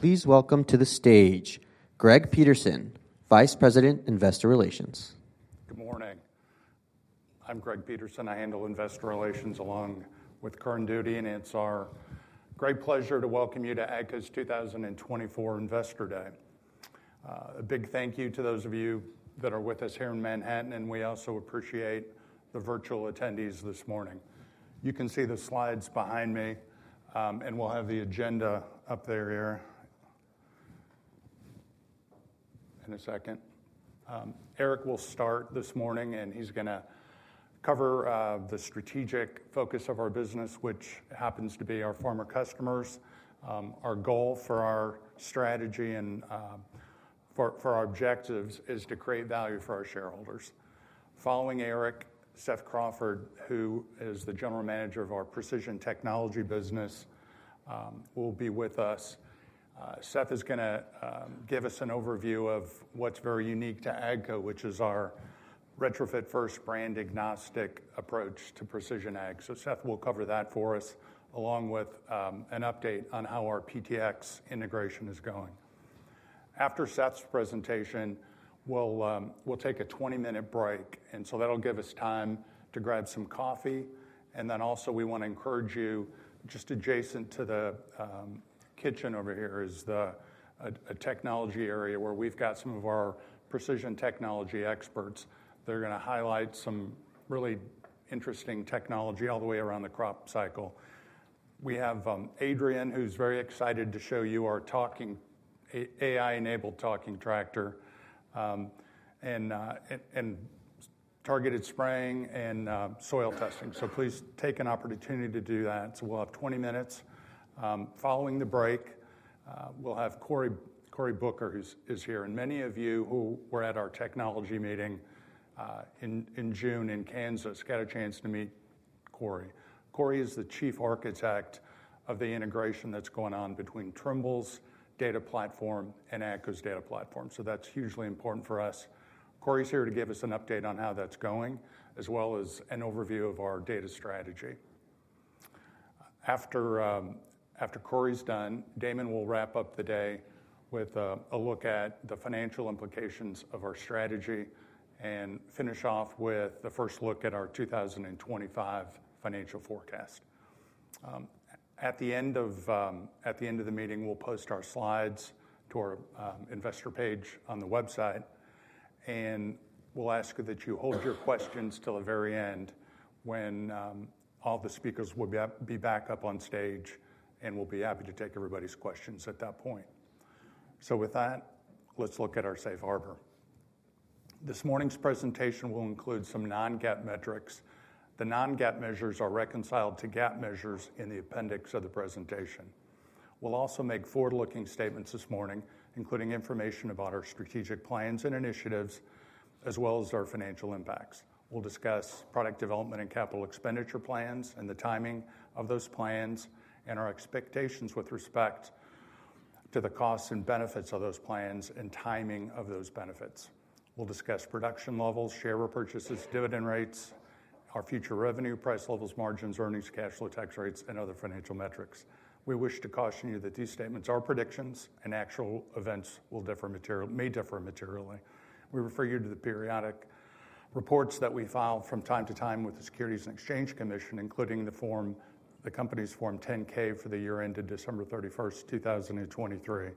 Please welcome to the stage Greg Peterson, Vice President, Investor Relations. Good morning. I'm Greg Peterson. I handle investor relations along with Kiran Dutt and ANSR. Great pleasure to welcome you to AGCO's 2024 Investor Day. A big thank you to those of you that are with us here in Manhattan, and we also appreciate the virtual attendees this morning. You can see the slides behind me, and we'll have the agenda up there here in a second. Eric will start this morning, and he's going to cover the strategic focus of our business, which happens to be for our customers. Our goal for our strategy and for our objectives is to create value for our shareholders. Following Eric, Seth Crawford, who is the general manager of our precision technology business, will be with us. Seth is going to give us an overview of what's very unique to AGCO, which is our retrofit-first, brand-agnostic approach to precision ag. So Seth will cover that for us, along with an update on how our PTx integration is going. After Seth's presentation, we'll take a 20-minute break, and so that'll give us time to grab some coffee. And then also, we want to encourage you. Just adjacent to the kitchen over here is a technology area where we've got some of our precision technology experts. They're going to highlight some really interesting technology all the way around the crop cycle. We have Adrian, who's very excited to show you our talking AI-enabled talking tractor and targeted spraying and soil testing. So please take an opportunity to do that. So we'll have 20 minutes. Following the break, we'll have Cory Buchs, who is here. And many of you who were at our technology meeting in June in Kansas got a chance to meet Cory Buchs. Corey is the chief architect of the integration that's going on between Trimble's data platform and AGCO's data platform. So that's hugely important for us. Corey's here to give us an update on how that's going, as well as an overview of our data strategy. After Corey's done, Damon will wrap up the day with a look at the financial implications of our strategy and finish off with the first look at our 2025 financial forecast. At the end of the meeting, we'll post our slides to our investor page on the website, and we'll ask that you hold your questions till the very end when all the speakers will be back up on stage, and we'll be happy to take everybody's questions at that point. So with that, let's look at our safe harbor. This morning's presentation will include some non-GAAP metrics. The non-GAAP measures are reconciled to GAAP measures in the appendix of the presentation. We'll also make forward-looking statements this morning, including information about our strategic plans and initiatives, as well as our financial impacts. We'll discuss product development and capital expenditure plans and the timing of those plans and our expectations with respect to the costs and benefits of those plans and timing of those benefits. We'll discuss production levels, share repurchases, dividend rates, our future revenue, price levels, margins, earnings, cash flow, tax rates, and other financial metrics. We wish to caution you that these statements are predictions, and actual events may differ materially. We refer you to the periodic reports that we file from time to time with the Securities and Exchange Commission, including the company's Form 10-K for the year ended December 31, 2023.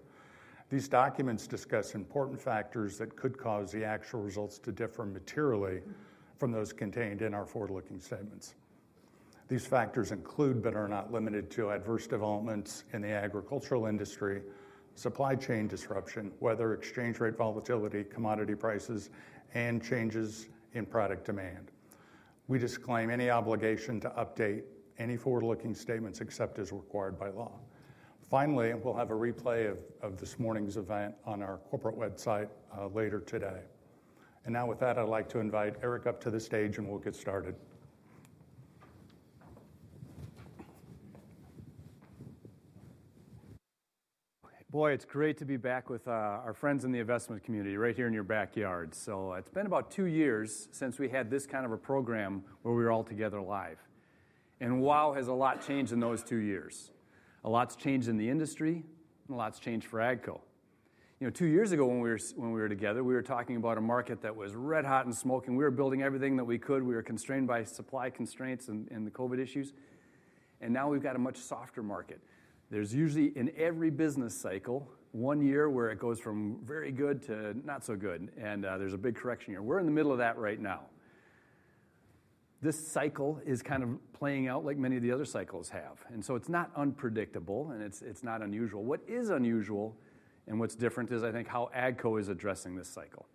These documents discuss important factors that could cause the actual results to differ materially from those contained in our forward-looking statements. These factors include, but are not limited to, adverse developments in the agricultural industry, supply chain disruption, weather, exchange rate volatility, commodity prices, and changes in product demand. We disclaim any obligation to update any forward-looking statements except as required by law. Finally, we'll have a replay of this morning's event on our corporate website later today. And now, with that, I'd like to invite Eric up to the stage, and we'll get started. Boy, it's great to be back with our friends in the investment community right here in your backyard. So it's been about two years since we had this kind of a program where we were all together live. And wow, has a lot changed in those two years. A lot's changed in the industry, and a lot's changed for AGCO. Two years ago, when we were together, we were talking about a market that was red hot and smoking. We were building everything that we could. We were constrained by supply constraints and the COVID issues. And now we've got a much softer market. There's usually, in every business cycle, one year where it goes from very good to not so good, and there's a big correction here. We're in the middle of that right now. This cycle is kind of playing out like many of the other cycles have. And so it's not unpredictable, and it's not unusual. What is unusual and what's different is, I think, how AGCO is addressing this cycle.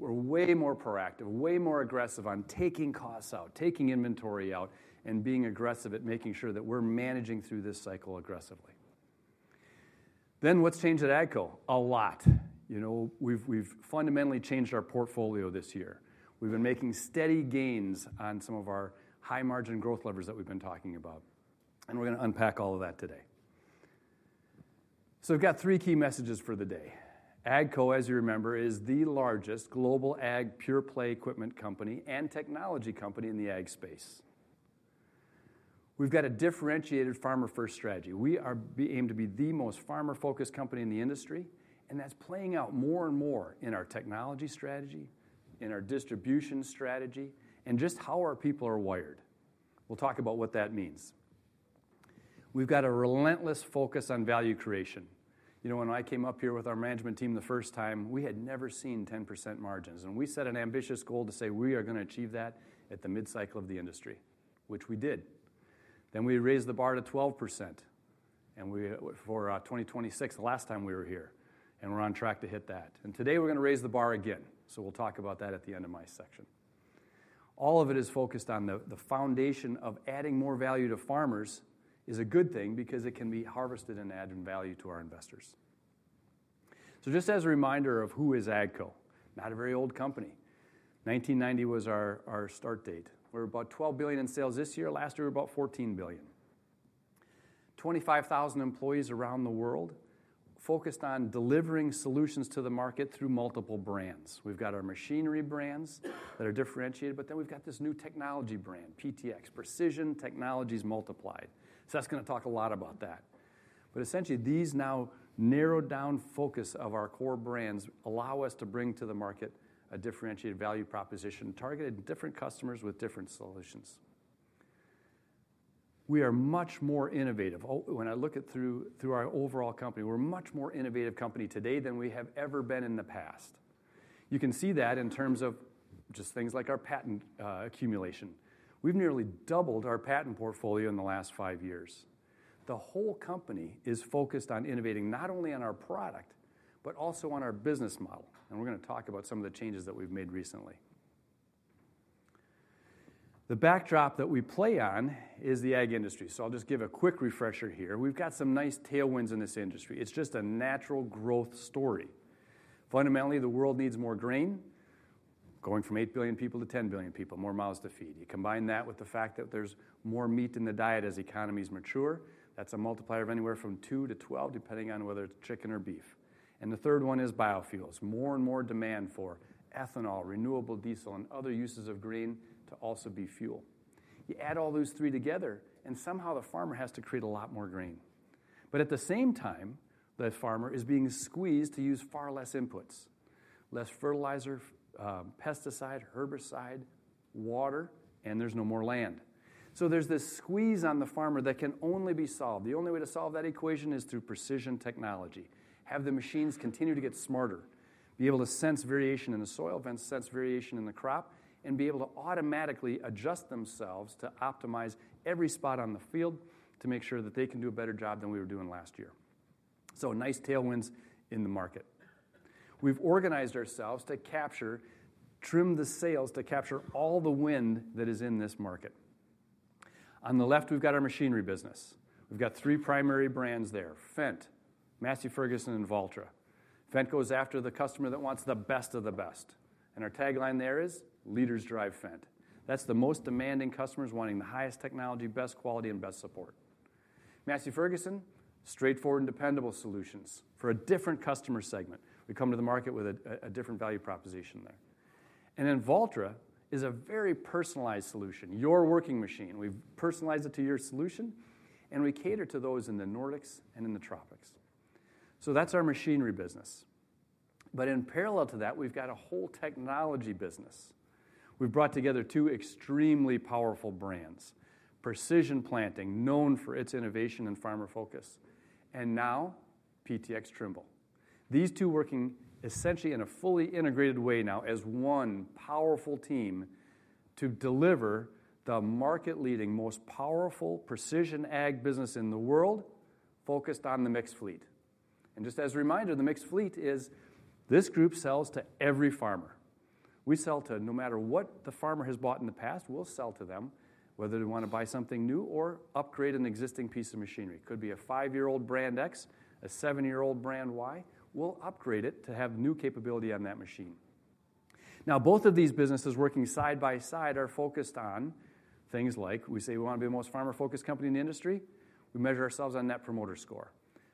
We're way more proactive, way more aggressive on taking costs out, taking inventory out, and being aggressive at making sure that we're managing through this cycle aggressively. Then what's changed at AGCO? A lot. We've fundamentally changed our portfolio this year. We've been making steady gains on some of our high-margin growth levers that we've been talking about, and we're going to unpack all of that today. So we've got three key messages for the day. AGCO, as you remember, is the largest global ag pure-play equipment company and technology company in the ag space. We've got a differentiated farmer-first strategy. We aim to be the most farmer-focused company in the industry, and that's playing out more and more in our technology strategy, in our distribution strategy, and just how our people are wired. We'll talk about what that means. We've got a relentless focus on value creation. When I came up here with our management team the first time, we had never seen 10% margins, and we set an ambitious goal to say we are going to achieve that at the mid-cycle of the industry, which we did, then we raised the bar to 12% for 2026, the last time we were here, and we're on track to hit that, and today we're going to raise the bar again, so we'll talk about that at the end of my section. All of it is focused on the foundation of adding more value to farmers, is a good thing because it can be harvested and added value to our investors. So just as a reminder of who is AGCO, not a very old company. 1990 was our start date. We're about $12 billion in sales this year. Last year, we were about $14 billion. 25,000 employees around the world focused on delivering solutions to the market through multiple brands. We've got our machinery brands that are differentiated, but then we've got this new technology brand, PTx, Precision Technologies multiplied. So that's going to talk a lot about that. But essentially, these now narrowed-down focus of our core brands allow us to bring to the market a differentiated value proposition targeted at different customers with different solutions. We are much more innovative. When I look through our overall company, we're a much more innovative company today than we have ever been in the past. You can see that in terms of just things like our patent accumulation. We've nearly doubled our patent portfolio in the last five years. The whole company is focused on innovating not only on our product, but also on our business model. We're going to talk about some of the changes that we've made recently. The backdrop that we play on is the ag industry. So I'll just give a quick refresher here. We've got some nice tailwinds in this industry. It's just a natural growth story. Fundamentally, the world needs more grain, going from 8 billion people to 10 billion people, more mouths to feed. You combine that with the fact that there's more meat in the diet as economies mature, that's a multiplier of anywhere from 2-12, depending on whether it's chicken or beef. And the third one is biofuels. More and more demand for ethanol, renewable diesel, and other uses of grain to also be fuel. You add all those three together, and somehow the farmer has to create a lot more grain. But at the same time, the farmer is being squeezed to use far less inputs: less fertilizer, pesticide, herbicide, water, and there's no more land. So there's this squeeze on the farmer that can only be solved. The only way to solve that equation is through precision technology. Have the machines continue to get smarter, be able to sense variation in the soil, then sense variation in the crop, and be able to automatically adjust themselves to optimize every spot on the field to make sure that they can do a better job than we were doing last year, so nice tailwinds in the market. We've organized ourselves to capture, train the sales to capture all the wind that is in this market. On the left, we've got our machinery business. We've got three primary brands there: Fendt, Massey Ferguson, and Valtra. Fendt goes after the customer that wants the best of the best, and our tagline there is, "Leaders drive Fendt." That's the most demanding customers wanting the highest technology, best quality, and best support. Massey Ferguson, straightforward and dependable solutions for a different customer segment. We come to the market with a different value proposition there. And then Valtra is a very personalized solution, your working machine. We've personalized it to your solution, and we cater to those in the Nordics and in the tropics. So that's our machinery business. But in parallel to that, we've got a whole technology business. We've brought together two extremely powerful brands: Precision Planting, known for its innovation and farmer focus, and now PTx Trimble. These two working essentially in a fully integrated way now as one powerful team to deliver the market-leading, most powerful precision ag business in the world focused on the mixed fleet. And just as a reminder, the mixed fleet is. This group sells to every farmer. We sell to no matter what the farmer has bought in the past, we'll sell to them, whether they want to buy something new or upgrade an existing piece of machinery. It could be a five-year-old brand X, a seven-year-old brand Y. We'll upgrade it to have new capability on that machine. Now, both of these businesses working side by side are focused on things like we say we want to be the most farmer-focused company in the industry. We measure ourselves on that promoter score,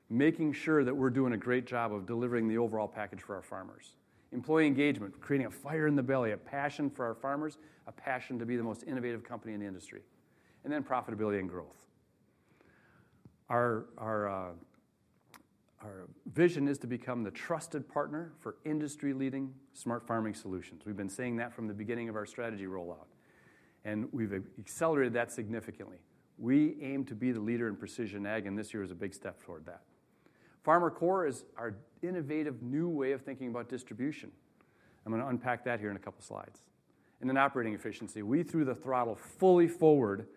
making sure that we're doing a great job of delivering the overall package for our farmers. Employee engagement, creating a fire in the belly, a passion for our farmers, a passion to be the most innovative company in the industry, and then profitability and growth. Our vision is to become the trusted partner for industry-leading smart farming solutions. We've been saying that from the beginning of our strategy rollout, and we've accelerated that significantly. We aim to be the leader in precision ag, and this year is a big step toward that. FarmerCore is our innovative new way of thinking about distribution. I'm going to unpack that here in a couple of slides. And then operating efficiency. We threw the throttle fully forward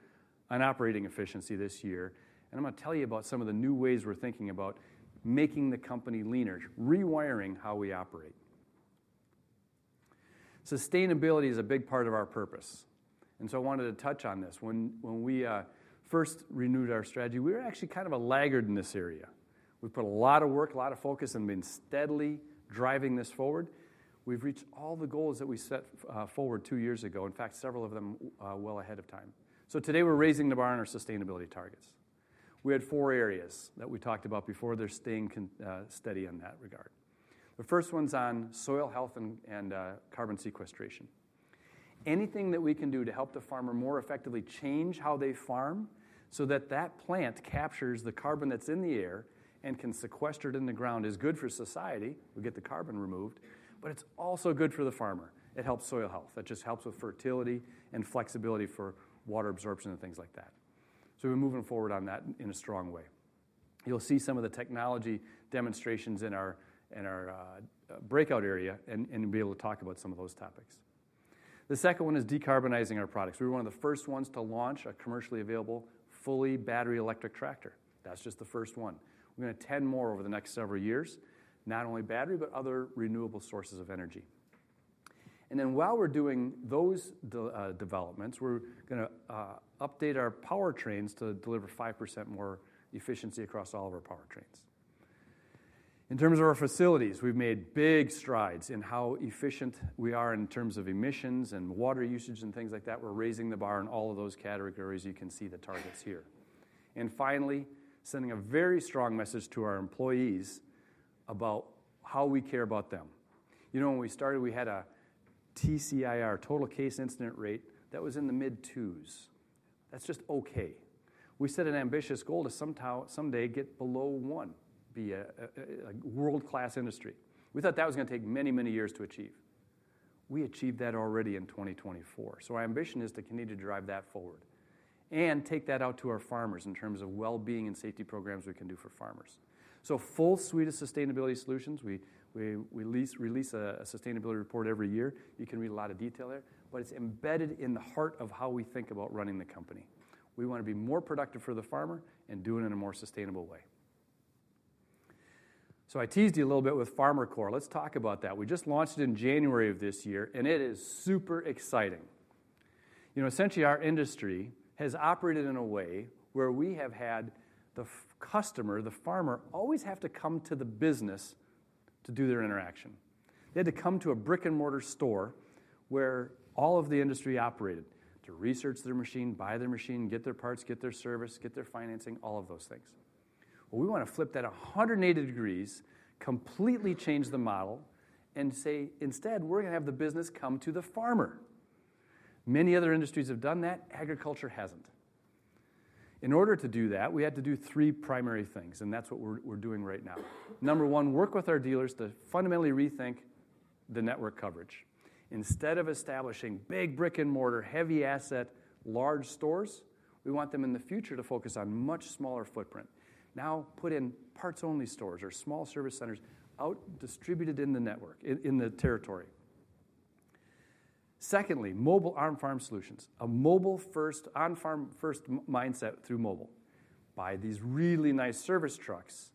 on operating efficiency this year. And I'm going to tell you about some of the new ways we're thinking about making the company leaner, rewiring how we operate. Sustainability is a big part of our purpose. And so I wanted to touch on this. When we first renewed our strategy, we were actually kind of a laggard in this area. We put a lot of work, a lot of focus in being steadily driving this forward. We've reached all the goals that we set forward two years ago, in fact, several of them well ahead of time. So today we're raising the bar on our sustainability targets. We had four areas that we talked about before. They're staying steady in that regard. The first one's on soil health and carbon sequestration. Anything that we can do to help the farmer more effectively change how they farm so that that plant captures the carbon that's in the air and can sequester it in the ground is good for society. We get the carbon removed, but it's also good for the farmer. It helps soil health. That just helps with fertility and flexibility for water absorption and things like that. So we're moving forward on that in a strong way. You'll see some of the technology demonstrations in our breakout area and be able to talk about some of those topics. The second one is decarbonizing our products. We were one of the first ones to launch a commercially available fully battery electric tractor. That's just the first one. We're going to attend more over the next several years, not only battery, but other renewable sources of energy, and then while we're doing those developments, we're going to update our power trains to deliver 5% more efficiency across all of our power trains. In terms of our facilities, we've made big strides in how efficient we are in terms of emissions and water usage and things like that. We're raising the bar in all of those categories. You can see the targets here, and finally, sending a very strong message to our employees about how we care about them. You know, when we started, we had a TCIR, total case incident rate, that was in the mid-twos. That's just okay. We set an ambitious goal to someday get below one, be a world-class industry. We thought that was going to take many, many years to achieve. We achieved that already in 2024, so our ambition is to continue to drive that forward and take that out to our farmers in terms of well-being and safety programs we can do for farmers, so full suite of sustainability solutions. We release a sustainability report every year. You can read a lot of detail there, but it's embedded in the heart of how we think about running the company. We want to be more productive for the farmer and do it in a more sustainable way, so I teased you a little bit with FarmerCore. Let's talk about that. We just launched it in January of this year, and it is super exciting. Essentially, our industry has operated in a way where we have had the customer, the farmer, always have to come to the business to do their interaction. They had to come to a brick-and-mortar store where all of the industry operated to research their machine, buy their machine, get their parts, get their service, get their financing, all of those things. Well, we want to flip that 180 degrees, completely change the model, and say, instead, we're going to have the business come to the farmer. Many other industries have done that. Agriculture hasn't. In order to do that, we had to do three primary things, and that's what we're doing right now. Number one, work with our dealers to fundamentally rethink the network coverage. Instead of establishing big brick-and-mortar, heavy asset, large stores, we want them in the future to focus on much smaller footprint. Now put in parts-only stores or small service centers out distributed in the network, in the territory. Secondly, mobile on-farm solutions, a mobile-first, on-farm-first mindset through mobile. Buy these really nice service trucks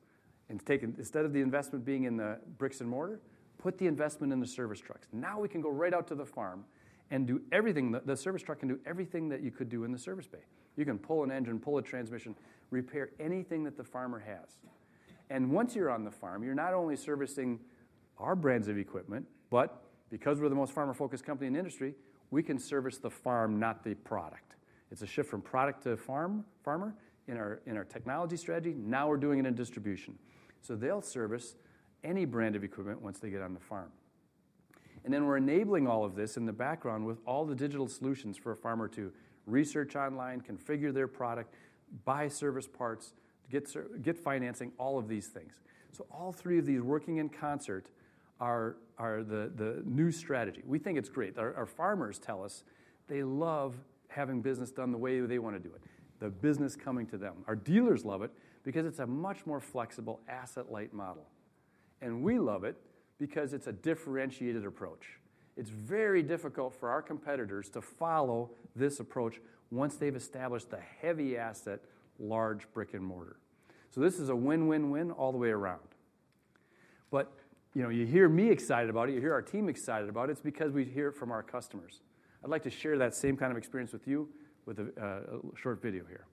and take it instead of the investment being in the bricks and mortar, put the investment in the service trucks. Now we can go right out to the farm and do everything. The service truck can do everything that you could do in the service bay. You can pull an engine, pull a transmission, repair anything that the farmer has, and once you're on the farm, you're not only servicing our brands of equipment, but because we're the most farmer-focused company in the industry, we can service the farm, not the product. It's a shift from product to farmer in our technology strategy. Now we're doing it in distribution, so they'll service any brand of equipment once they get on the farm. And then we're enabling all of this in the background with all the digital solutions for a farmer to research online, configure their product, buy service parts, get financing, all of these things. So all three of these working in concert are the new strategy. We think it's great. Our farmers tell us they love having business done the way they want to do it, the business coming to them. Our dealers love it because it's a much more flexible, asset-light model. And we love it because it's a differentiated approach. It's very difficult for our competitors to follow this approach once they've established the heavy asset, large brick-and-mortar. So this is a win-win-win all the way around. But you hear me excited about it. You hear our team excited about it. It's because we hear it from our customers. I'd like to share that same kind of experience with you with a short video here.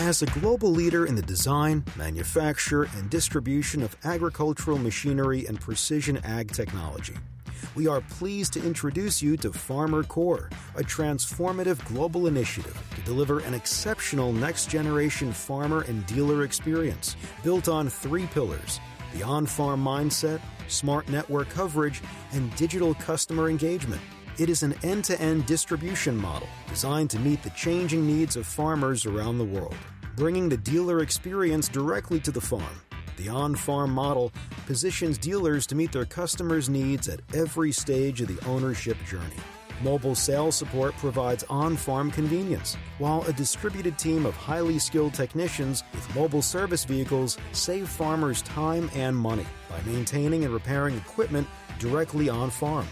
As a global leader in the design, manufacture, and distribution of agricultural machinery and precision ag technology, we are pleased to introduce you to FarmerCore, a transformative global initiative to deliver an exceptional Next-generation farmer and dealer experience built on three pillars: the on-farm mindset, smart network coverage, and digital customer engagement. It is an end-to-end distribution model designed to meet the changing needs of farmers around the world, bringing the dealer experience directly to the farm. The on-farm model positions dealers to meet their customers' needs at every stage of the ownership journey. Mobile sales support provides on-farm convenience, while a distributed team of highly skilled technicians with mobile service vehicles saves farmers time and money by maintaining and repairing equipment directly on-farm.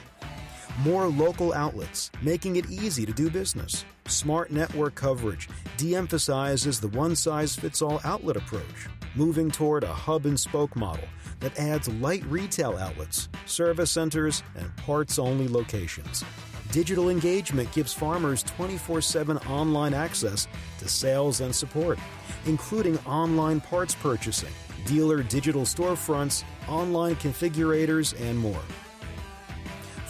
More local outlets make it easy to do business. Smart network coverage de-emphasizes the one-size-fits-all outlet approach, moving toward a hub-and-spoke model that adds light retail outlets, service centers, and parts-only locations. Digital engagement gives farmers 24/7 online access to sales and support, including online parts purchasing, dealer digital storefronts, online configurators, and more.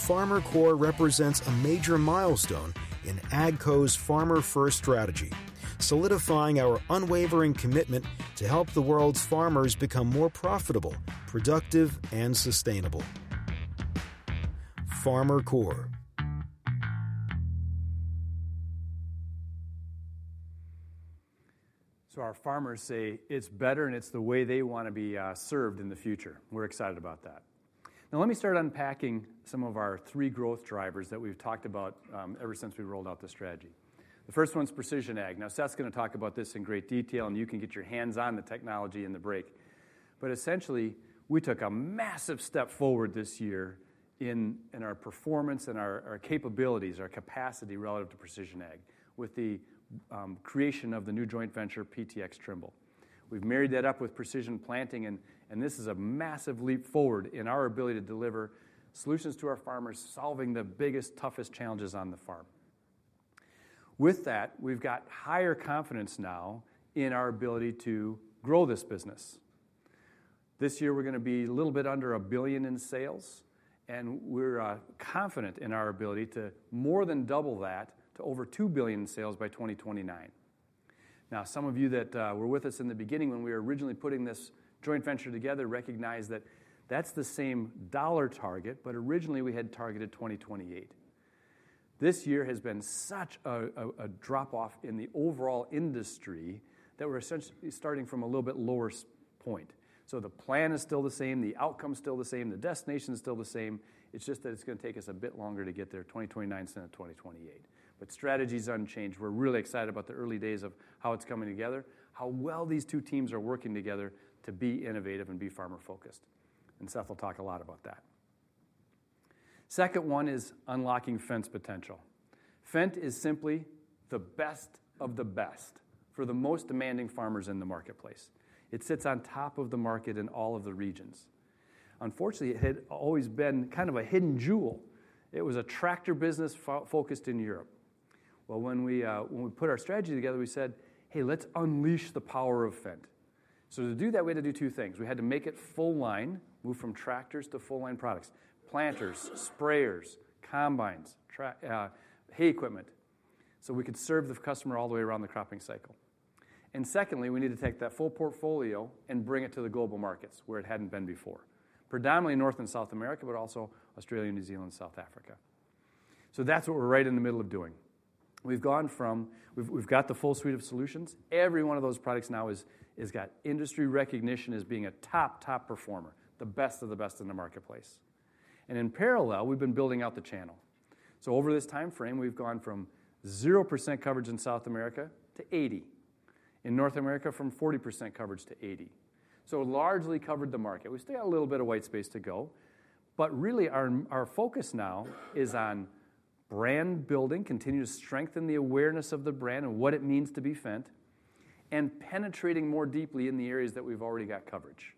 FarmerCore represents a major milestone in AGCO's Farmer-First strategy, solidifying our unwavering commitment to help the world's farmers become more profitable, productive, and sustainable. FarmerCore. So our farmers say it's better, and it's the way they want to be served in the future. We're excited about that. Now, let me start unpacking some of our three growth drivers that we've talked about ever since we rolled out the strategy. The first one's precision ag. Now, Seth's going to talk about this in great detail, and you can get your hands on the technology and the break. But essentially, we took a massive step forward this year in our performance and our capabilities, our capacity relative to Precision Ag with the creation of the new joint venture, PTx Trimble. We've married that up with Precision Planting, and this is a massive leap forward in our ability to deliver solutions to our farmers, solving the biggest, toughest challenges on the farm. With that, we've got higher confidence now in our ability to grow this business. This year, we're going to be a little bit under $1 billion in sales, and we're confident in our ability to more than double that to over $2 billion in sales by 2029. Now, some of you that were with us in the beginning when we were originally putting this joint venture together recognize that that's the same dollar target, but originally we had targeted 2028. This year has been such a drop-off in the overall industry that we're essentially starting from a little bit lower point. So the plan is still the same. The outcome is still the same. The destination is still the same. It's just that it's going to take us a bit longer to get there, 2029 instead of 2028. But strategy is unchanged. We're really excited about the early days of how it's coming together, how well these two teams are working together to be innovative and be farmer-focused. And Seth will talk a lot about that. Second one is unlocking Fendt's potential. Fendt is simply the best of the best for the most demanding farmers in the marketplace. It sits on top of the market in all of the regions. Unfortunately, it had always been kind of a hidden jewel. It was a tractor business focused in Europe. When we put our strategy together, we said, "Hey, let's unleash the power of Fendt." So to do that, we had to do two things. We had to make it full-line, move from tractors to full-line products, planters, sprayers, combines, hay equipment, so we could serve the customer all the way around the cropping cycle. And secondly, we need to take that full portfolio and bring it to the global markets where it hadn't been before, predominantly North and South America, but also Australia, New Zealand, South Africa. So that's what we're right in the middle of doing. We've got the full suite of solutions. Every one of those products now has got industry recognition as being a top, top performer, the best of the best in the marketplace. And in parallel, we've been building out the channel. Over this timeframe, we've gone from 0% coverage in South America to 80%, in North America from 40% coverage to 80%. So it largely covered the market. We still have a little bit of white space to go. But really, our focus now is on brand building, continuing to strengthen the awareness of the brand and what it means to be Fendt, and penetrating more deeply in the areas that we've already got coverage,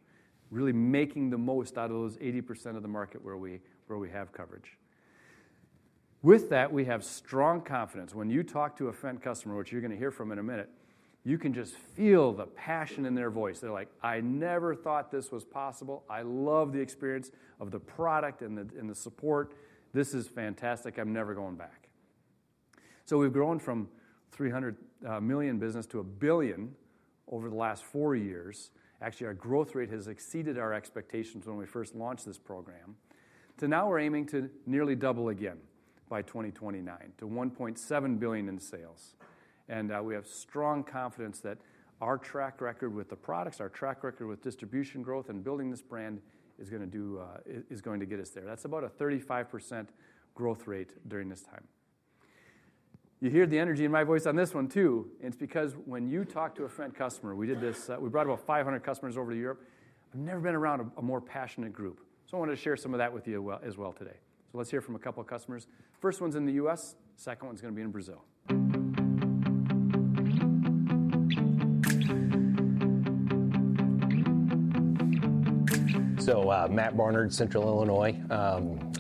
really making the most out of those 80% of the market where we have coverage. With that, we have strong confidence. When you talk to a Fendt customer, which you're going to hear from in a minute, you can just feel the passion in their voice. They're like, "I never thought this was possible. I love the experience of the product and the support. This is fantastic. I'm never going back." So we've grown from a $300 million business to $1 billion over the last four years. Actually, our growth rate has exceeded our expectations when we first launched this program. Up to now, we're aiming to nearly double again by 2029 to $1.7 billion in sales. And we have strong confidence that our track record with the products, our track record with distribution growth and building this brand is going to get us there. That's about a 35% growth rate during this time. You hear the energy in my voice on this one too. It's because when you talk to a Fendt customer, we did this. We brought about 500 customers over to Europe. I've never been around a more passionate group. So I wanted to share some of that with you as well today. So let's hear from a couple of customers. First one's in the U.S. Second one's going to be in Brazil. So Matt Barnard, Central Illinois.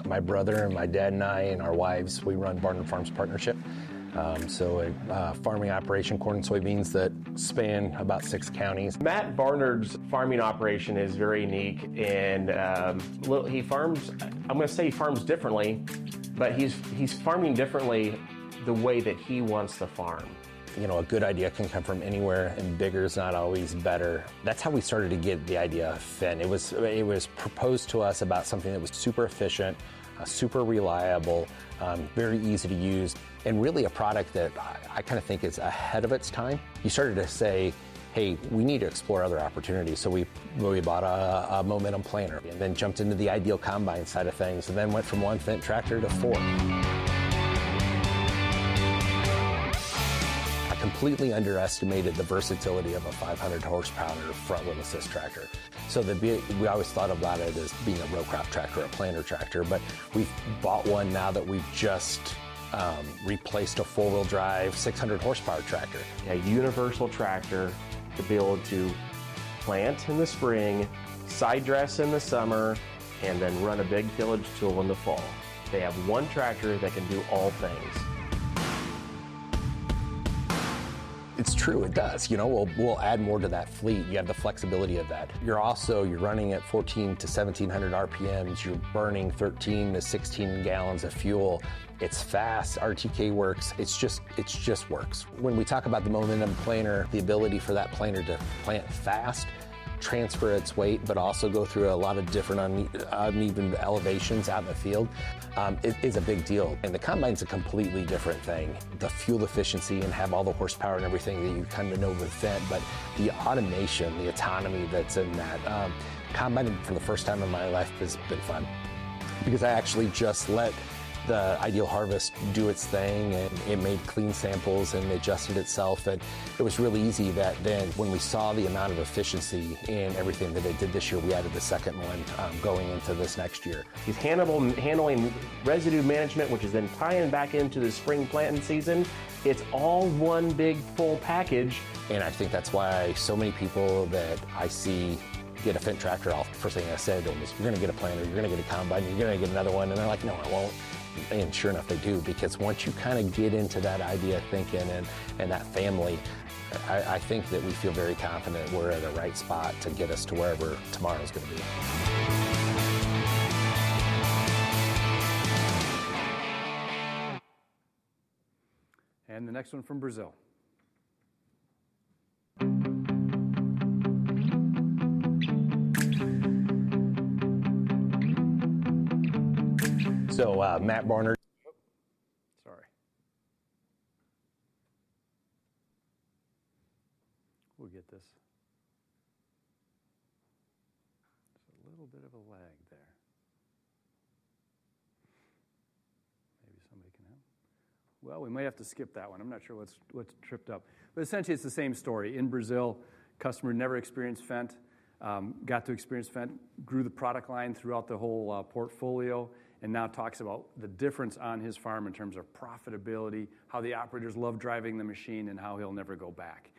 My brother and my dad and I and our wives, we run Barnard Farms Partnership. So a farming operation, corn and soybeans that span about six counties. Matt Barnard's farming operation is very unique. And he farms. I'm going to say he farms differently, but he's farming differently the way that he wants the farm. A good idea can come from anywhere, and bigger is not always better. That's how we started to get the idea of Fendt. It was proposed to us about something that was super efficient, super reliable, very easy to use, and really a product that I kind of think is ahead of its time. He started to say, "Hey, we need to explore other opportunities." So we bought a Momentum planter and then jumped into the IDEAL combine side of things and then went from one Fendt tractor to four. I completely underestimated the versatility of a 500-horsepower front-wheel assist tractor. So we always thought about it as being a row crop tractor, a planter tractor, but we've bought one now that we've just replaced a four-wheel drive 600-horsepower tractor. A universal tractor to be able to plant in the spring, side dress in the summer, and then run a big tillage tool in the fall. They have one tractor that can do all things. It's true. It does. We'll add more to that fleet. You have the flexibility of that. You're also running at 14-1700 RPMs. You're burning 13 to 16 gallons of fuel. It's fast. RTK works. It just works. When we talk about the Momentum planter, the ability for that planter to plant fast, transfer its weight, but also go through a lot of different uneven elevations out in the field is a big deal. And the combine's a completely different thing. The fuel efficiency and have all the horsepower and everything that you kind of know with Fendt, but the automation, the autonomy that's in that combine for the first time in my life has been fun because I actually just let the Fendt IDEAL do its thing, and it made clean samples and adjusted itself. And it was really easy that then when we saw the amount of efficiency in everything that it did this year, we added the second one going into this next year. He's handling residue management, which is then tying back into the spring planting season. It's all one big full package. I think that's why so many people that I see get a Fendt tractor, often the first thing I say to them is, "You're going to get a planter. You're going to get a combine. You're going to get another one." And they're like, "No, I won't." And sure enough, they do because once you kind of get into that idea thinking and that family, I think that we feel very confident we're at a right spot to get us to wherever tomorrow's going to be. And the next one from Brazil. So Matt Barnard. Sorry. We'll get this. There's a little bit of a lag there. Maybe somebody can help. Well, we might have to skip that one. I'm not sure what's tripped up. But essentially, it's the same story. In Brazil, customer never experienced Fendt. Got to experience Fendt. Grew the product line throughout the whole portfolio and now talks about the difference on his farm in terms of profitability, how the operators love driving the machine, and how he'll never go back.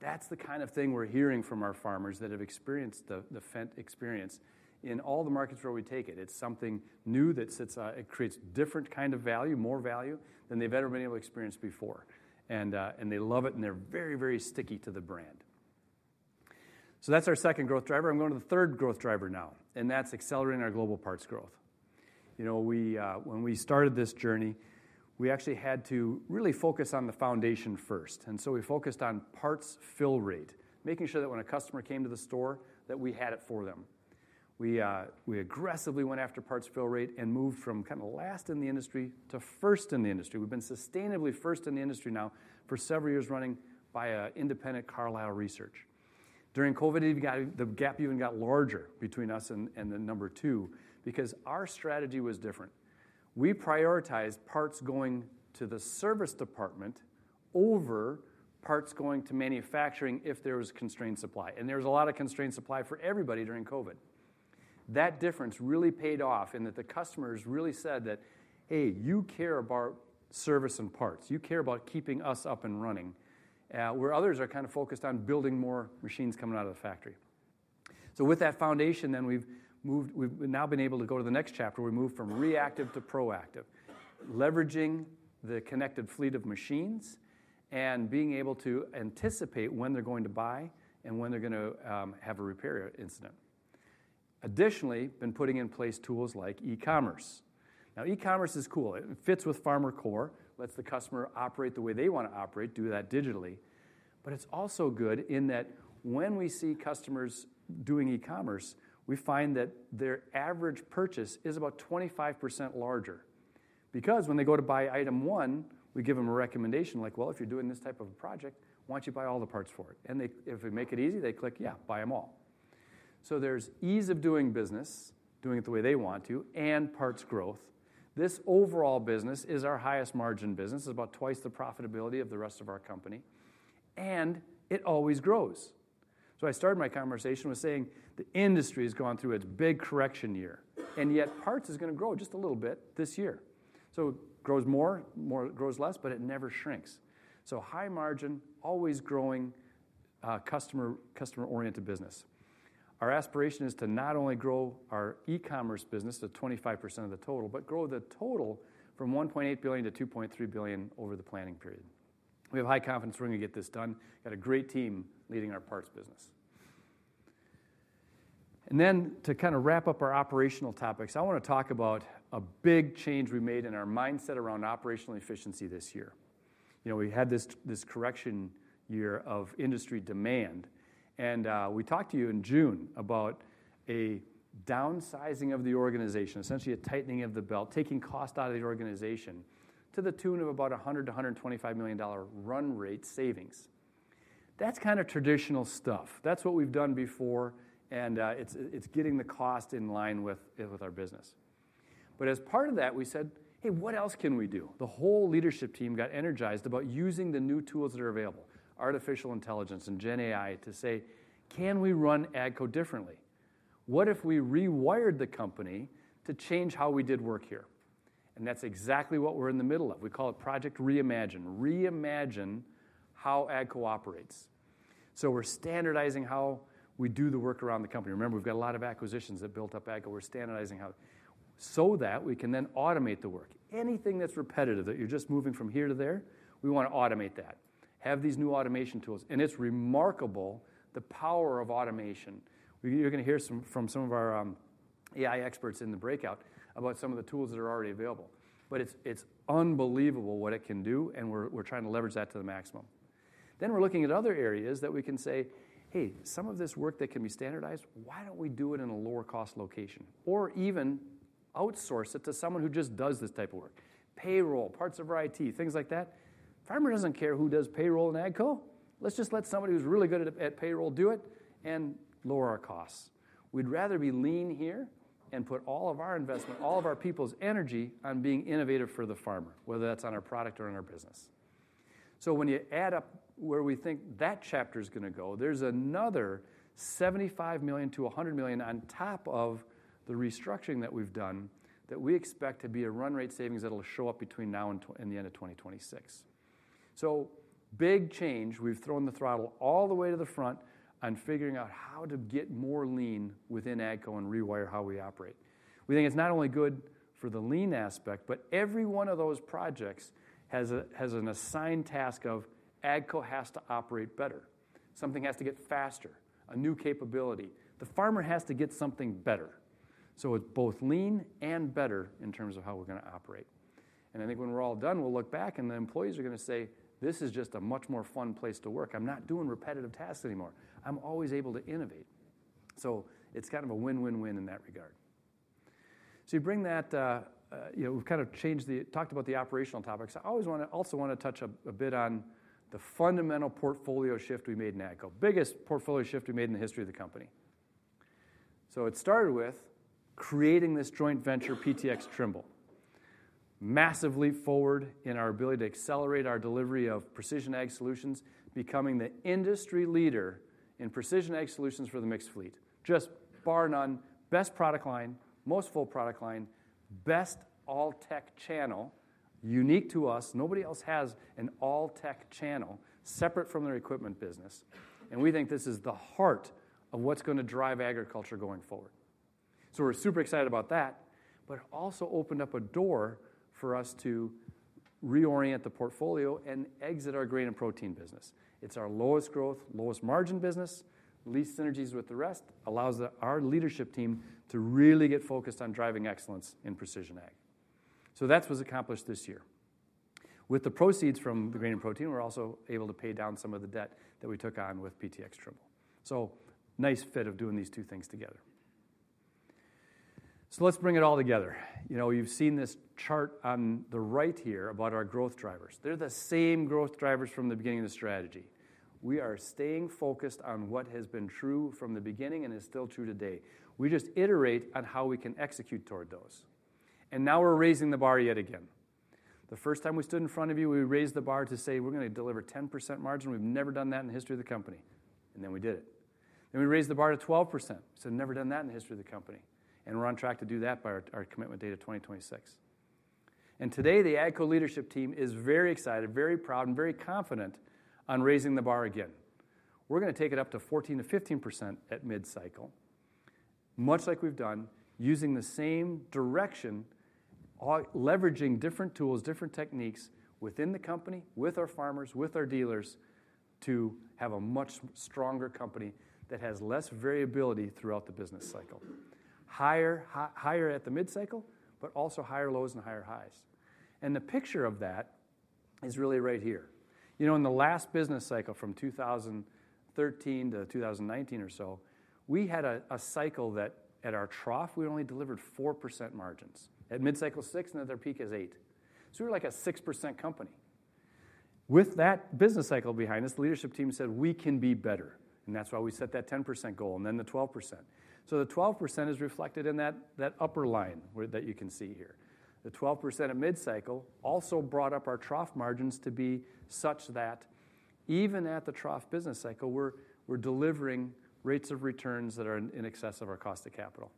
That's the kind of thing we're hearing from our farmers that have experienced the Fendt experience. In all the markets where we take it, it's something new that creates a different kind of value, more value than they've ever been able to experience before, and they love it, and they're very, very sticky to the brand, so that's our second growth driver. I'm going to the third growth driver now, and that's accelerating our global parts growth. When we started this journey, we actually had to really focus on the foundation first, and so we focused on parts fill rate, making sure that when a customer came to the store, that we had it for them. We aggressively went after parts fill rate and moved from kind of last in the industry to first in the industry. We've been sustainably first in the industry now for several years running by an independent Carlisle research. During COVID, the gap even got larger between us and the number two because our strategy was different. We prioritized parts going to the service department over parts going to manufacturing if there was constrained supply. And there was a lot of constrained supply for everybody during COVID. That difference really paid off in that the customers really said that, "Hey, you care about service and parts. You care about keeping us up and running," where others are kind of focused on building more machines coming out of the factory. So with that foundation, then we've now been able to go to the next chapter. We moved from reactive to proactive, leveraging the connected fleet of machines and being able to anticipate when they're going to buy and when they're going to have a repair incident. Additionally, been putting in place tools like e-commerce. Now, e-commerce is cool. It fits with FarmerCore. It lets the customer operate the way they want to operate, do that digitally. But it's also good in that when we see customers doing e-commerce, we find that their average purchase is about 25% larger because when they go to buy item one, we give them a recommendation like, "Well, if you're doing this type of a project, why don't you buy all the parts for it?" And if we make it easy, they click, "Yeah, buy them all." So there's ease of doing business, doing it the way they want to, and parts growth. This overall business is our highest margin business. It's about twice the profitability of the rest of our company, and it always grows, so I started my conversation with saying the industry has gone through its big correction year, and yet parts is going to grow just a little bit this year, so it grows more, grows less, but it never shrinks, so high margin, always growing customer-oriented business. Our aspiration is to not only grow our e-commerce business to 25% of the total, but grow the total from $1.8 billion to $2.3 billion over the planning period. We have high confidence we're going to get this done. We've got a great team leading our parts business, and then to kind of wrap up our operational topics, I want to talk about a big change we made in our mindset around operational efficiency this year. We had this correction year of industry demand, and we talked to you in June about a downsizing of the organization, essentially a tightening of the belt, taking cost out of the organization to the tune of about $100 to $125 million run rate savings. That's kind of traditional stuff. That's what we've done before, and it's getting the cost in line with our business. But as part of that, we said, "Hey, what else can we do?" The whole leadership team got energized about using the new tools that are available, artificial intelligence and GenAI, to say, "Can we run AGCO differently? What if we rewired the company to change how we did work here?" And that's exactly what we're in the middle of. We call it Project Reimagine. Reimagine how AGCO operates. So we're standardizing how we do the work around the company. Remember, we've got a lot of acquisitions that built up AGCO. We're standardizing how so that we can then automate the work. Anything that's repetitive that you're just moving from here to there, we want to automate that, have these new automation tools, and it's remarkable the power of automation. You're going to hear from some of our AI experts in the breakout about some of the tools that are already available, but it's unbelievable what it can do, and we're trying to leverage that to the maximum, then we're looking at other areas that we can say, "Hey, some of this work that can be standardized, why don't we do it in a lower-cost location or even outsource it to someone who just does this type of work?" Payroll, parts of our IT, things like that. Farmer doesn't care who does payroll in AGCO. Let's just let somebody who's really good at payroll do it and lower our costs. We'd rather be lean here and put all of our investment, all of our people's energy on being innovative for the farmer, whether that's on our product or in our business. So when you add up where we think that chapter is going to go, there's another $75 million to $100 million on top of the restructuring that we've done that we expect to be a run rate savings that'll show up between now and the end of 2026. So big change. We've thrown the throttle all the way to the front on figuring out how to get more lean within AGCO and rewire how we operate. We think it's not only good for the lean aspect, but every one of those projects has an assigned task of AGCO has to operate better. Something has to get faster, a new capability. The farmer has to get something better. So it's both lean and better in terms of how we're going to operate. And I think when we're all done, we'll look back, and the employees are going to say, "This is just a much more fun place to work. I'm not doing repetitive tasks anymore. I'm always able to innovate." So it's kind of a win-win-win in that regard. So you bring that we've kind of talked about the operational topics. I also want to touch a bit on the fundamental portfolio shift we made in AGCO, biggest portfolio shift we made in the history of the company. So it started with creating this joint venture, PTx Trimble. Massive leap forward in our ability to accelerate our delivery of precision ag solutions, becoming the industry leader in precision ag solutions for the mixed fleet. Just bar none, best product line, most full product line, best all-tech channel, unique to us. Nobody else has an all-tech channel separate from their equipment business. And we think this is the heart of what's going to drive agriculture going forward. So we're super excited about that, but it also opened up a door for us to reorient the portfolio and exit our Grain & Protein business. It's our lowest growth, lowest margin business, least synergies with the rest, allows our leadership team to really get focused on driving excellence in precision ag. So that was accomplished this year. With the proceeds from the Grain & Protein, we're also able to pay down some of the debt that we took on with PTx Trimble. So nice fit of doing these two things together. So let's bring it all together. You've seen this chart on the right here about our growth drivers. They're the same growth drivers from the beginning of the strategy. We are staying focused on what has been true from the beginning and is still true today. We just iterate on how we can execute toward those. And now we're raising the bar yet again. The first time we stood in front of you, we raised the bar to say, "We're going to deliver 10% margin. We've never done that in the history of the company." And then we did it. Then we raised the bar to 12%. We said, "We've never done that in the history of the company." And we're on track to do that by our commitment date of 2026. And today, the AGCO leadership team is very excited, very proud, and very confident on raising the bar again. We're going to take it up to 14% to 15% at mid-cycle, much like we've done using the same direction, leveraging different tools, different techniques within the company, with our farmers, with our dealers to have a much stronger company that has less variability throughout the business cycle. Higher at the mid-cycle, but also higher lows and higher highs. And the picture of that is really right here. In the last business cycle from 2013 to 2019 or so, we had a cycle that at our trough, we only delivered 4% margins. At mid-cycle 6%, and at their peak 8%. So we were like a 6% company. With that business cycle behind us, the leadership team said, "We can be better." And that's why we set that 10% goal and then the 12%. So the 12% is reflected in that upper line that you can see here. The 12% at mid-cycle also brought up our trough margins to be such that even at the trough business cycle, we're delivering rates of returns that are in excess of our cost of capital.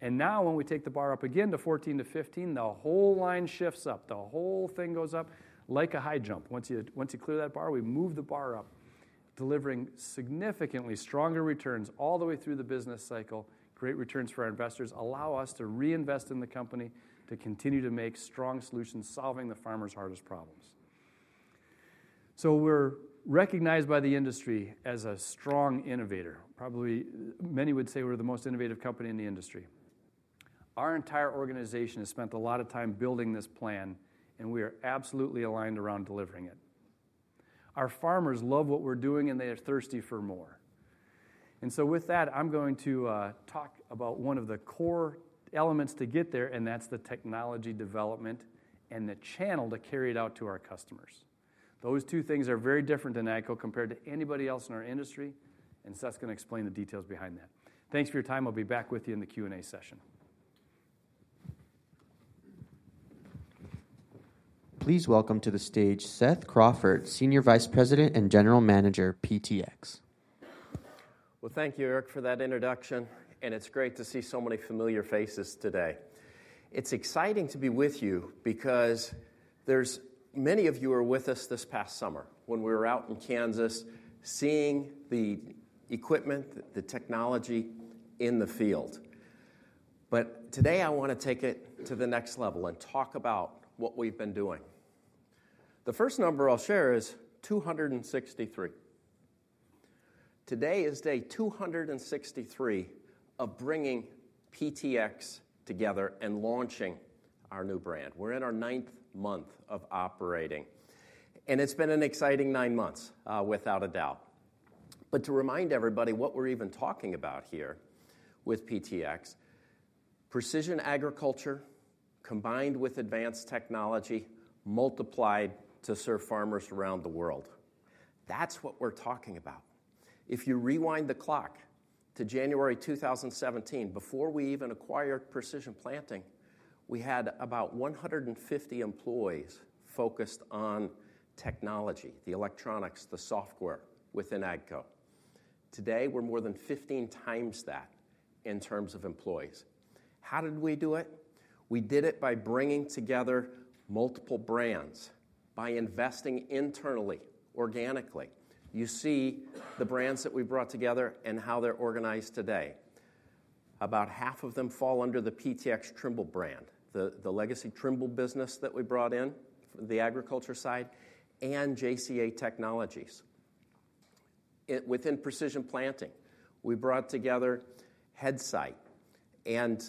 And now when we take the bar up again to 14% to 15%, the whole line shifts up. The whole thing goes up like a high jump. Once you clear that bar, we move the bar up, delivering significantly stronger returns all the way through the business cycle. Great returns for our investors allow us to reinvest in the company to continue to make strong solutions solving the farmer's hardest problems. So we're recognized by the industry as a strong innovator. Probably many would say we're the most innovative company in the industry. Our entire organization has spent a lot of time building this plan, and we are absolutely aligned around delivering it. Our farmers love what we're doing, and they are thirsty for more and so with that, I'm going to talk about one of the core elements to get there, and that's the technology development and the channel to carry it out to our customers. Those two things are very different in AGCO compared to anybody else in our industry, and Seth's going to explain the details behind that. Thanks for your time. I'll be back with you in the Q&A session. Please welcome to the stage Seth Crawford, Senior Vice President and General Manager, PTx. Thank you, Eric, for that introduction. It's great to see so many familiar faces today. It's exciting to be with you because many of you were with us this past summer when we were out in Kansas seeing the equipment, the technology in the field. Today, I want to take it to the next level and talk about what we've been doing. The first number I'll share is 263. Today is day 263 of bringing PTx together and launching our new brand. We're in our ninth month of operating. It's been an exciting nine months, without a doubt. To remind everybody what we're even talking about here with PTx, precision agriculture combined with advanced technology multiplied to serve farmers around the world. That's what we're talking about. If you rewind the clock to January 2017, before we even acquired Precision Planting, we had about 150 employees focused on technology, the electronics, the software within AGCO. Today, we're more than 15 times that in terms of employees. How did we do it? We did it by bringing together multiple brands, by investing internally, organically. You see the brands that we brought together and how they're organized today. About half of them fall under the PTx Trimble brand, the legacy Trimble business that we brought in for the agriculture side and JCA Technologies. Within Precision Planting, we brought together Headsight and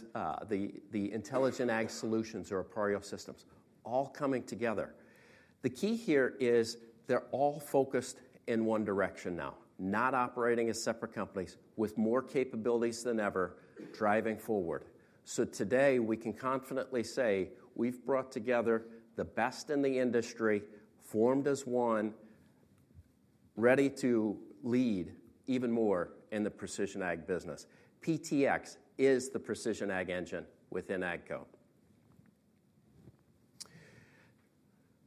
the Intelligent Ag Solutions or Appareo Systems, all coming together. The key here is they're all focused in one direction now, not operating as separate companies with more capabilities than ever, driving forward. So today, we can confidently say we've brought together the best in the industry, formed as one, ready to lead even more in the precision ag business. PTx is the precision ag engine within AGCO.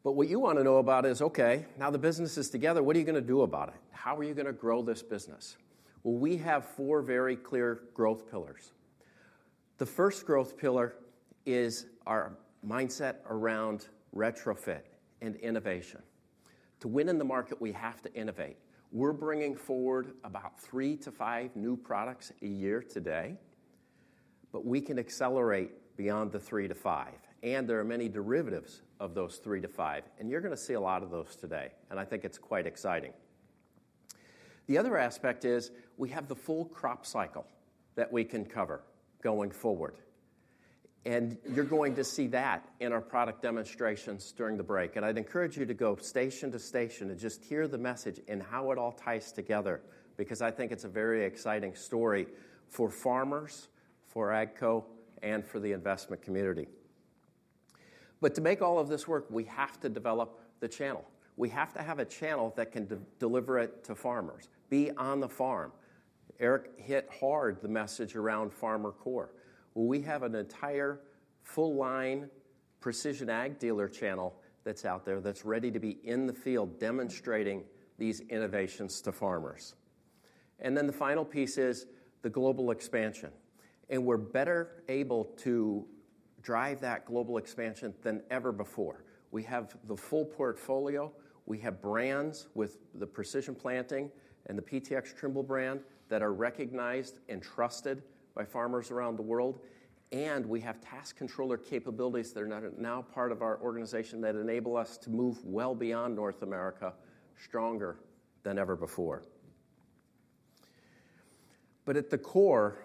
But what you want to know about is, "Okay, now the business is together. What are you going to do about it? How are you going to grow this business?" Well, we have four very clear growth pillars. The first growth pillar is our mindset around retrofit and innovation. To win in the market, we have to innovate. We're bringing forward about three to five new products a year today, but we can accelerate beyond the three to five. And there are many derivatives of those three to five, and you're going to see a lot of those today, and I think it's quite exciting. The other aspect is we have the full crop cycle that we can cover going forward, and you're going to see that in our product demonstrations during the break, and I'd encourage you to go station to station and just hear the message and how it all ties together because I think it's a very exciting story for farmers, for AGCO, and for the investment community, but to make all of this work, we have to develop the channel. We have to have a channel that can deliver it to farmers, be on the farm. Eric hit hard the message around FarmerCore, well, we have an entire full-line Precision Ag dealer channel that's out there that's ready to be in the field demonstrating these innovations to farmers, and then the final piece is the global expansion, and we're better able to drive that global expansion than ever before. We have the full portfolio. We have brands with the Precision Planting and the PTx Trimble brand that are recognized and trusted by farmers around the world. And we have task controller capabilities that are now part of our organization that enable us to move well beyond North America stronger than ever before. But at the core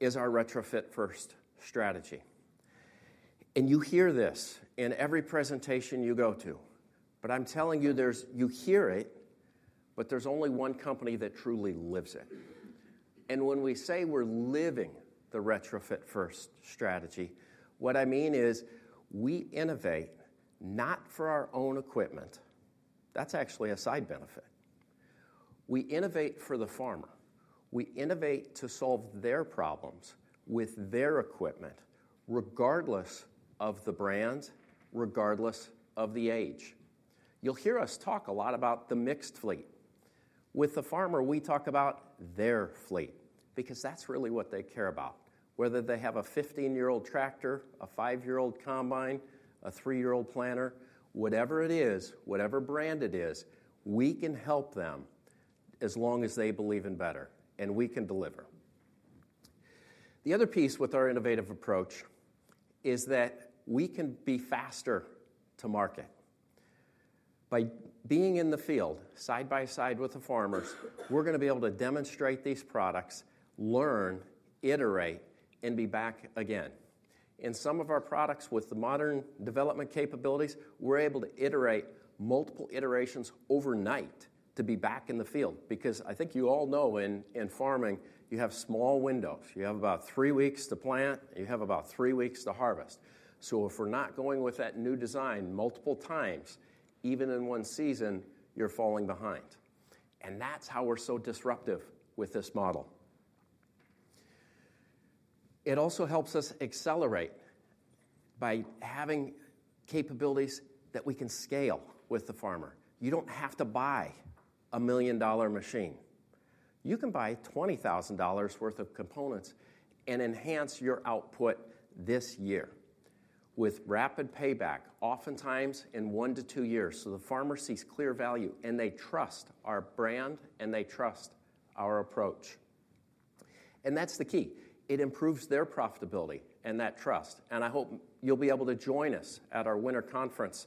is our retrofit-first strategy. And you hear this in every presentation you go to. But I'm telling you, you hear it, but there's only one company that truly lives it. And when we say we're living the retrofit-first strategy, what I mean is we innovate not for our own equipment. That's actually a side benefit. We innovate for the farmer. We innovate to solve their problems with their equipment, regardless of the brand, regardless of the age. You'll hear us talk a lot about the mixed fleet. With the farmer, we talk about their fleet because that's really what they care about. Whether they have a 15-year-old tractor, a five-year-old combine, a three-year-old planter, whatever it is, whatever brand it is, we can help them as long as they believe in better, and we can deliver. The other piece with our innovative approach is that we can be faster to market. By being in the field side by side with the farmers, we're going to be able to demonstrate these products, learn, iterate, and be back again, and some of our products with the modern development capabilities, we're able to iterate multiple iterations overnight to be back in the field because I think you all know in farming, you have small windows. You have about three weeks to plant, and you have about three weeks to harvest. So if we're not going with that new design multiple times, even in one season, you're falling behind. And that's how we're so disruptive with this model. It also helps us accelerate by having capabilities that we can scale with the farmer. You don't have to buy a million-dollar machine. You can buy $20,000 worth of components and enhance your output this year with rapid payback, oftentimes in one to two years. So the farmer sees clear value, and they trust our brand, and they trust our approach. And that's the key. It improves their profitability and that trust. And I hope you'll be able to join us at our winter conference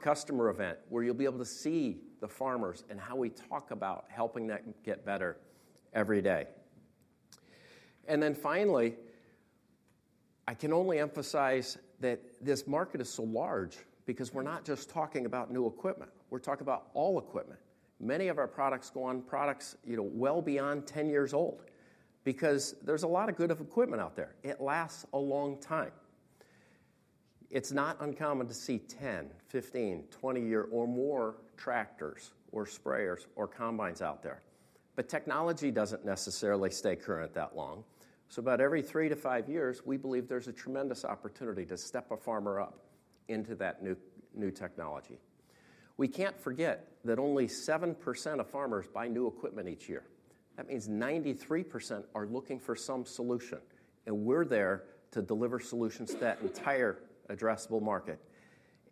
customer event where you'll be able to see the farmers and how we talk about helping them get better every day. And then finally, I can only emphasize that this market is so large because we're not just talking about new equipment. We're talking about all equipment. Many of our products go on products well beyond 10 years old because there's a lot of good equipment out there. It lasts a long time. It's not uncommon to see 10-, 15-, 20-year or more tractors or sprayers or combines out there. But technology doesn't necessarily stay current that long. So about every three to five years, we believe there's a tremendous opportunity to step a farmer up into that new technology. We can't forget that only 7% of farmers buy new equipment each year. That means 93% are looking for some solution. And we're there to deliver solutions to that entire addressable market.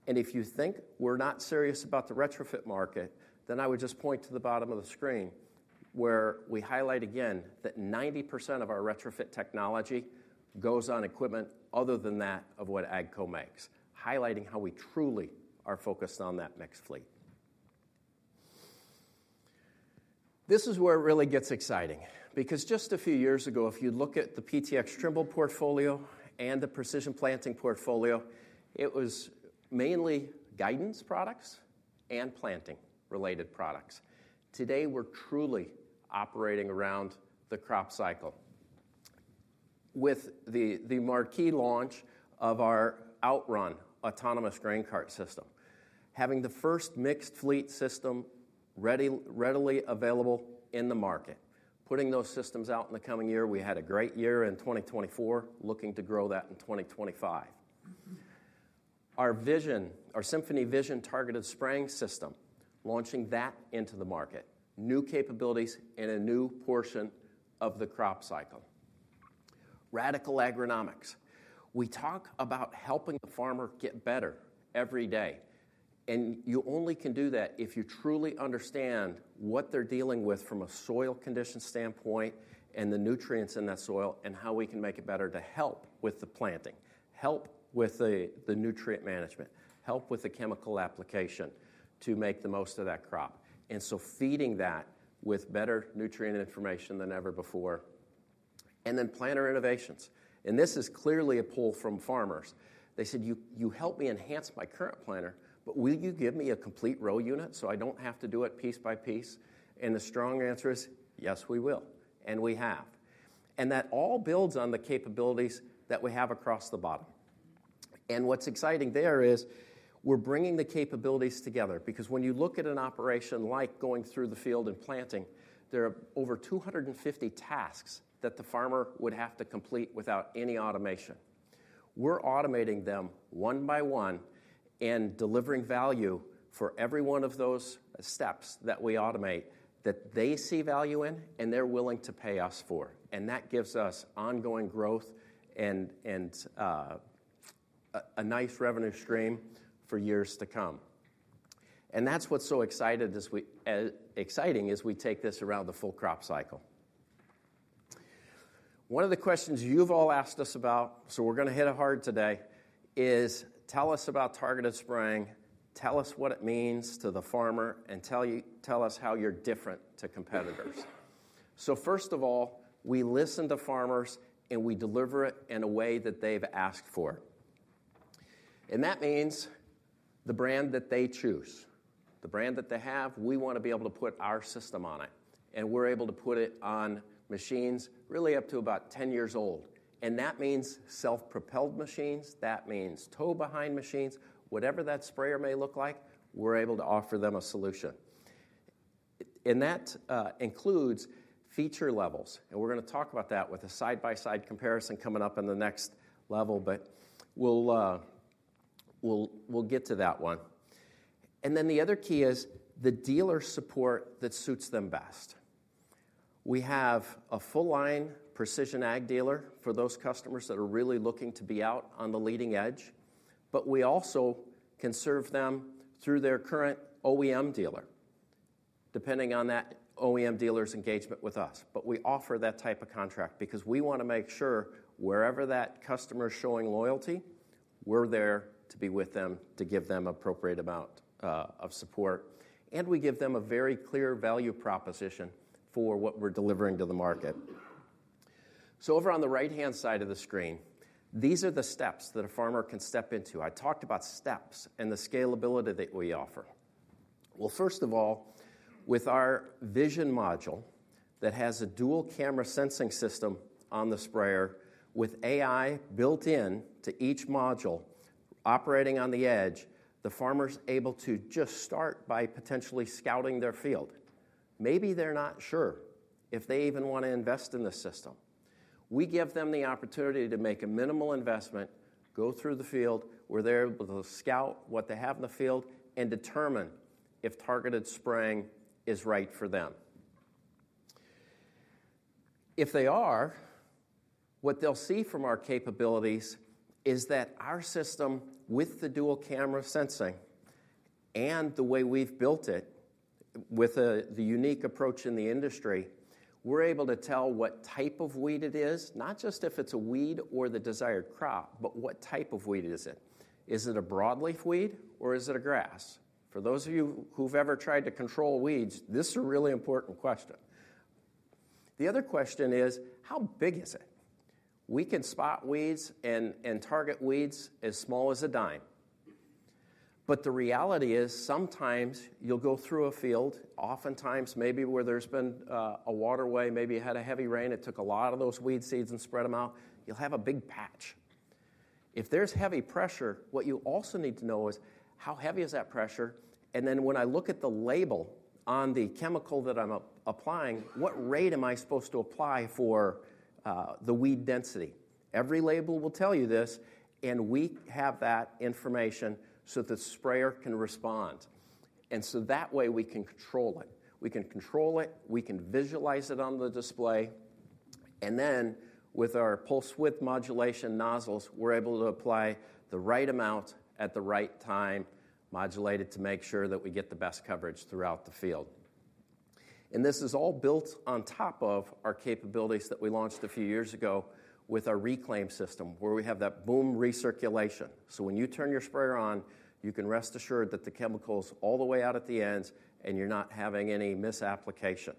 And if you think we're not serious about the retrofit market, then I would just point to the bottom of the screen where we highlight again that 90% of our retrofit technology goes on equipment other than that of what AGCO makes, highlighting how we truly are focused on that mixed fleet. This is where it really gets exciting because just a few years ago, if you look at the PTx Trimble portfolio and the Precision Planting portfolio, it was mainly guidance products and planting-related products. Today, we're truly operating around the crop cycle with the marquee launch of our Outrun autonomous grain cart system, having the first mixed fleet system readily available in the market, putting those systems out in the coming year. We had a great year in 2024, looking to grow that in 2025. Our Symphony Vision targeted spraying system, launching that into the market, new capabilities in a new portion of the crop cycle. Radicle Agronomics. We talk about helping the farmer get better every day. You only can do that if you truly understand what they're dealing with from a soil condition standpoint and the nutrients in that soil and how we can make it better to help with the planting, help with the nutrient management, help with the chemical application to make the most of that crop. So feeding that with better nutrient information than ever before. Then planter innovations. This is clearly a pull from farmers. They said, "You helped me enhance my current planter, but will you give me a complete row unit so I don't have to do it piece by piece?" The strong answer is, "Yes, we will." We have. That all builds on the capabilities that we have across the bottom. What's exciting there is we're bringing the capabilities together because when you look at an operation like going through the field and planting, there are over 250 tasks that the farmer would have to complete without any automation. We're automating them one by one and delivering value for every one of those steps that we automate that they see value in and they're willing to pay us for. That gives us ongoing growth and a nice revenue stream for years to come. That's what's so exciting as we take this around the full crop cycle. One of the questions you've all asked us about, so we're going to hit it hard today, is tell us about targeted spraying, tell us what it means to the farmer, and tell us how you're different to competitors. So first of all, we listen to farmers, and we deliver it in a way that they've asked for. And that means the brand that they choose, the brand that they have, we want to be able to put our system on it. And we're able to put it on machines really up to about 10 years old. And that means self-propelled machines. That means tow-behind machines. Whatever that sprayer may look like, we're able to offer them a solution. And that includes feature levels. And we're going to talk about that with a side-by-side comparison coming up in the next level, but we'll get to that one. And then the other key is the dealer support that suits them best. We have a full-line Precision Ag dealer for those customers that are really looking to be out on the leading edge. But we also can serve them through their current OEM dealer, depending on that OEM dealer's engagement with us. But we offer that type of contract because we want to make sure wherever that customer is showing loyalty, we're there to be with them to give them an appropriate amount of support. And we give them a very clear value proposition for what we're delivering to the market. So over on the right-hand side of the screen, these are the steps that a farmer can step into. I talked about steps and the scalability that we offer. Well, first of all, with our vision module that has a dual camera sensing system on the sprayer with AI built into each module operating on the edge, the farmer's able to just start by potentially scouting their field. Maybe they're not sure if they even want to invest in the system. We give them the opportunity to make a minimal investment, go through the field where they're able to scout what they have in the field and determine if targeted spraying is right for them. If they are, what they'll see from our capabilities is that our system with the dual camera sensing and the way we've built it with the unique approach in the industry, we're able to tell what type of weed it is, not just if it's a weed or the desired crop, but what type of weed is it? Is it a broadleaf weed, or is it a grass? For those of you who've ever tried to control weeds, this is a really important question. The other question is, how big is it? We can spot weeds and target weeds as small as a dime. But the reality is sometimes you'll go through a field, oftentimes maybe where there's been a waterway, maybe it had a heavy rain, it took a lot of those weed seeds and spread them out, you'll have a big patch. If there's heavy pressure, what you also need to know is how heavy is that pressure? And then when I look at the label on the chemical that I'm applying, what rate am I supposed to apply for the weed density? Every label will tell you this, and we have that information so that the sprayer can respond. And so that way we can control it. We can control it. We can visualize it on the display. And then with our Pulse Width Modulation nozzles, we're able to apply the right amount at the right time modulated to make sure that we get the best coverage throughout the field. And this is all built on top of our capabilities that we launched a few years ago with our Reclaim system where we have that boom recirculation. So when you turn your sprayer on, you can rest assured that the chemical's all the way out at the end and you're not having any misapplication.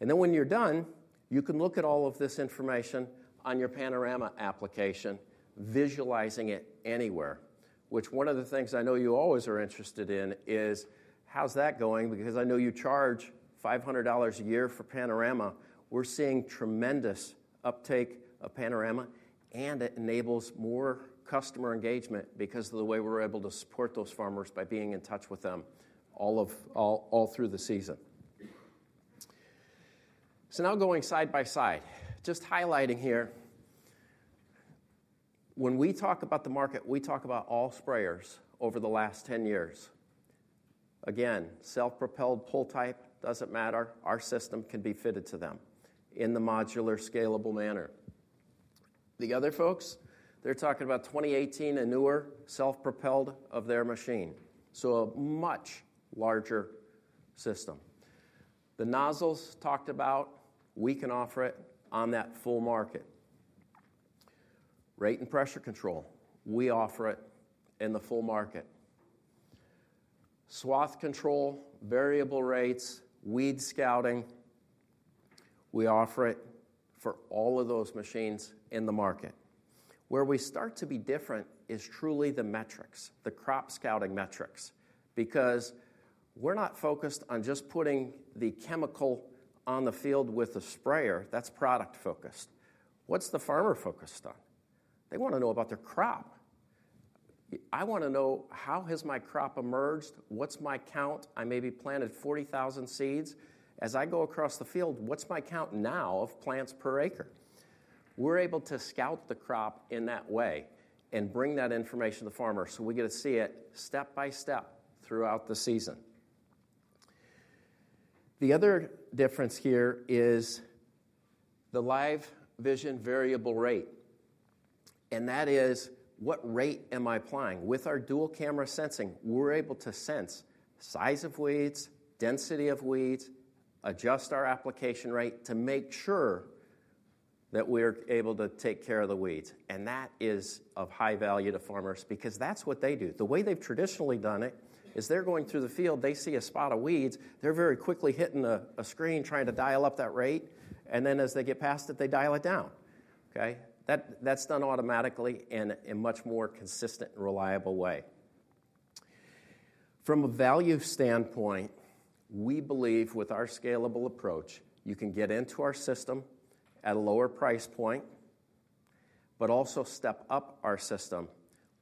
And then when you're done, you can look at all of this information on your Panorama application, visualizing it anywhere. Which one of the things I know you always are interested in is how's that going? Because I know you charge $500 a year for Panorama. We're seeing tremendous uptake of Panorama, and it enables more customer engagement because of the way we're able to support those farmers by being in touch with them all through the season. So now, going side by side, just highlighting here, when we talk about the market, we talk about all sprayers over the last 10 years. Again, self-propelled, pull type, doesn't matter. Our system can be fitted to them in the modular scalable manner. The other folks, they're talking about 2018 and newer self-propelled of their machine. So a much larger system. The nozzles talked about, we can offer it on that full market. Rate and pressure control, we offer it in the full market. Swath control, variable rates, weed scouting, we offer it for all of those machines in the market. Where we start to be different is truly the metrics, the crop scouting metrics because we're not focused on just putting the chemical on the field with a sprayer. That's product focused. What's the farmer focused on? They want to know about their crop. I want to know how has my crop emerged? What's my count? I maybe planted 40,000 seeds. As I go across the field, what's my count now of plants per acre? We're able to scout the crop in that way and bring that information to the farmer so we get to see it step by step throughout the season, the other difference here is the live vision variable rate, and that is what rate am I applying? With our dual camera sensing, we're able to sense size of weeds, density of weeds, adjust our application rate to make sure that we're able to take care of the weeds, and that is of high value to farmers because that's what they do. The way they've traditionally done it is they're going through the field, they see a spot of weeds, they're very quickly hitting a screen trying to dial up that rate, and then as they get past it, they dial it down. Okay? That's done automatically in a much more consistent and reliable way. From a value standpoint, we believe with our scalable approach, you can get into our system at a lower price point, but also step up our system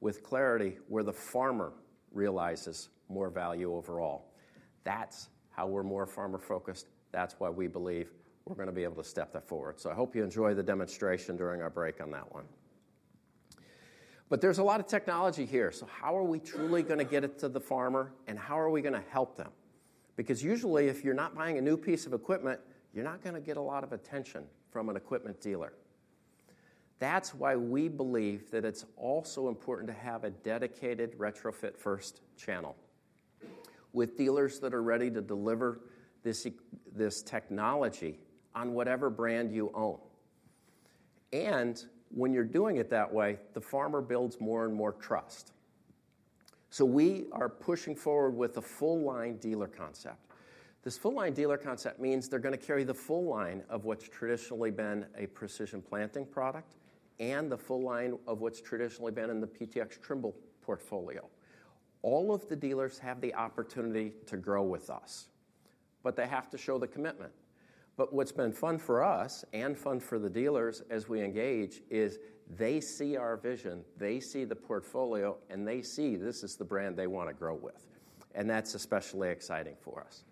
with clarity where the farmer realizes more value overall. That's how we're more farmer-focused. That's why we believe we're going to be able to step that forward. So I hope you enjoy the demonstration during our break on that one. But there's a lot of technology here. So how are we truly going to get it to the farmer and how are we going to help them? Because usually if you're not buying a new piece of equipment, you're not going to get a lot of attention from an equipment dealer. That's why we believe that it's also important to have a dedicated retrofit-first channel with dealers that are ready to deliver this technology on whatever brand you own. And when you're doing it that way, the farmer builds more and more trust. So we are pushing forward with a full-line dealer concept. This full-line dealer concept means they're going to carry the full line of what's traditionally been a Precision Planting product and the full line of what's traditionally been in the PTx Trimble portfolio. All of the dealers have the opportunity to grow with us, but they have to show the commitment. But what's been fun for us and fun for the dealers as we engage is they see our vision, they see the portfolio, and they see this is the brand they want to grow with. And that's especially exciting for us.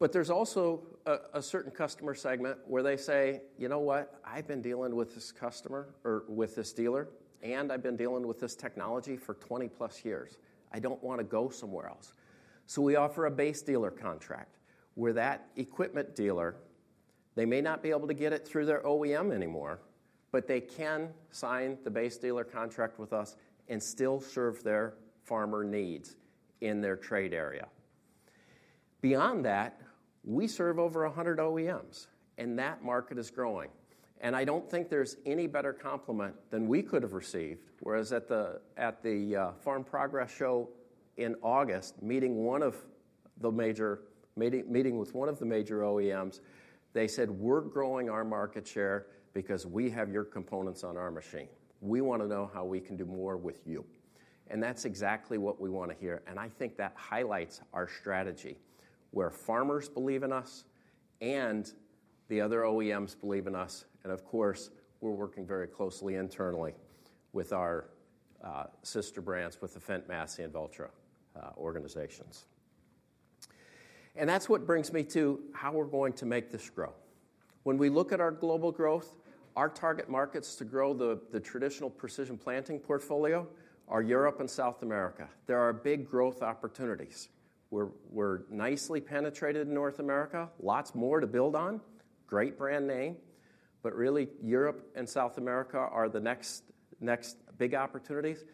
But there's also a certain customer segment where they say, "You know what? I've been dealing with this customer or with this dealer, and I've been dealing with this technology for 20+ years. I don't want to go somewhere else." So we offer a base dealer contract where that equipment dealer, they may not be able to get it through their OEM anymore, but they can sign the base dealer contract with us and still serve their farmer needs in their trade area. Beyond that, we serve over 100 OEMs, and that market is growing. And I don't think there's any better compliment than we could have received. Whereas at the Farm Progress Show in August, meeting with one of the major OEMs, they said, "We're growing our market share because we have your components on our machine. We want to know how we can do more with you." That's exactly what we want to hear. I think that highlights our strategy where farmers believe in us and the other OEMs believe in us. Of course, we're working very closely internally with our sister brands with the Fendt, Massey, and Valtra organizations. That's what brings me to how we're going to make this grow. When we look at our global growth, our target markets to grow the traditional Precision Planting portfolio are Europe and South America. There are big growth opportunities. We're nicely penetrated in North America, lots more to build on, great brand name. But really, Europe and South America are the next big opportunities.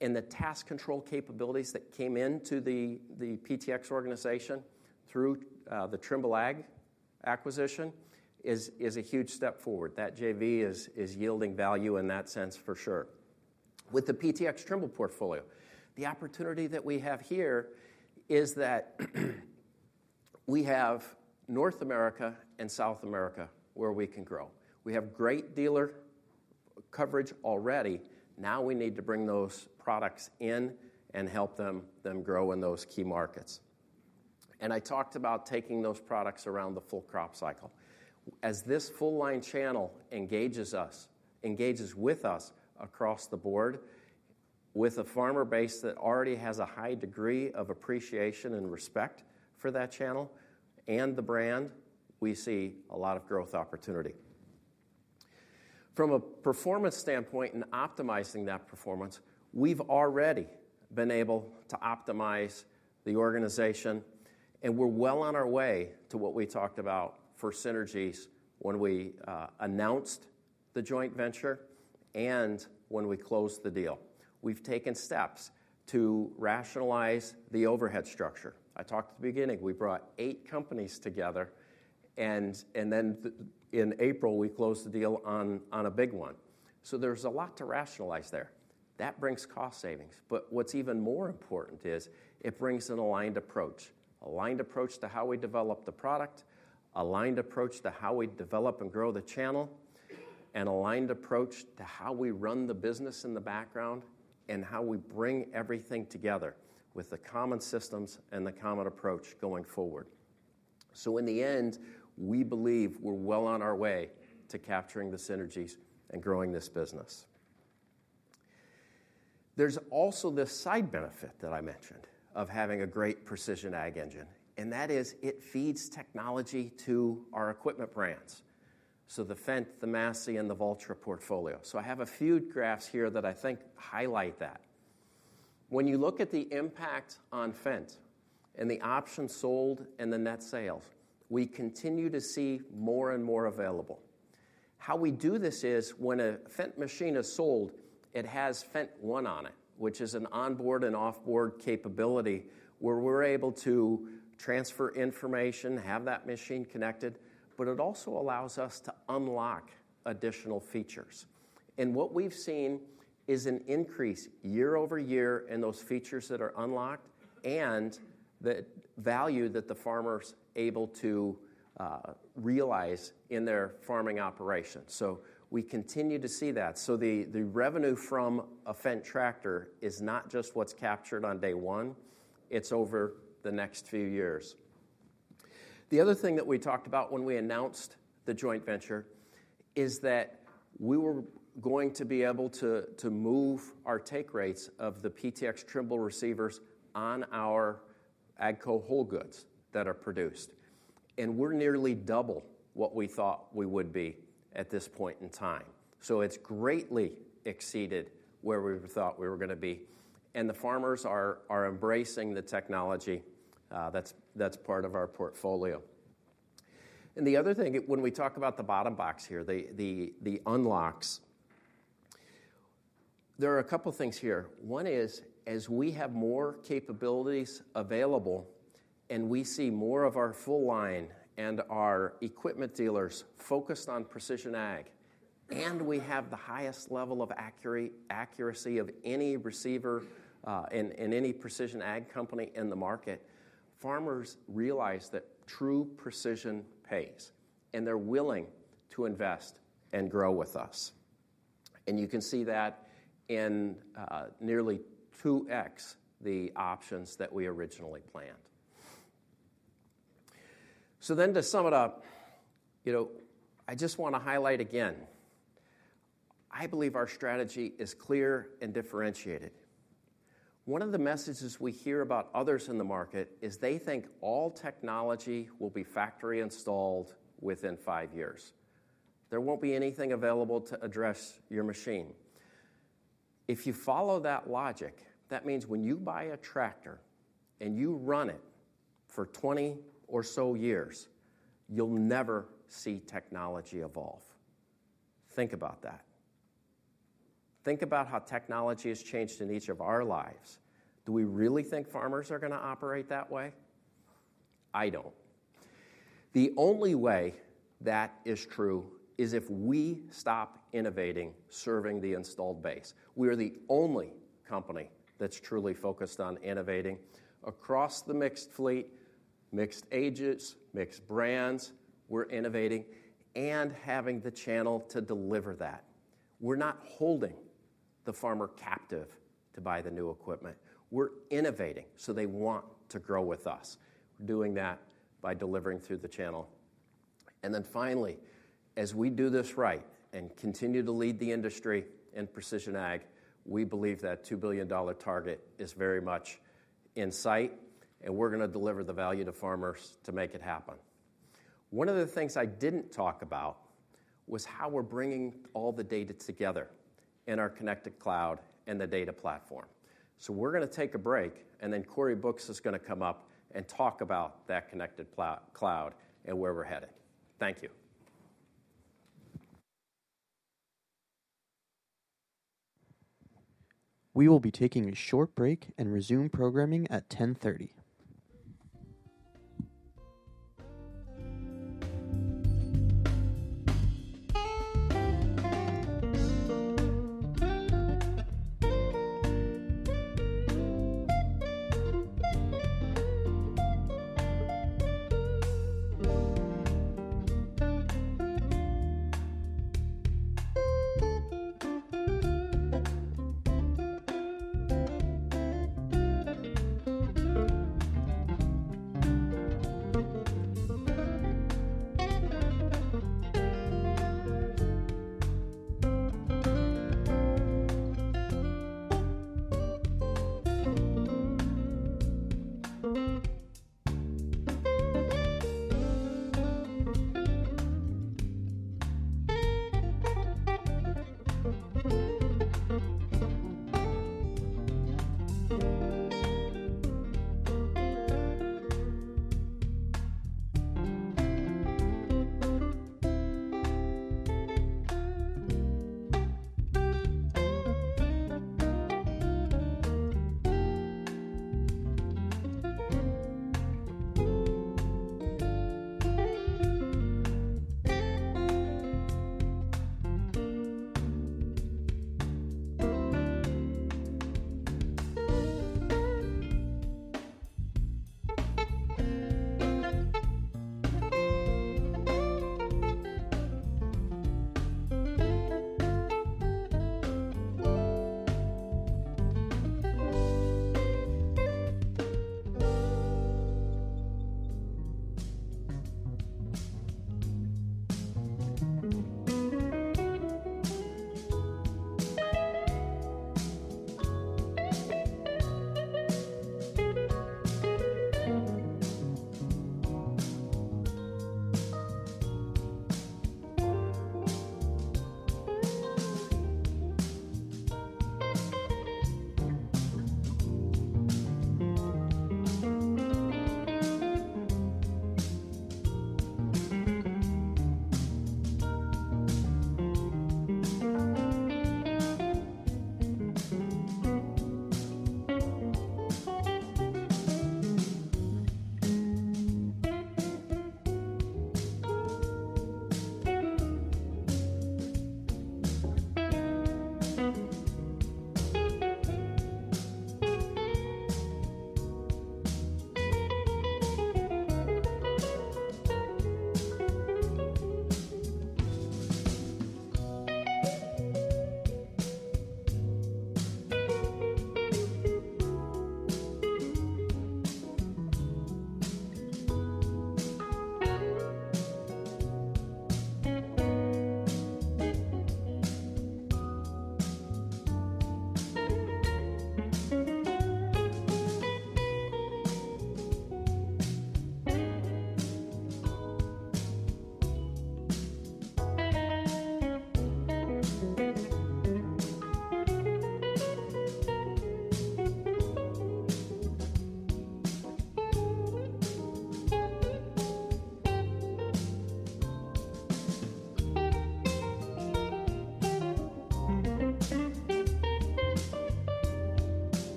And the task control capabilities that came into the PTx organization through the Trimble Ag acquisition is a huge step forward. That JV is yielding value in that sense for sure. With the PTx Trimble portfolio, the opportunity that we have here is that we have North America and South America where we can grow. We have great dealer coverage already. Now we need to bring those products in and help them grow in those key markets. And I talked about taking those products around the full crop cycle. As this full-line channel engages us, engages with us across the board with a farmer base that already has a high degree of appreciation and respect for that channel and the brand, we see a lot of growth opportunity. From a performance standpoint and optimizing that performance, we've already been able to optimize the organization, and we're well on our way to what we talked about for synergies when we announced the joint venture and when we closed the deal. We've taken steps to rationalize the overhead structure. I talked at the beginning. We brought eight companies together, and then in April, we closed the deal on a big one. So there's a lot to rationalize there. That brings cost savings. But what's even more important is it brings an aligned approach. Aligned approach to how we develop the product, aligned approach to how we develop and grow the channel, and aligned approach to how we run the business in the background and how we bring everything together with the common systems and the common approach going forward. So in the end, we believe we're well on our way to capturing the synergies and growing this business. There's also this side benefit that I mentioned of having a great Precision Ag engine, and that is it feeds technology to our equipment brands. So the Fendt, the Massey, and the Valtra portfolio. So I have a few graphs here that I think highlight that. When you look at the impact on Fendt and the options sold and the net sales, we continue to see more and more available. How we do this is when a Fendt machine is sold, it has FendtONE on it, which is an onboard and offboard capability where we're able to transfer information, have that machine connected, but it also allows us to unlock additional features. And what we've seen is an increase year over year in those features that are unlocked and the value that the farmer's able to realize in their farming operation. So we continue to see that. So the revenue from a Fendt tractor is not just what's captured on day one, it's over the next few years. The other thing that we talked about when we announced the joint venture is that we were going to be able to move our take rates of the PTx Trimble receivers on our AGCO whole goods that are produced. And we're nearly double what we thought we would be at this point in time. So it's greatly exceeded where we thought we were going to be. And the farmers are embracing the technology that's part of our portfolio. And the other thing, when we talk about the bottom box here, the unlocks, there are a couple of things here. One is as we have more capabilities available and we see more of our full line and our equipment dealers focused on Precision Ag, and we have the highest level of accuracy of any receiver and any Precision Ag company in the market, farmers realize that true precision pays, and they're willing to invest and grow with us. And you can see that in nearly 2X the options that we originally planned. So then to sum it up, I just want to highlight again, I believe our strategy is clear and differentiated. One of the messages we hear about others in the market is they think all technology will be factory installed within five years. There won't be anything available to address your machine. If you follow that logic, that means when you buy a tractor and you run it for 20 or so years, you'll never see technology evolve. Think about that. Think about how technology has changed in each of our lives. Do we really think farmers are going to operate that way? I don't. The only way that is true is if we stop innovating serving the installed base. We are the only company that's truly focused on innovating across the mixed fleet, mixed ages, mixed brands. We're innovating and having the channel to deliver that. We're not holding the farmer captive to buy the new equipment. We're innovating so they want to grow with us. We're doing that by delivering through the channel. And then finally, as we do this right and continue to lead the industry in Precision Ag, we believe that $2 billion target is very much in sight, and we're going to deliver the value to farmers to make it happen. One of the things I didn't talk about was how we're bringing all the data together in our connected cloud and the data platform. So we're going to take a break, and then Cory Buchs is going to come up and talk about that connected cloud and where we're headed. Thank you. We will be taking a short break and resume programming at 10:30.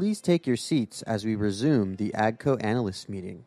Please take your seats as we resume the AGCO Analyst Meeting.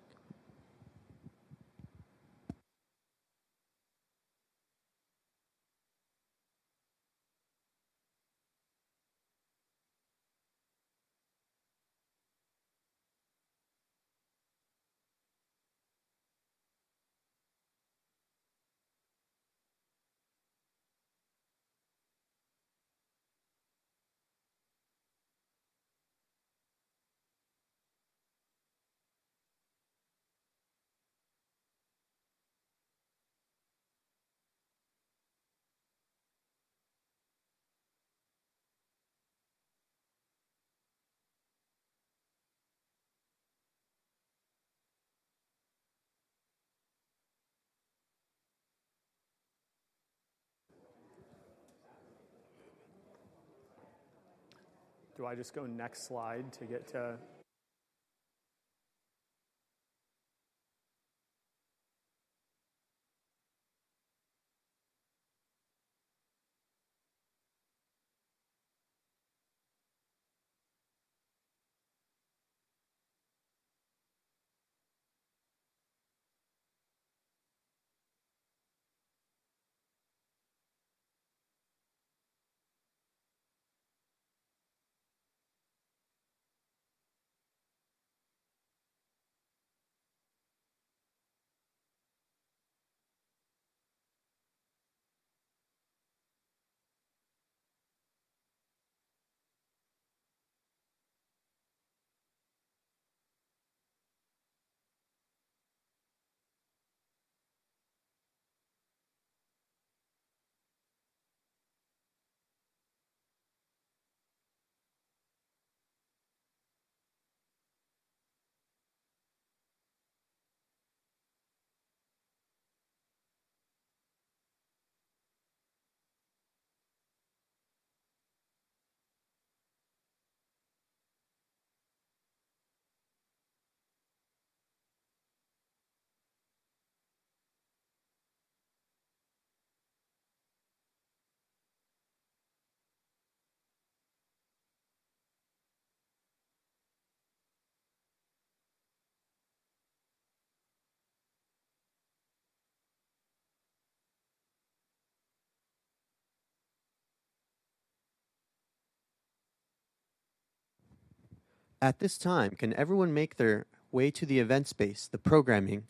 At this time, can everyone make their way to the event space? The programming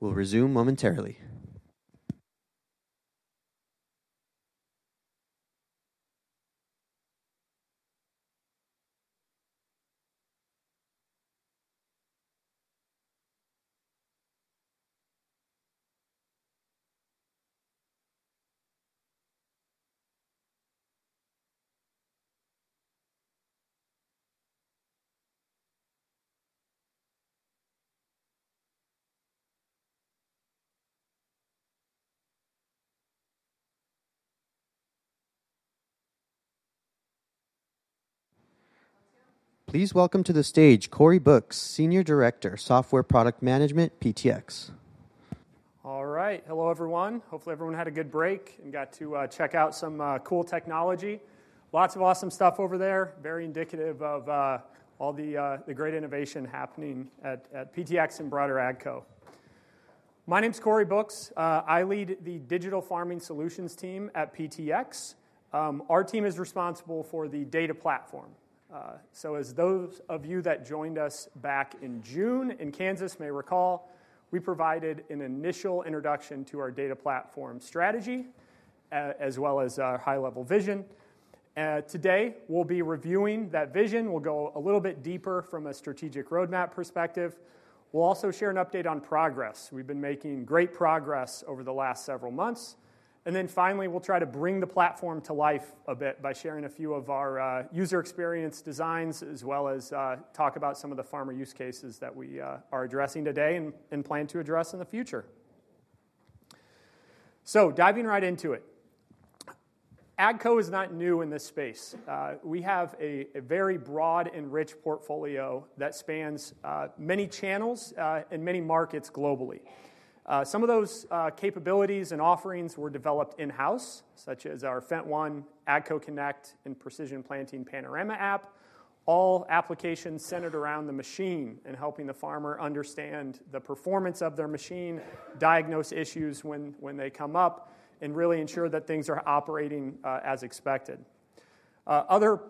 will resume momentarily. Please welcome to the stage Cory Buchs, Senior Director, Software Product Management, PTx. All right. Hello, everyone. Hopefully, everyone had a good break and got to check out some cool technology. Lots of awesome stuff over there, very indicative of all the great innovation happening at PTx and broader AGCO. My name's Cory Buchs. I lead the Digital Farming Solutions team at PTx. Our team is responsible for the data platform. So, as those of you that joined us back in June, in Kansas, may recall, we provided an initial introduction to our data platform strategy, as well as our high-level vision. Today, we'll be reviewing that vision. We'll go a little bit deeper from a strategic roadmap perspective. We'll also share an update on progress. We've been making great progress over the last several months. And then finally, we'll try to bring the platform to life a bit by sharing a few of our user experience designs, as well as talk about some of the farmer use cases that we are addressing today and plan to address in the future. So, diving right into it, AGCO is not new in this space. We have a very broad and rich portfolio that spans many channels and many markets globally. Some of those capabilities and offerings were developed in-house, such as our FendtONE, AGCO Connect, and Precision Planting Panorama app, all applications centered around the machine and helping the farmer understand the performance of their machine, diagnose issues when they come up, and really ensure that things are operating as expected. Other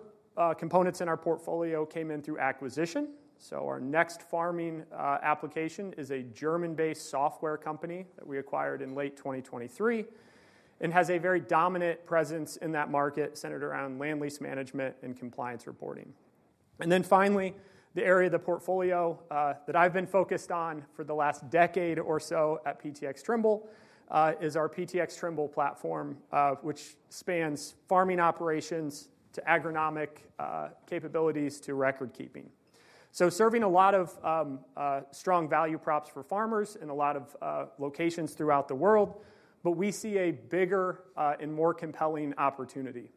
components in our portfolio came in through acquisition. So, our Next Farming application is a German-based software company that we acquired in late 2023 and has a very dominant presence in that market centered around land lease management and compliance reporting. And then finally, the area of the portfolio that I've been focused on for the last decade or so at PTx Trimble is our PTx Trimble platform, which spans farming operations to agronomic capabilities to record keeping. So, serving a lot of strong value props for farmers in a lot of locations throughout the world, but we see a bigger and more compelling opportunity.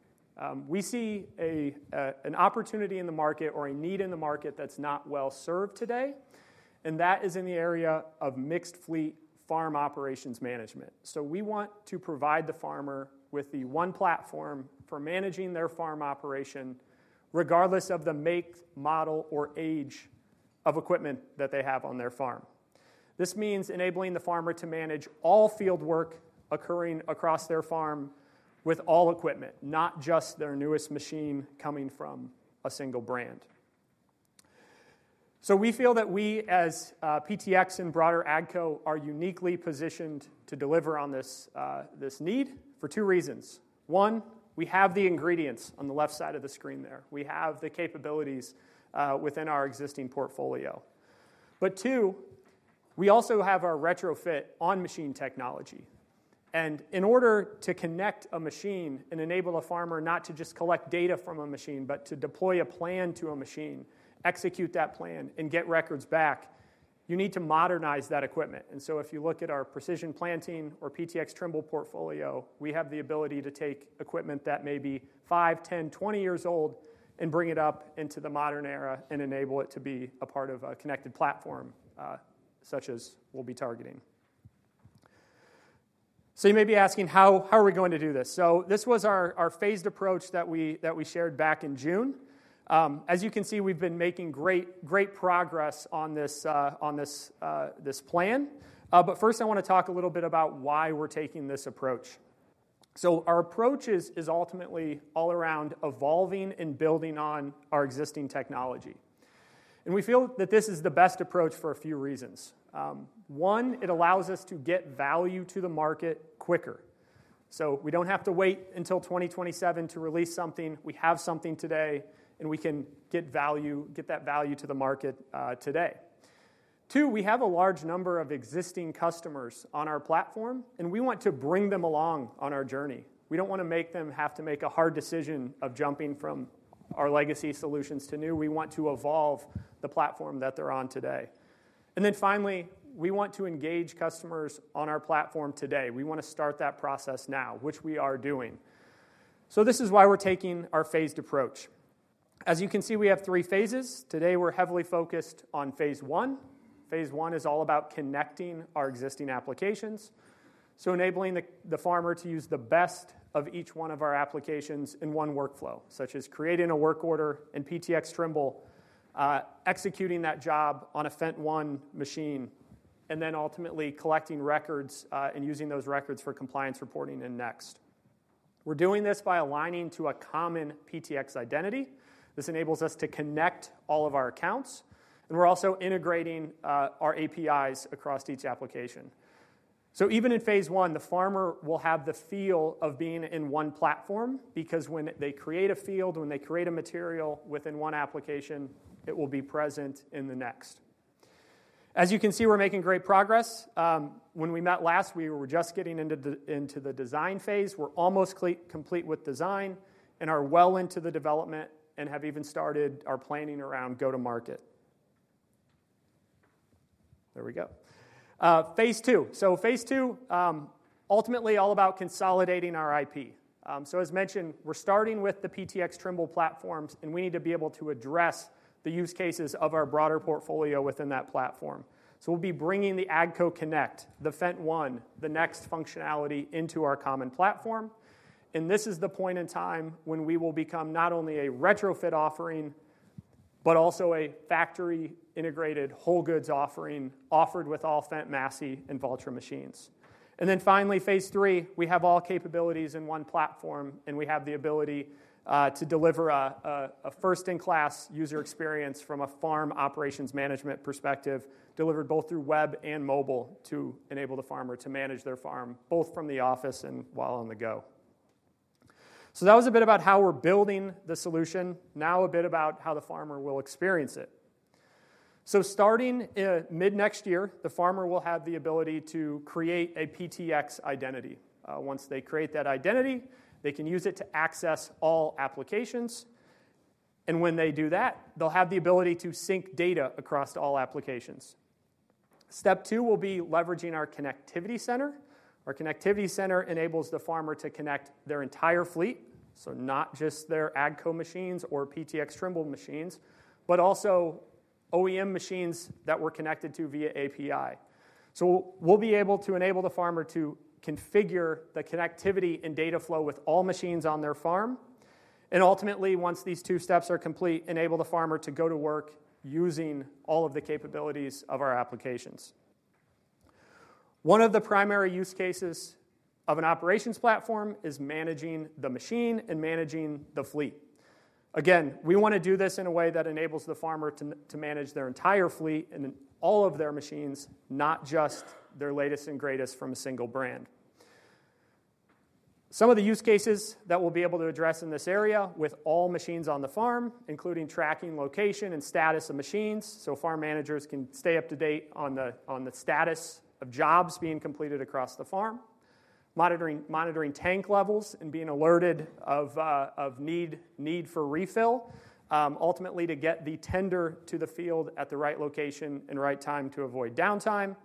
We see an opportunity in the market or a need in the market that's not well served today, and that is in the area of mixed fleet farm operations management. So, we want to provide the farmer with the one platform for managing their farm operation, regardless of the make, model, or age of equipment that they have on their farm. This means enabling the farmer to manage all field work occurring across their farm with all equipment, not just their newest machine coming from a single brand. So, we feel that we as PTx and broader AGCO are uniquely positioned to deliver on this need for two reasons. One, we have the ingredients on the left side of the screen there. We have the capabilities within our existing portfolio. But too, we also have our retrofit on machine technology. And in order to connect a machine and enable a farmer not to just collect data from a machine, but to deploy a plan to a machine, execute that plan, and get records back, you need to modernize that equipment. And so, if you look at our Precision Planting or PTx Trimble portfolio, we have the ability to take equipment that may be five, 10, 20 years old and bring it up into the modern era and enable it to be a part of a connected platform, such as we'll be targeting. So, you may be asking, how are we going to do this? So, this was our phased approach that we shared back in June. As you can see, we've been making great progress on this plan. But first, I want to talk a little bit about why we're taking this approach. So, our approach is ultimately all around evolving and building on our existing technology. And we feel that this is the best approach for a few reasons. One, it allows us to get value to the market quicker. So, we don't have to wait until 2027 to release something. We have something today, and we can get that value to the market today. Two, we have a large number of existing customers on our platform, and we want to bring them along on our journey. We don't want to make them have to make a hard decision of jumping from our legacy solutions to new. We want to evolve the platform that they're on today. And then finally, we want to engage customers on our platform today. We want to start that process now, which we are doing. So, this is why we're taking our phased approach. As you can see, we have three phases. Today, we're heavily focused on Phase 1. Phase one is all about connecting our existing applications. So, enabling the farmer to use the best of each one of our applications in one workflow, such as creating a work order in PTx Trimble, executing that job on a FendtONE machine, and then ultimately collecting records and using those records for compliance reporting and Next. We're doing this by aligning to a common PTx identity. This enables us to connect all of our accounts, and we're also integrating our APIs across each application. So, even in Phase 1, the farmer will have the feel of being in one platform because when they create a field, when they create a material within one application, it will be present in the next. As you can see, we're making great progress. When we met last, we were just getting into the design phase. We're almost complete with design and are well into the development and have even started our planning around go-to-market. There we go. Phase 2. So, phase two, ultimately all about consolidating our IP. So, as mentioned, we're starting with the PTx Trimble platforms, and we need to be able to address the use cases of our broader portfolio within that platform. So, we'll be bringing the AGCO Connect, the FendtONE, the Next Farming functionality into our common platform. This is the point in time when we will become not only a retrofit offering, but also a factory-integrated whole goods offering offered with all Fendt, Massey Ferguson, and Valtra machines, then finally, phase three, we have all capabilities in one platform, and we have the ability to deliver a first-in-class user experience from a farm operations management perspective, delivered both through web and mobile to enable the farmer to manage their farm, both from the office and while on the go. That was a bit about how we're building the solution, now a bit about how the farmer will experience it. Starting mid-next year, the farmer will have the ability to create a PTx identity. Once they create that identity, they can use it to access all applications. When they do that, they'll have the ability to sync data across all applications. Step two will be leveraging our connectivity center. Our connectivity center enables the farmer to connect their entire fleet, so not just their AGCO machines or PTx Trimble machines, but also OEM machines that we're connected to via API. So, we'll be able to enable the farmer to configure the connectivity and data flow with all machines on their farm, and ultimately, once these two steps are complete, enable the farmer to go to work using all of the capabilities of our applications. One of the primary use cases of an operations platform is managing the machine and managing the fleet. Again, we want to do this in a way that enables the farmer to manage their entire fleet and all of their machines, not just their latest and greatest from a single brand. Some of the use cases that we'll be able to address in this area with all machines on the farm, including tracking location and status of machines, so farm managers can stay up to date on the status of jobs being completed across the farm, monitoring tank levels and being alerted of need for refill, ultimately to get the tender to the field at the right location and right time to avoid downtime,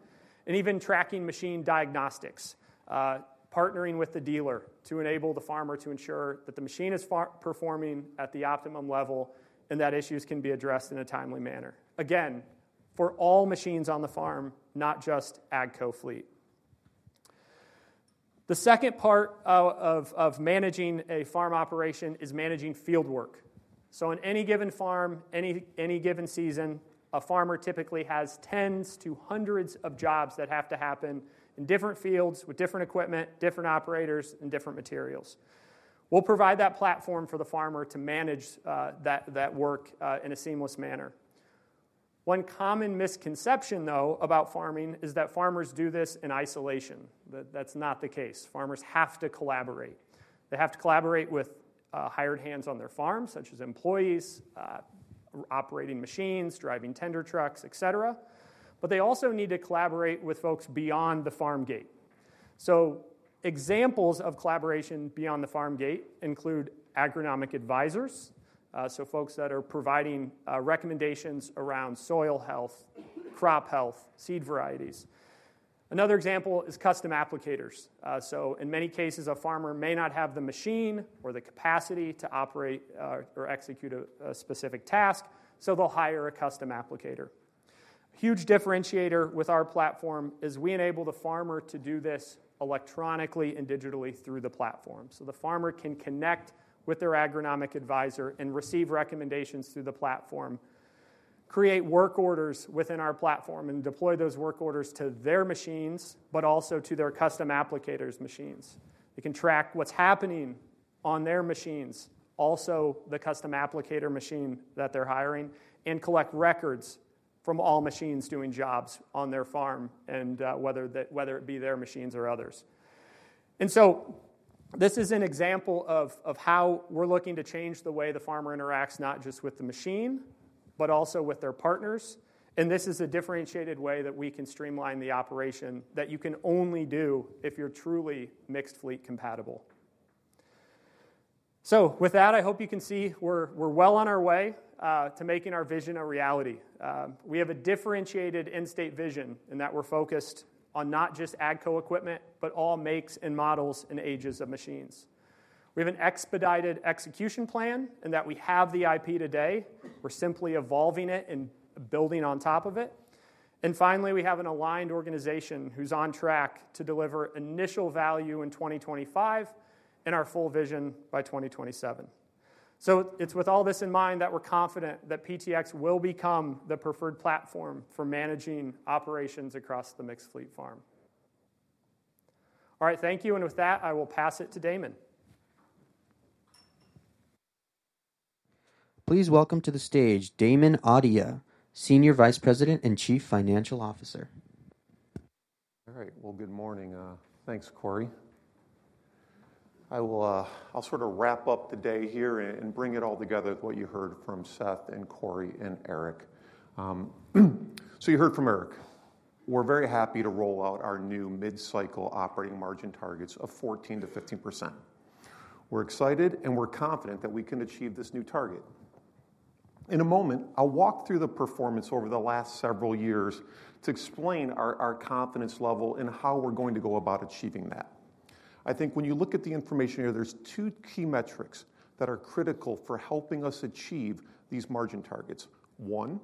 and even tracking machine diagnostics, partnering with the dealer to enable the farmer to ensure that the machine is performing at the optimum level and that issues can be addressed in a timely manner. Again, for all machines on the farm, not just AGCO fleet. The second part of managing a farm operation is managing field work. On any given farm, any given season, a farmer typically has tens to hundreds of jobs that have to happen in different fields with different equipment, different operators, and different materials. We'll provide that platform for the farmer to manage that work in a seamless manner. One common misconception, though, about farming is that farmers do this in isolation. That's not the case. Farmers have to collaborate. They have to collaborate with hired hands on their farm, such as employees operating machines, driving tender trucks, et cetera. They also need to collaborate with folks beyond the farm gate. Examples of collaboration beyond the farm gate include agronomic advisors, so folks that are providing recommendations around soil health, crop health, seed varieties. Another example is custom applicators. In many cases, a farmer may not have the machine or the capacity to operate or execute a specific task, so they'll hire a custom applicator. A huge differentiator with our platform is we enable the farmer to do this electronically and digitally through the platform. The farmer can connect with their agronomic advisor and receive recommendations through the platform, create work orders within our platform, and deploy those work orders to their machines, but also to their custom applicators' machines. They can track what's happening on their machines, also the custom applicator machine that they're hiring, and collect records from all machines doing jobs on their farm, and whether it be their machines or others. This is an example of how we're looking to change the way the farmer interacts, not just with the machine, but also with their partners. And this is a differentiated way that we can streamline the operation that you can only do if you're truly mixed fleet compatible. So, with that, I hope you can see we're well on our way to making our vision a reality. We have a differentiated end-state vision in that we're focused on not just AGCO equipment, but all makes and models and ages of machines. We have an expedited execution plan in that we have the IP today. We're simply evolving it and building on top of it. And finally, we have an aligned organization who's on track to deliver initial value in 2025 and our full vision by 2027. So, it's with all this in mind that we're confident that PTx will become the preferred platform for managing operations across the mixed fleet farm. All right, thank you. And with that, I will pass it to Damon. Please welcome to the stage Damon Audia, Senior Vice President and Chief Financial Officer. All right, well, good morning. Thanks, Corey. I'll sort of wrap up the day here and bring it all together with what you heard from Seth and Corey and Eric so you heard from Eric. We're very happy to roll out our new mid-cycle operating margin targets of 14% to 15%. We're excited and we're confident that we can achieve this new target. In a moment, I'll walk through the performance over the last several years to explain our confidence level and how we're going to go about achieving that. I think when you look at the information here, there's two key metrics that are critical for helping us achieve these margin targets. One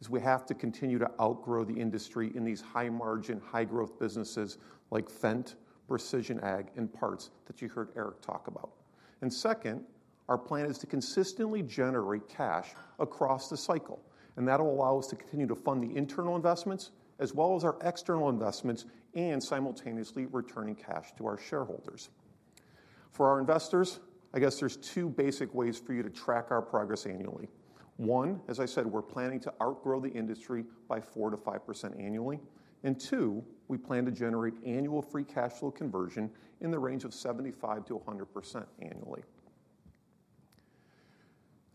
is we have to continue to outgrow the industry in these high-margin, high-growth businesses like Fendt, Precision Ag, and Parts that you heard Eric talk about. Second, our plan is to consistently generate cash across the cycle, and that'll allow us to continue to fund the internal investments as well as our external investments and simultaneously returning cash to our shareholders. For our investors, I guess there's two basic ways for you to track our progress annually. One, as I said, we're planning to outgrow the industry by 4% to 5% annually. Two, we plan to generate annual free cash flow conversion in the range of 75% to 100% annually.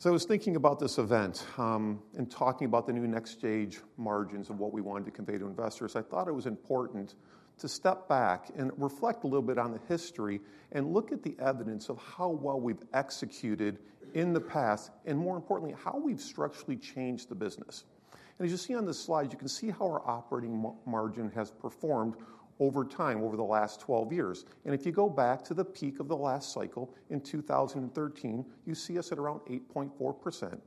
I was thinking about this event and talking about the new next-stage margins and what we wanted to convey to investors. I thought it was important to step back and reflect a little bit on the history and look at the evidence of how well we've executed in the past and, more importantly, how we've structurally changed the business, and as you see on the slide, you can see how our operating margin has performed over time over the last 12 years, and if you go back to the peak of the last cycle in 2013, you see us at around 8.4%,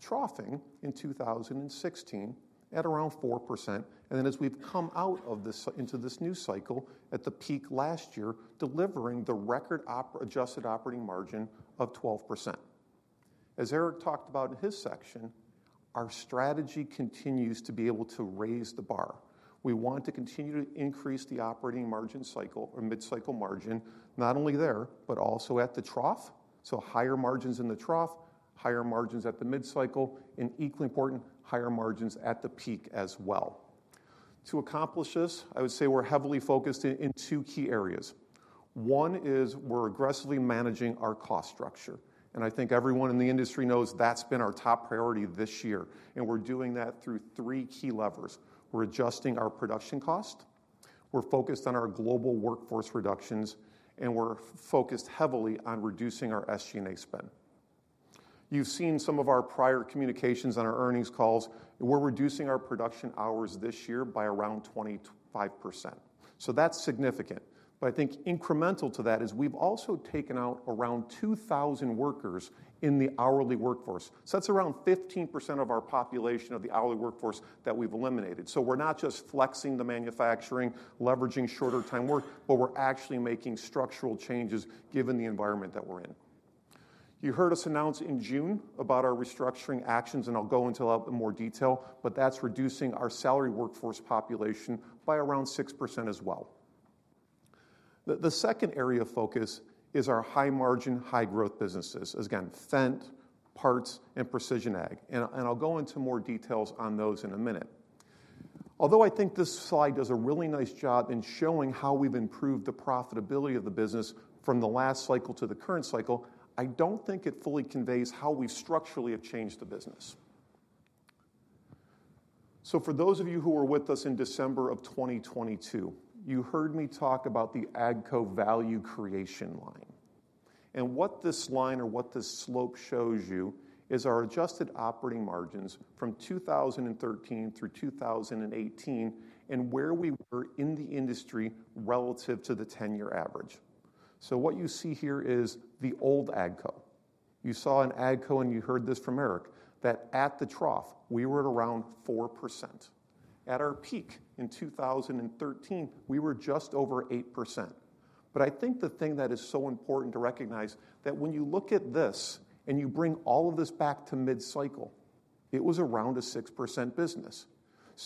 troughing in 2016 at around 4%, and then, as we've come out into this new cycle at the peak last year, delivering the record adjusted operating margin of 12%. As Eric talked about in his section, our strategy continues to be able to raise the bar. We want to continue to increase the operating margin cycle or mid-cycle margin, not only there, but also at the trough. Higher margins in the trough, higher margins at the mid-cycle, and equally important, higher margins at the peak as well. To accomplish this, I would say we're heavily focused in two key areas. One is we're aggressively managing our cost structure. And I think everyone in the industry knows that's been our top priority this year. And we're doing that through three key levers. We're adjusting our production cost. We're focused on our global workforce reductions, and we're focused heavily on reducing our SG&A spend. You've seen some of our prior communications on our earnings calls. We're reducing our production hours this year by around 25%. So, that's significant. But I think incremental to that is we've also taken out around 2,000 workers in the hourly workforce. That's around 15% of our population of the hourly workforce that we've eliminated. We're not just flexing the manufacturing, leveraging shorter-time work, but we're actually making structural changes given the environment that we're in. You heard us announce in June about our restructuring actions, and I'll go into a little bit more detail, but that's reducing our salary workforce population by around 6% as well. The second area of focus is our high-margin, high-growth businesses. Again, Fendt, Parts, and Precision Ag. I'll go into more details on those in a minute. Although I think this slide does a really nice job in showing how we've improved the profitability of the business from the last cycle to the current cycle, I don't think it fully conveys how we structurally have changed the business. For those of you who were with us in December of 2022, you heard me talk about the AGCO value creation line. What this line or what this slope shows you is our adjusted operating margins from 2013 through 2018 and where we were in the industry relative to the 10-year average. What you see here is the old AGCO. You saw in AGCO, and you heard this from Eric, that at the trough, we were at around 4%. At our peak in 2013, we were just over 8%. I think the thing that is so important to recognize is that when you look at this and you bring all of this back to mid-cycle, it was around a 6% business.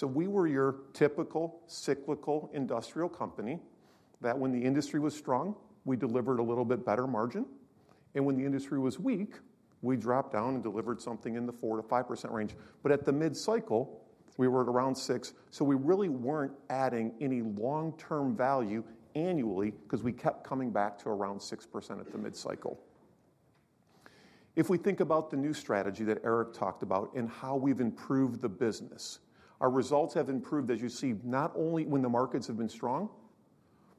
We were your typical cyclical industrial company that when the industry was strong, we delivered a little bit better margin. When the industry was weak, we dropped down and delivered something in the 4%-5% range. But at the mid-cycle, we were at around 6%. So, we really weren't adding any long-term value annually because we kept coming back to around 6% at the mid-cycle. If we think about the new strategy that Eric talked about and how we've improved the business, our results have improved, as you see, not only when the markets have been strong,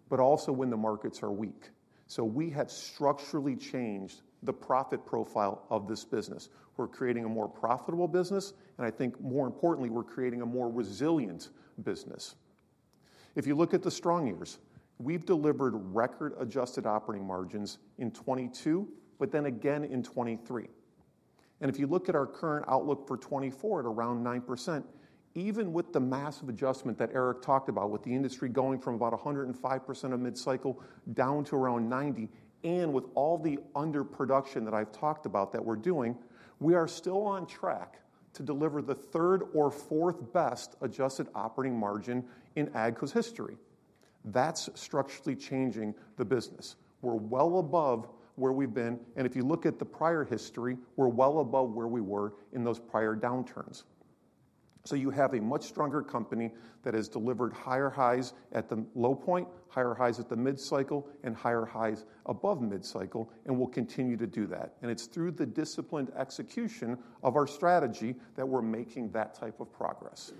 but also when the markets are weak. So, we have structurally changed the profit profile of this business. We're creating a more profitable business, and I think, more importantly, we're creating a more resilient business. If you look at the strong years, we've delivered record Adjusted Operating Margins in 2022, but then again in 2023. And if you look at our current outlook for 2024 at around 9%, even with the massive adjustment that Eric talked about, with the industry going from about 105% of mid-cycle down to around 90%, and with all the underproduction that I've talked about that we're doing, we are still on track to deliver the third or fourth best Adjusted Operating Margin in AGCO's history. That's structurally changing the business. We're well above where we've been. And if you look at the prior history, we're well above where we were in those prior downturns. So, you have a much stronger company that has delivered higher highs at the low point, higher highs at the mid-cycle, and higher highs above mid-cycle, and we'll continue to do that. And it's through the disciplined execution of our strategy that we're making that type of progress.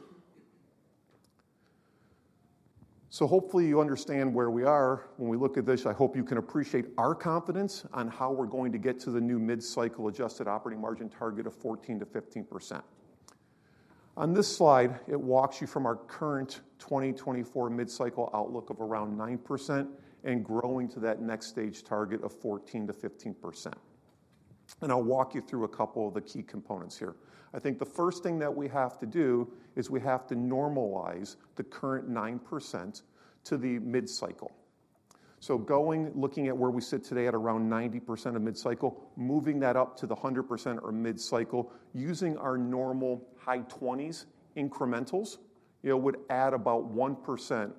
Hopefully, you understand where we are when we look at this. I hope you can appreciate our confidence on how we're going to get to the new mid-cycle adjusted operating margin target of 14% to 15%. On this slide, it walks you from our current 2024 mid-cycle outlook of around 9% and growing to that next-stage target of 14% to 15%. I'll walk you through a couple of the key components here. I think the first thing that we have to do is normalize the current 9% to the mid-cycle. So, going, looking at where we sit today at around 90% of mid-cycle, moving that up to the 100% or mid-cycle, using our normal high 20s incrementals, it would add about 1%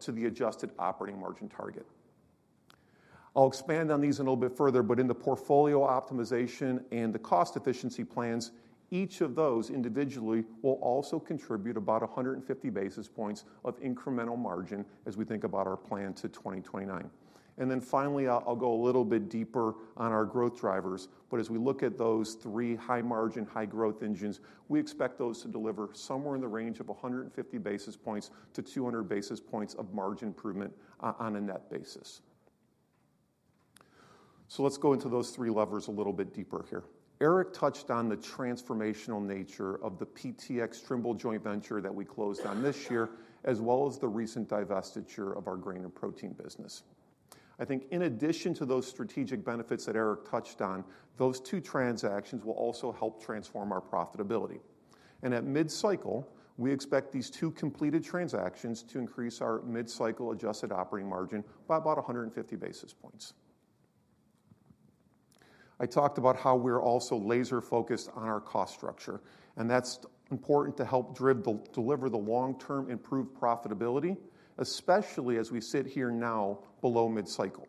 to the adjusted operating margin target. I'll expand on these a little bit further, but in the portfolio optimization and the cost efficiency plans, each of those individually will also contribute about 150 bps of incremental margin as we think about our plan to 2029, and then finally, I'll go a little bit deeper on our growth drivers, but as we look at those three high-margin, high-growth engines, we expect those to deliver somewhere in the range of 150 bps-200 bps of margin improvement on a net basis, so, let's go into those three levers a little bit deeper here. Eric touched on the transformational nature of the PTx Trimble Joint Venture that we closed on this year, as well as the recent divestiture of our Grain & Protein business. I think in addition to those strategic benefits that Eric touched on, those two transactions will also help transform our profitability. At mid-cycle, we expect these two completed transactions to increase our mid-cycle adjusted operating margin by about 150 bps. I talked about how we're also laser-focused on our cost structure, and that's important to help deliver the long-term improved profitability, especially as we sit here now below mid-cycle.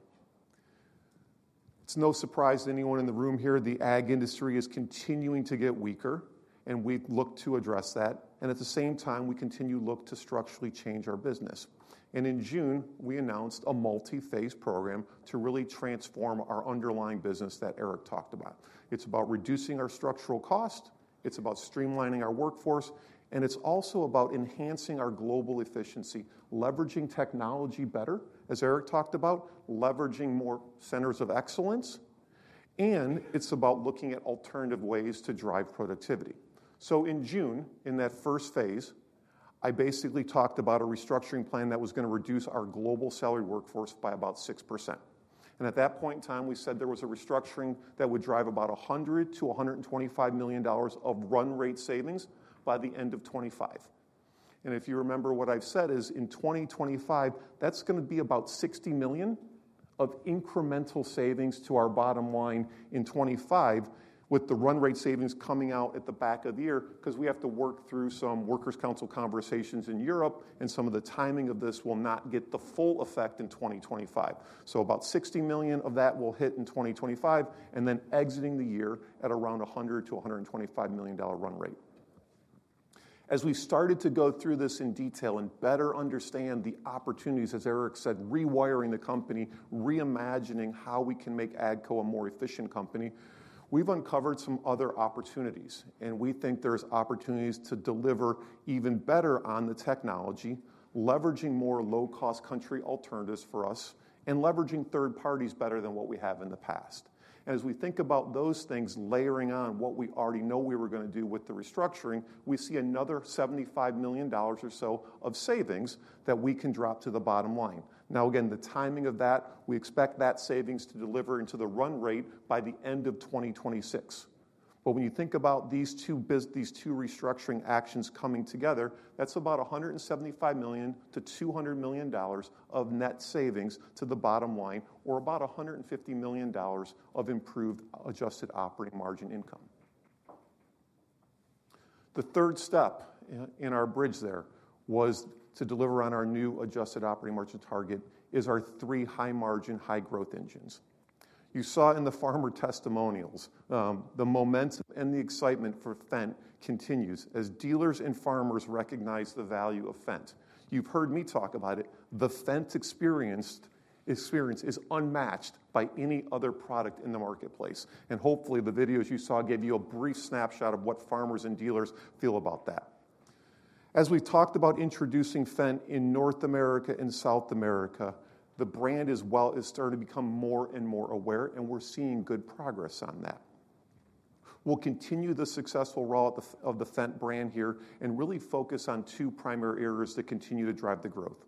It's no surprise to anyone in the room here that the ag industry is continuing to get weaker, and we look to address that. At the same time, we continue to look to structurally change our business. In June, we announced a multi-phase program to really transform our underlying business that Eric talked about. It's about reducing our structural cost. It's about streamlining our workforce. It's also about enhancing our global efficiency, leveraging technology better, as Eric talked about, leveraging more centers of excellence. It's about looking at alternative ways to drive productivity. In June, in that first phase, I basically talked about a restructuring plan that was going to reduce our global salary workforce by about 6%. And at that point in time, we said there was a restructuring that would drive about $100 million to $125 million of run rate savings by the end of 2025. And if you remember what I've said is in 2025, that's going to be about $60 million of incremental savings to our bottom line in 2025, with the run rate savings coming out at the back of the year because we have to work through some workers' council conversations in Europe, and some of the timing of this will not get the full effect in 2025. So, about $60 million of that will hit in 2025, and then exiting the year at around $100 million to $125 million run rate. As we started to go through this in detail and better understand the opportunities, as Eric said, rewiring the company, reimagining how we can make AGCO a more efficient company, we've uncovered some other opportunities. And we think there's opportunities to deliver even better on the technology, leveraging more low-cost country alternatives for us, and leveraging third parties better than what we have in the past. And as we think about those things layering on what we already know we were going to do with the restructuring, we see another $75 million or so of savings that we can drop to the bottom line. Now, again, the timing of that, we expect that savings to deliver into the run rate by the end of 2026. But when you think about these two restructuring actions coming together, that's about $175 million to $200 million of net savings to the bottom line, or about $150 million of improved adjusted operating margin income. The third step in our bridge there was to deliver on our new adjusted operating margin target is our three high-margin, high-growth engines. You saw in the farmer testimonials, the momentum and the excitement for Fendt continues as dealers and farmers recognize the value of Fendt. You've heard me talk about it. The Fendt experience is unmatched by any other product in the marketplace. And hopefully, the videos you saw gave you a brief snapshot of what farmers and dealers feel about that. As we've talked about introducing Fendt in North America and South America, the brand as well is starting to become more and more aware, and we're seeing good progress on that. We'll continue the successful role of the Fendt brand here and really focus on two primary areas that continue to drive the growth.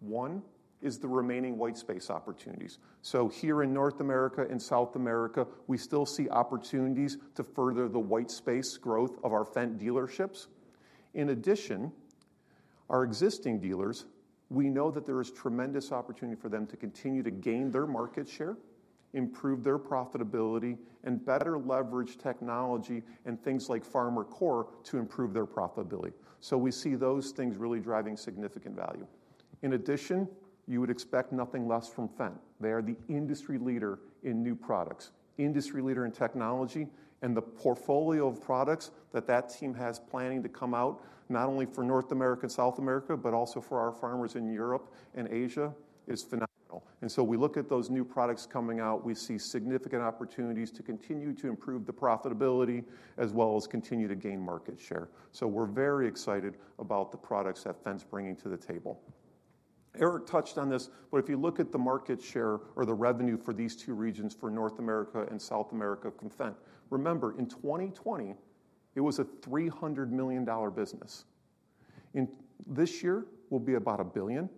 One is the remaining white space opportunities. So, here in North America and South America, we still see opportunities to further the white space growth of our Fendt dealerships. In addition, our existing dealers, we know that there is tremendous opportunity for them to continue to gain their market share, improve their profitability, and better leverage technology and things like FarmerCore to improve their profitability. So, we see those things really driving significant value. In addition, you would expect nothing less from Fendt. They are the industry leader in new products, industry leader in technology, and the portfolio of products that that team has planning to come out not only for North America and South America, but also for our farmers in Europe and Asia is phenomenal, and so we look at those new products coming out, we see significant opportunities to continue to improve the profitability as well as continue to gain market share, so we're very excited about the products that Fendt's bringing to the table. Eric touched on this, but if you look at the market share or the revenue for these two regions for North America and South America from Fendt, remember in 2020, it was a $300 million business. This year will be about $1 billion,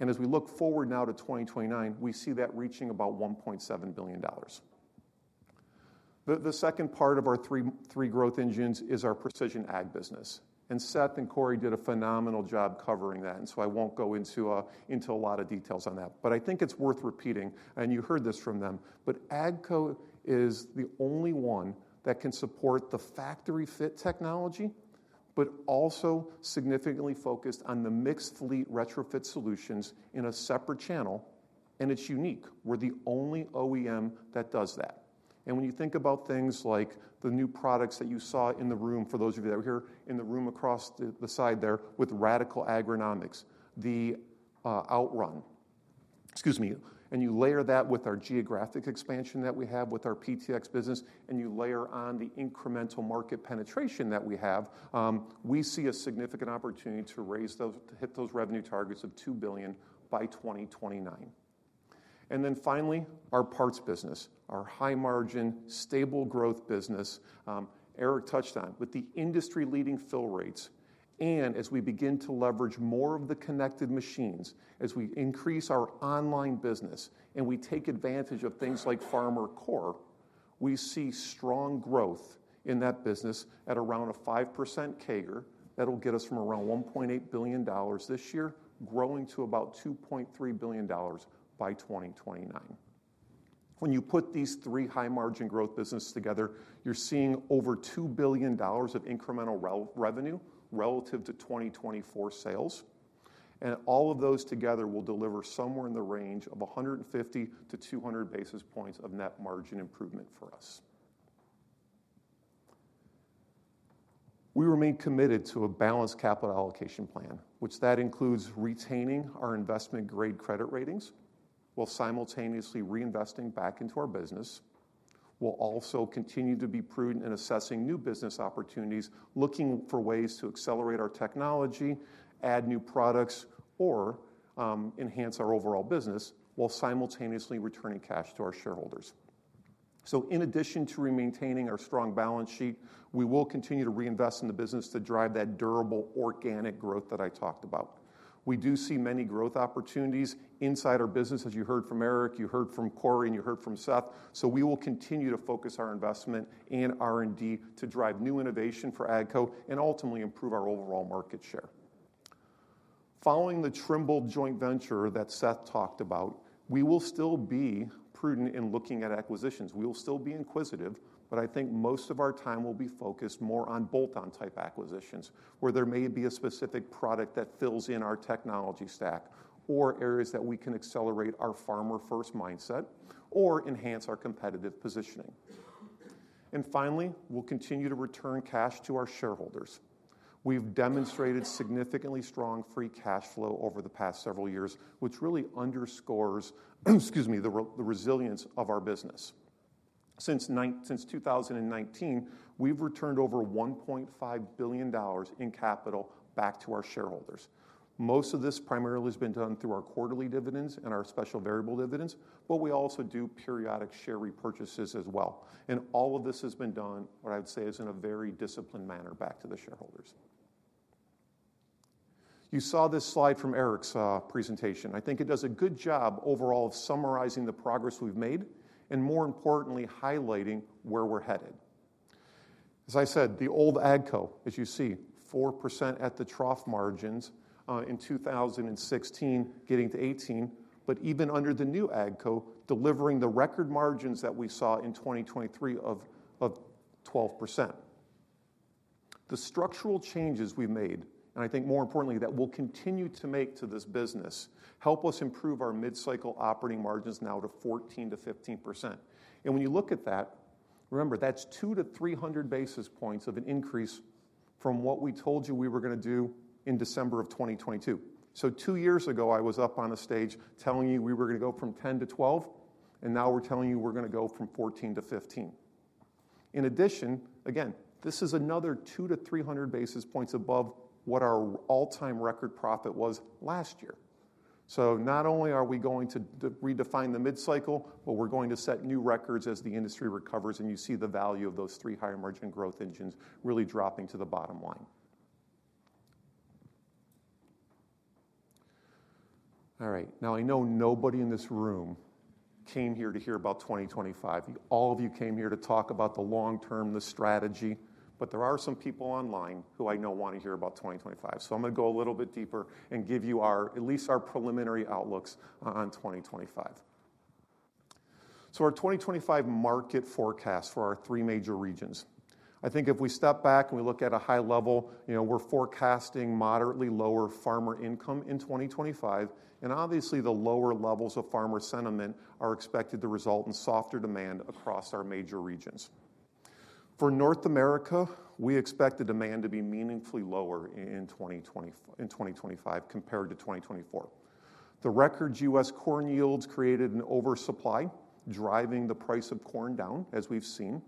and as we look forward now to 2029, we see that reaching about $1.7 billion. The second part of our three growth engines is our Precision Ag business, and Seth and Corey did a phenomenal job covering that, and so I won't go into a lot of details on that, but I think it's worth repeating, and you heard this from them, but AGCO is the only one that can support the factory fit technology, but also significantly focused on the mixed fleet retrofit solutions in a separate channel, and it's unique. We're the only OEM that does that. And when you think about things like the new products that you saw in the room, for those of you that were here in the room across the side there with Radicle Agronomics, the Outrun, excuse me, and you layer that with our geographic expansion that we have with our PTx business, and you layer on the incremental market penetration that we have, we see a significant opportunity to raise those, to hit those revenue targets of $2 billion by 2029. And then finally, our parts business, our high-margin, stable-growth business, Eric touched on with the industry-leading fill rates. As we begin to leverage more of the connected machines, as we increase our online business and we take advantage of things like FarmerCore, we see strong growth in that business at around a 5% CAGR that will get us from around $1.8 billion this year growing to about $2.3 billion by 2029. When you put these three high margin growth businesses together, you're seeing over $2 billion of incremental revenue relative to 2024 sales. And all of those together will deliver somewhere in the range of 150 bps to 200 bps of net margin improvement for us. We remain committed to a balanced capital allocation plan, which includes retaining our investment grade credit ratings while simultaneously reinvesting back into our business. We'll also continue to be prudent in assessing new business opportunities, looking for ways to accelerate our technology, add new products, or enhance our overall business while simultaneously returning cash to our shareholders. So, in addition to maintaining our strong balance sheet, we will continue to reinvest in the business to drive that durable organic growth that I talked about. We do see many growth opportunities inside our business, as you heard from Eric, you heard from Corey, and you heard from Seth. So, we will continue to focus our investment and R&D to drive new innovation for AGCO and ultimately improve our overall market share. Following the Trimble Joint Venture that Seth talked about, we will still be prudent in looking at acquisitions. We will still be inquisitive, but I think most of our time will be focused more on bolt-on type acquisitions, where there may be a specific product that fills in our technology stack or areas that we can accelerate our farmer-first mindset or enhance our competitive positioning. And finally, we'll continue to return cash to our shareholders. We've demonstrated significantly strong free cash flow over the past several years, which really underscores, excuse me, the resilience of our business. Since 2019, we've returned over $1.5 billion in capital back to our shareholders. Most of this primarily has been done through our quarterly dividends and our special variable dividends, but we also do periodic share repurchases as well. And all of this has been done, what I would say is, in a very disciplined manner back to the shareholders. You saw this slide from Eric's presentation. I think it does a good job overall of summarizing the progress we've made and, more importantly, highlighting where we're headed. As I said, the old AGCO, as you see, 4% at the trough margins in 2016, getting to 18%, but even under the new AGCO, delivering the record margins that we saw in 2023 of 12%. The structural changes we've made, and I think more importantly that we'll continue to make to this business, help us improve our mid-cycle operating margins now to 14% to 15%, and when you look at that, remember that's 200 bps to 300 bps of an increase from what we told you we were going to do in December of 2022. So, two years ago, I was up on a stage telling you we were going to go from 10 to 12, and now we're telling you we're going to go from 14 to 15. In addition, again, this is another 2 bps to 300 bps above what our all-time record profit was last year. So, not only are we going to redefine the mid-cycle, but we're going to set new records as the industry recovers, and you see the value of those three high margin growth engines really dropping to the bottom line. All right. Now, I know nobody in this room came here to hear about 2025. All of you came here to talk about the long term, the strategy, but there are some people online who I know want to hear about 2025. So, I'm going to go a little bit deeper and give you our, at least our preliminary outlooks on 2025. So, our 2025 market forecast for our three major regions. I think if we step back and we look at a high level, you know, we're forecasting moderately lower farmer income in 2025, and obviously the lower levels of farmer sentiment are expected to result in softer demand across our major regions. For North America, we expect the demand to be meaningfully lower in 2025 compared to 2024. The record U.S. corn yields created an oversupply, driving the price of corn down, as we've seen,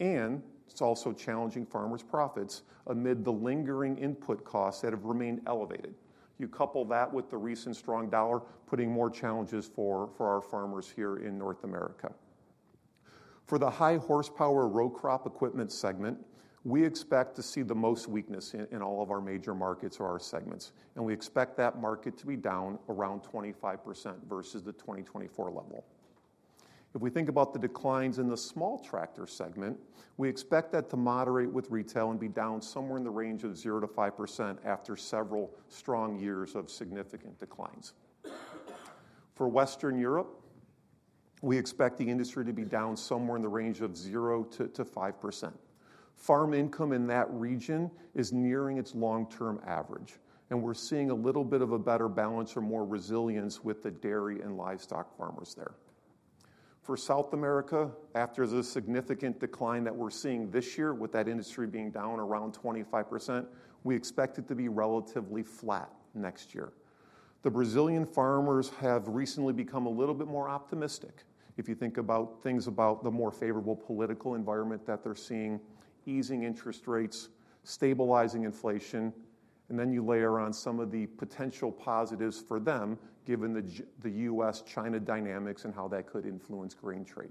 and it's also challenging farmers' profits amid the lingering input costs that have remained elevated. You couple that with the recent strong dollar, putting more challenges for our farmers here in North America. For the high horsepower row crop equipment segment, we expect to see the most weakness in all of our major markets or our segments, and we expect that market to be down around 25% versus the 2024 level. If we think about the declines in the small tractor segment, we expect that to moderate with retail and be down somewhere in the range of 0%-5% after several strong years of significant declines. For Western Europe, we expect the industry to be down somewhere in the range of 0%-5%. Farm income in that region is nearing its long-term average, and we're seeing a little bit of a better balance or more resilience with the dairy and livestock farmers there. For South America, after the significant decline that we're seeing this year with that industry being down around 25%, we expect it to be relatively flat next year. The Brazilian farmers have recently become a little bit more optimistic if you think about things about the more favorable political environment that they're seeing, easing interest rates, stabilizing inflation, and then you layer on some of the potential positives for them, given the U.S.-China dynamics and how that could influence grain trade.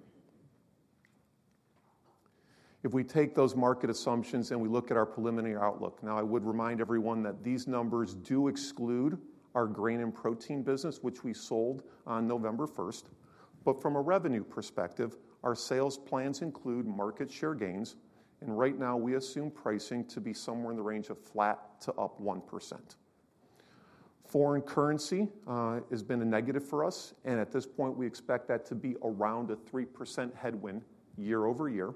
If we take those market assumptions and we look at our preliminary outlook, now I would remind everyone that these numbers do exclude our Grain & Protein business, which we sold on November 1st, but from a revenue perspective, our sales plans include market share gains, and right now we assume pricing to be somewhere in the range of flat to up 1%. Foreign currency has been a negative for us, and at this point, we expect that to be around a 3% headwind year over year.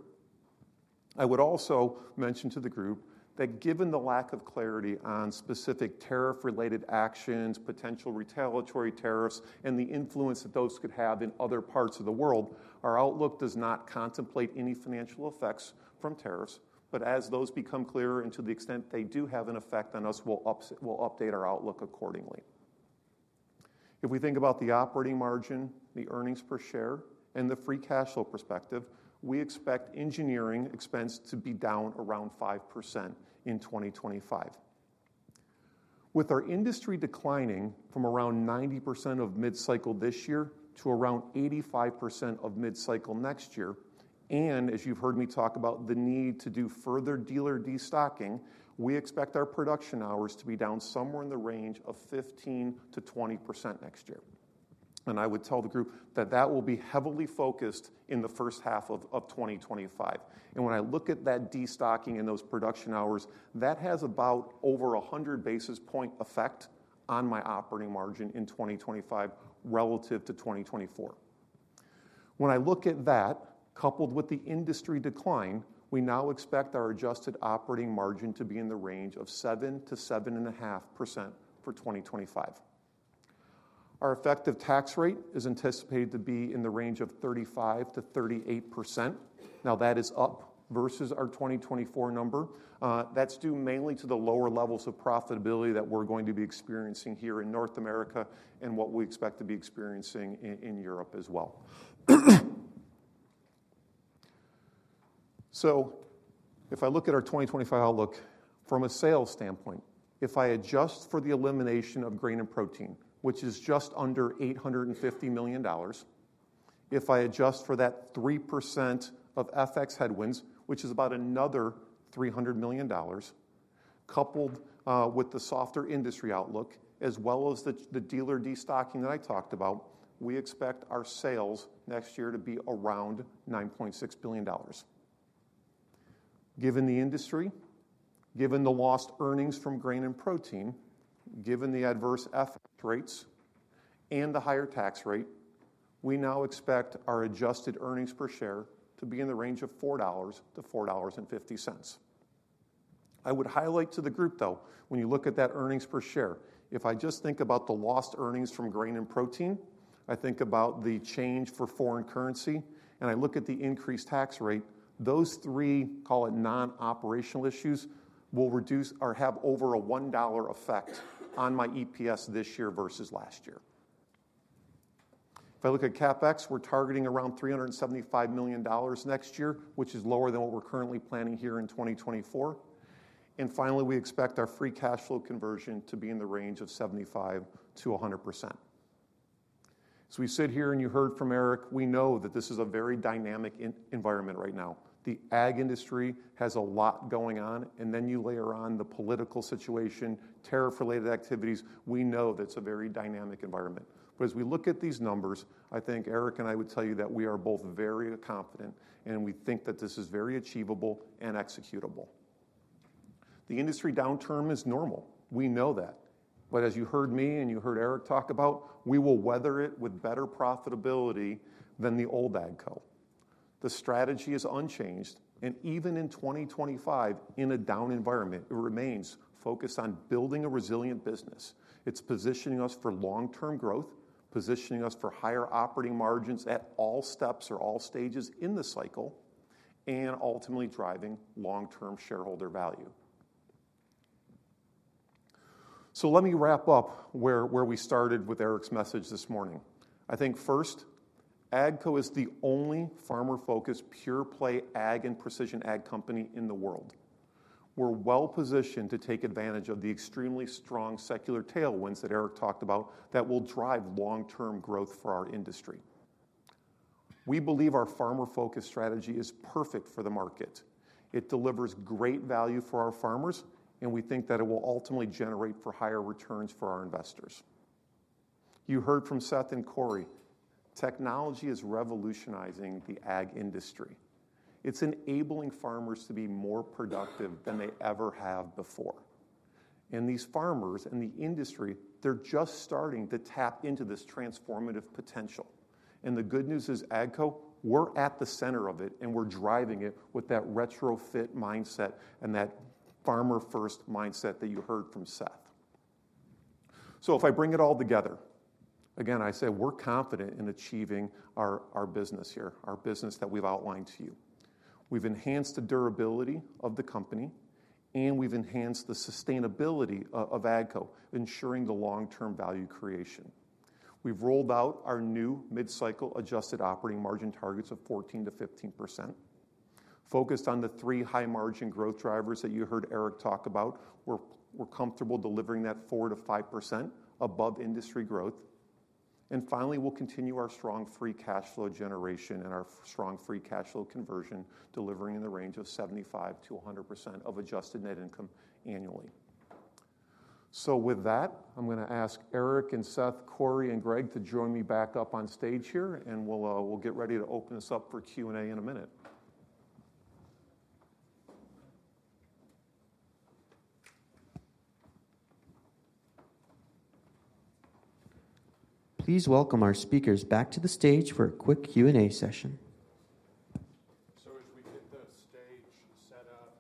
I would also mention to the group that given the lack of clarity on specific tariff-related actions, potential retaliatory tariffs, and the influence that those could have in other parts of the world, our outlook does not contemplate any financial effects from tariffs, but as those become clearer and to the extent they do have an effect on us, we'll update our outlook accordingly. If we think about the operating margin, the earnings per share, and the free cash flow perspective, we expect engineering expense to be down around 5% in 2025. With our industry declining from around 90% of mid-cycle this year to around 85% of mid-cycle next year, and as you've heard me talk about the need to do further dealer destocking, we expect our production hours to be down somewhere in the range of 15%-20% next year. And I would tell the group that that will be heavily focused in the first half of 2025. And when I look at that destocking and those production hours, that has about over 100 bp effect on my operating margin in 2025 relative to 2024. When I look at that, coupled with the industry decline, we now expect our adjusted operating margin to be in the range of 7%-7.5% for 2025. Our effective tax rate is anticipated to be in the range of 35%-38%. Now, that is up versus our 2024 number. That's due mainly to the lower levels of profitability that we're going to be experiencing here in North America and what we expect to be experiencing in Europe as well. So, if I look at our 2025 outlook from a sales standpoint, if I adjust for the elimination of Grain & Protein, which is just under $850 million, if I adjust for that 3% of FX headwinds, which is about another $300 million, coupled with the softer industry outlook, as well as the dealer destocking that I talked about, we expect our sales next year to be around $9.6 billion. Given the industry, given the lost earnings from Grain & Protein, given the adverse FX rates, and the higher tax rate, we now expect our adjusted earnings per share to be in the range of $4-$4.50. I would highlight to the group, though, when you look at that earnings per share, if I just think about the lost earnings from Grain & Protein, I think about the change for foreign currency, and I look at the increased tax rate, those three, call it non-operational issues, will reduce or have over a $1 effect on my EPS this year versus last year. If I look at CapEx, we're targeting around $375 million next year, which is lower than what we're currently planning here in 2024. And finally, we expect our free cash flow conversion to be in the range of 75%-100%. As we sit here and you heard from Eric, we know that this is a very dynamic environment right now. The ag industry has a lot going on, and then you layer on the political situation, tariff-related activities. We know that's a very dynamic environment. But as we look at these numbers, I think Eric and I would tell you that we are both very confident, and we think that this is very achievable and executable. The industry downturn is normal. We know that. But as you heard me and you heard Eric talk about, we will weather it with better profitability than the old AGCO. The strategy is unchanged, and even in 2025, in a down environment, it remains focused on building a resilient business. It's positioning us for long-term growth, positioning us for higher operating margins at all steps or all stages in the cycle, and ultimately driving long-term shareholder value. Let me wrap up where we started with Eric's message this morning. I think first, AGCO is the only farmer-focused pure-play ag and precision ag company in the world. We're well positioned to take advantage of the extremely strong secular tailwinds that Eric talked about that will drive long-term growth for our industry. We believe our farmer-focused strategy is perfect for the market. It delivers great value for our farmers, and we think that it will ultimately generate for higher returns for our investors. You heard from Seth and Corey. Technology is revolutionizing the ag industry. It's enabling farmers to be more productive than they ever have before, and these farmers and the industry, they're just starting to tap into this transformative potential, and the good news is AGCO, we're at the center of it, and we're driving it with that retrofit mindset and that farmer-first mindset that you heard from Seth. So, if I bring it all together, again, I say we're confident in achieving our business here, our business that we've outlined to you. We've enhanced the durability of the company, and we've enhanced the sustainability of AGCO, ensuring the long-term value creation. We've rolled out our new mid-cycle adjusted operating margin targets of 14% to 15%. Focused on the three high margin growth drivers that you heard Eric talk about, we're comfortable delivering that 4% to 5% above industry growth. And finally, we'll continue our strong free cash flow generation and our strong free cash flow conversion, delivering in the range of 75%-100% of adjusted net income annually. So, with that, I'm going to ask Eric and Seth, Corey and Greg to join me back up on stage here, and we'll get ready to open this up for Q&A in a minute. Please welcome our speakers back to the stage for a quick Q&A session. So, as we get the stage set up,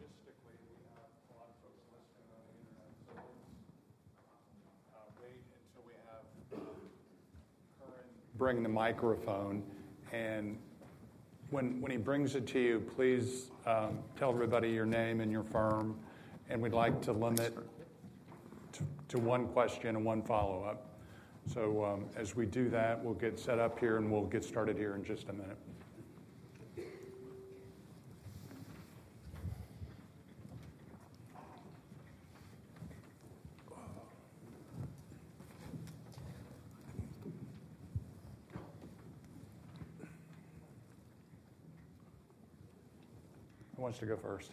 logistically, we have a lot of folks listening on the internet, so let's wait until we have a mic. Bring the microphone, and when he brings it to you, please tell everybody your name and your firm, and we'd like to limit to one question and one follow-up. So, as we do that, we'll get set up here and we'll get started here in just a minute. Who wants to go first?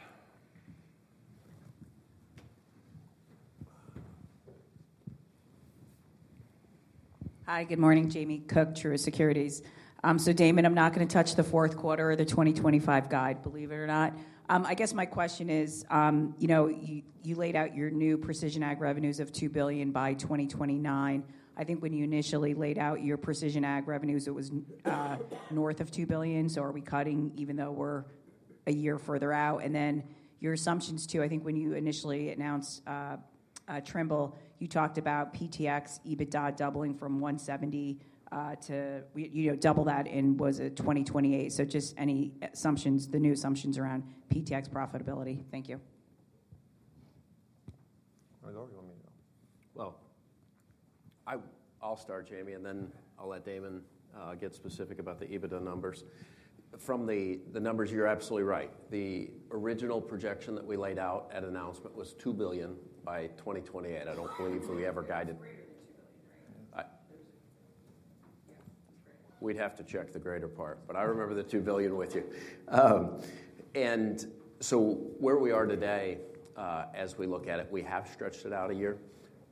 Hi, good morning, Jamie Cook, Truist Securities. So, Damon, I'm not going to touch the fourth quarter or the 2025 guide, believe it or not. I guess my question is, you know, you laid out your new precision ag revenues of $2 billion by 2029. I think when you initially laid out your Precision Ag revenues, it was north of $2 billion, so are we cutting even though we're a year further out? And then your assumptions too, I think when you initially announced Trimble, you talked about PTx EBITDA doubling from $170 to, you know, double that in, was it 2028? So, just any assumptions, the new assumptions around PTx profitability. Thank you. I'll start, Jamie, and then I'll let Damon get specific about the EBITDA numbers. From the numbers, you're absolutely right. The original projection that we laid out at announcement was $2 billion by 2028. I don't believe we ever guided $2 billion, right? We'd have to check the transcript, but I remember the $2 billion with you. And so, where we are today, as we look at it, we have stretched it out a year,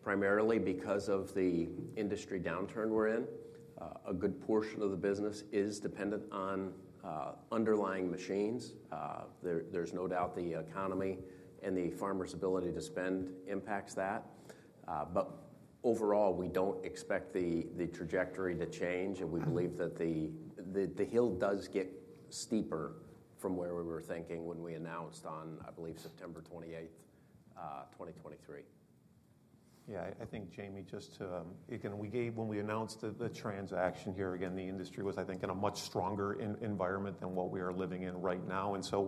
primarily because of the industry downturn we're in. A good portion of the business is dependent on underlying machines. There's no doubt the economy and the farmer's ability to spend impacts that. But overall, we don't expect the trajectory to change, and we believe that the hill does get steeper from where we were thinking when we announced on, I believe, September 28th, 2023. Yeah, I think, Jamie, just to, again, when we announced the transaction here, again, the industry was, I think, in a much stronger environment than what we are living in right now. And so,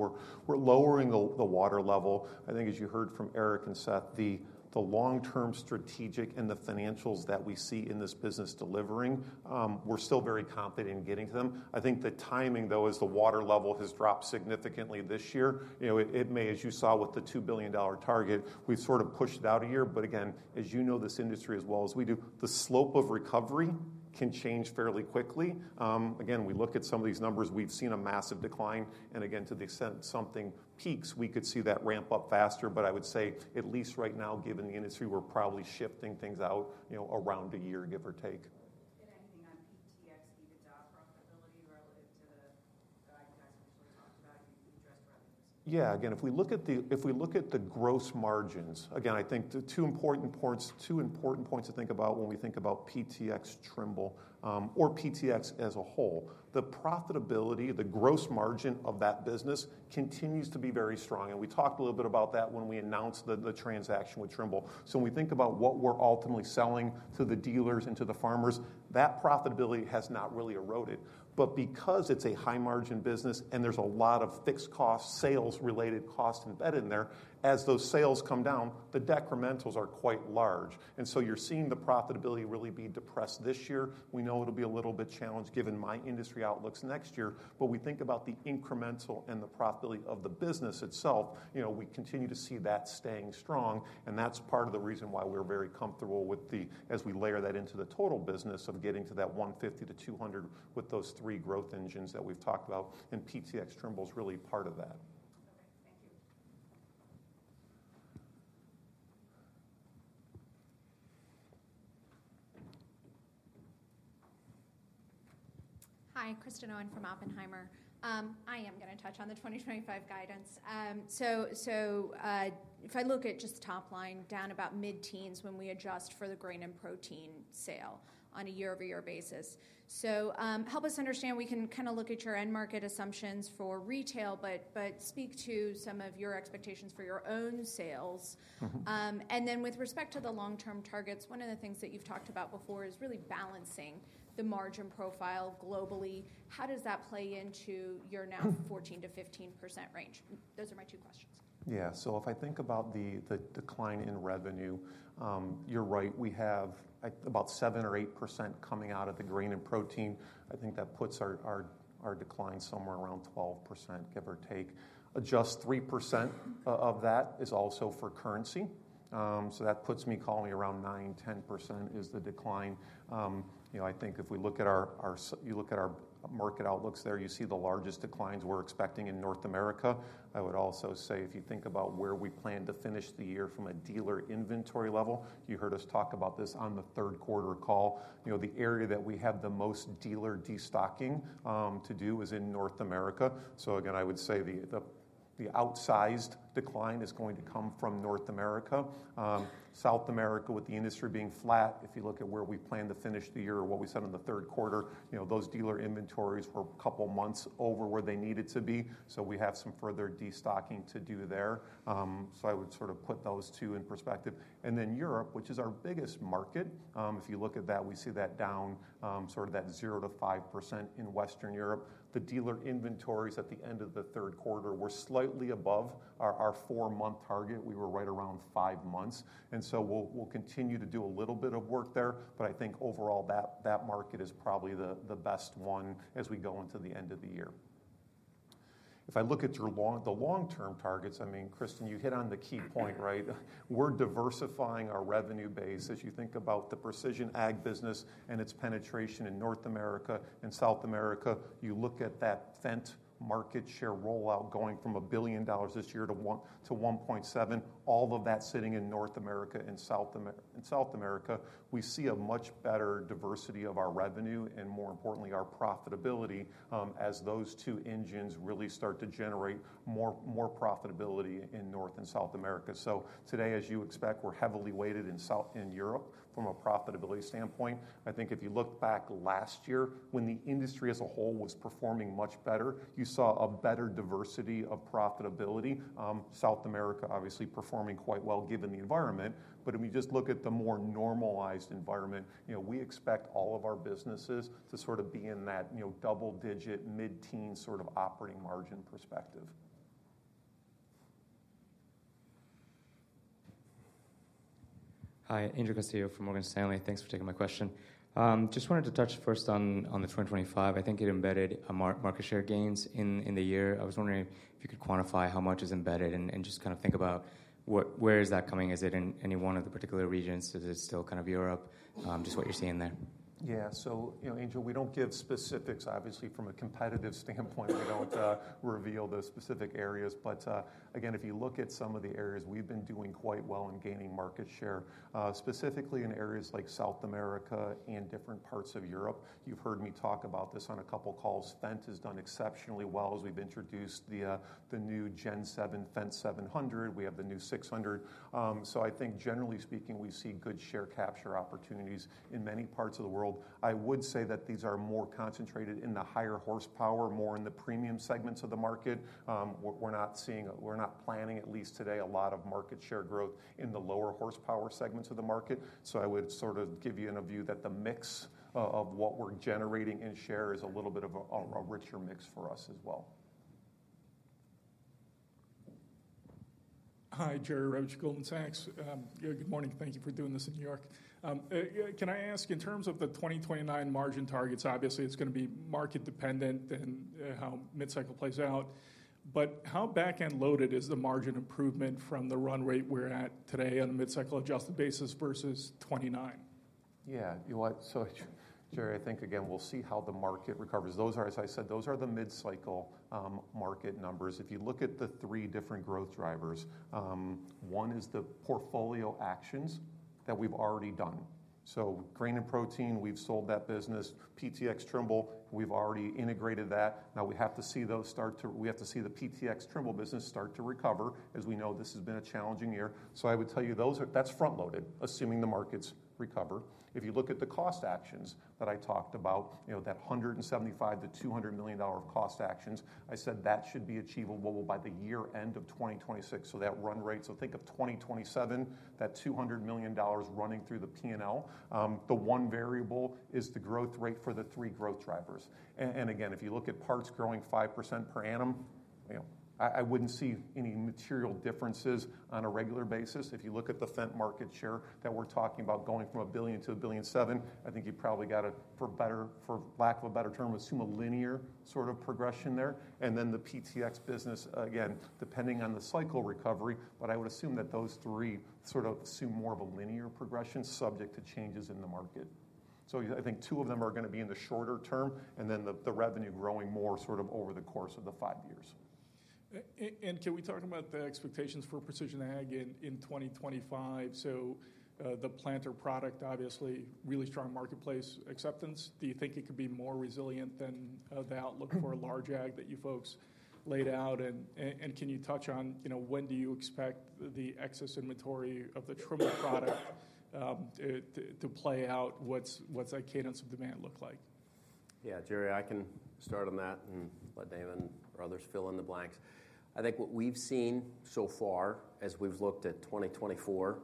we're lowering the water level. I think, as you heard from Eric and Seth, the long-term strategic and the financials that we see in this business delivering, we're still very confident in getting to them. I think the timing, though, as the water level has dropped significantly this year, you know, it may, as you saw with the $2 billion target, we've sort of pushed it out a year. But again, as you know this industry as well as we do, the slope of recovery can change fairly quickly. Again, we look at some of these numbers, we've seen a massive decline, and again, to the extent something peaks, we could see that ramp up faster. But I would say, at least right now, given the industry, we're probably shifting things out, you know, around a year, give or take. And anything on PTx EBITDA profitability relative to the guys we just talked about, you addressed earlier. Yeah, again, if we look at the gross margins, again, I think the two important points, two important points to think about when we think about PTx Trimble or PTx as a whole, the profitability, the gross margin of that business continues to be very strong. And we talked a little bit about that when we announced the transaction with Trimble. So, when we think about what we're ultimately selling to the dealers and to the farmers, that profitability has not really eroded. But because it's a high-margin business and there's a lot of fixed costs, sales-related costs embedded in there, as those sales come down, the decrementals are quite large. And so, you're seeing the profitability really be depressed this year. We know it'll be a little bit challenged given my industry outlooks next year. But we think about the incremental and the profitability of the business itself, you know, we continue to see that staying strong. And that's part of the reason why we're very comfortable with the, as we layer that into the total business of getting to that $150 to $200 with those three growth engines that we've talked about. And PTx Trimble is really part of that. Okay, thank you. Hi, Kristen Owen from Oppenheimer. I am going to touch on the 2025 guidance. So, if I look at just the top line down about mid-teens when we adjust for the Grain & Protein sale on a year-over-year basis. So, help us understand, we can kind of look at your end market assumptions for retail, but speak to some of your expectations for your own sales. With respect to the long-term targets, one of the things that you've talked about before is really balancing the margin profile globally. How does that play into your now 14%-15% range? Those are my two questions. Yeah, so if I think about the decline in revenue, you're right, we have about 7% or 8% coming out of the Grain & Protein. I think that puts our decline somewhere around 12%, give or take. Just 3% of that is also for currency. So, that puts me calling around 9% to 10% is the decline. You know, I think if you look at our market outlooks there, you see the largest declines we're expecting in North America. I would also say, if you think about where we plan to finish the year from a dealer inventory level, you heard us talk about this on the third quarter call. You know, the area that we have the most dealer destocking to do is in North America. So, again, I would say the outsized decline is going to come from North America. South America, with the industry being flat, if you look at where we plan to finish the year, what we said in the third quarter, you know, those dealer inventories were a couple months over where they needed to be. So, we have some further destocking to do there. So, I would sort of put those two in perspective. And then Europe, which is our biggest market, if you look at that, we see that down sort of that 0% to 5% in Western Europe. The dealer inventories at the end of the third quarter were slightly above our four-month target. We were right around five months. And so, we'll continue to do a little bit of work there. But I think overall, that market is probably the best one as we go into the end of the year. If I look at the long-term targets, I mean, Kristen, you hit on the key point, right? We're diversifying our revenue base. As you think about the precision ag business and its penetration in North America and South America, you look at that Fendt market share rollout going from $1 billion this year to $1.7 billion, all of that sitting in North America and South America. We see a much better diversity of our revenue and, more importantly, our profitability as those two engines really start to generate more profitability in North and South America. So, today, as you expect, we're heavily weighted in Europe from a profitability standpoint. I think if you look back last year, when the industry as a whole was performing much better, you saw a better diversity of profitability. South America, obviously, performing quite well given the environment. But if we just look at the more normalized environment, you know, we expect all of our businesses to sort of be in that, you know, double-digit, mid-teens sort of operating margin perspective. Hi, Angel Castillo from Morgan Stanley. Thanks for taking my question. Just wanted to touch first on the 2025. I think it embedded market share gains in the year. I was wondering if you could quantify how much is embedded and just kind of think about where is that coming? Is it in any one of the particular regions? Is it still kind of Europe, just what you're seeing there? Yeah, so, you know, Andrew, we don't give specifics, obviously, from a competitive standpoint. We don't reveal the specific areas. But again, if you look at some of the areas, we've been doing quite well in gaining market share, specifically in areas like South America and different parts of Europe. You've heard me talk about this on a couple of calls. Fendt has done exceptionally well as we've introduced the new Gen 7 Fendt 700. We have the new 600. So, I think, generally speaking, we see good share capture opportunities in many parts of the world. I would say that these are more concentrated in the higher horsepower, more in the premium segments of the market. We're not seeing, we're not planning, at least today, a lot of market share growth in the lower horsepower segments of the market. So, I would sort of give you a view that the mix of what we're generating in share is a little bit of a richer mix for us as well. Hi, Jerry Revich, Goldman Sachs. Good morning. Thank you for doing this in New York. Can I ask, in terms of the 2029 margin targets, obviously, it's going to be market dependent and how mid-cycle plays out. But how back-end loaded is the margin improvement from the run rate we're at today on a mid-cycle adjusted basis versus 2029? Yeah, you know what? So, Jerry, I think, again, we'll see how the market recovers. Those are, as I said, those are the mid-cycle market numbers. If you look at the three different growth drivers, one is the portfolio actions that we've already done. So, Grain & Protein, we've sold that business. PTx Trimble, we've already integrated that. Now, we have to see those start to, we have to see the PTx Trimble business start to recover, as we know this has been a challenging year. So, I would tell you those are, that's front-loaded, assuming the markets recover. If you look at the cost actions that I talked about, you know, that $175 to $200 million of cost actions, I said that should be achievable by the year end of 2026. So, that run rate, so think of 2027, that $200 million running through the P&L. The one variable is the growth rate for the three growth drivers. And again, if you look at parts growing 5% per annum, you know, I wouldn't see any material differences on a regular basis. If you look at the Fendt market share that we're talking about going from $1 billion to $1.7 billion, I think you probably got a, for better, for lack of a better term, assume a linear sort of progression there. And then the PTx business, again, depending on the cycle recovery, but I would assume that those three sort of assume more of a linear progression subject to changes in the market. I think two of them are going to be in the shorter term and then the revenue growing more sort of over the course of the five years. Can we talk about the expectations for precision ag in 2025? The planter product, obviously, really strong marketplace acceptance. Do you think it could be more resilient than the outlook for a large ag that you folks laid out? And can you touch on, you know, when do you expect the excess inventory of the Trimble product to play out? What's that cadence of demand look like? Yeah, Jerry, I can start on that and let Damon or others fill in the blanks. I think what we've seen so far, as we've looked at 2024,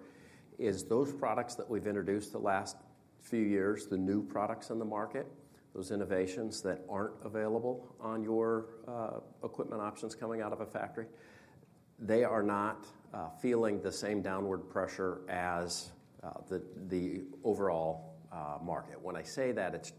is those products that we've introduced the last few years, the new products in the market, those innovations that aren't available on your equipment options coming out of a factory. They are not feeling the same downward pressure as the overall market. When I say that, it's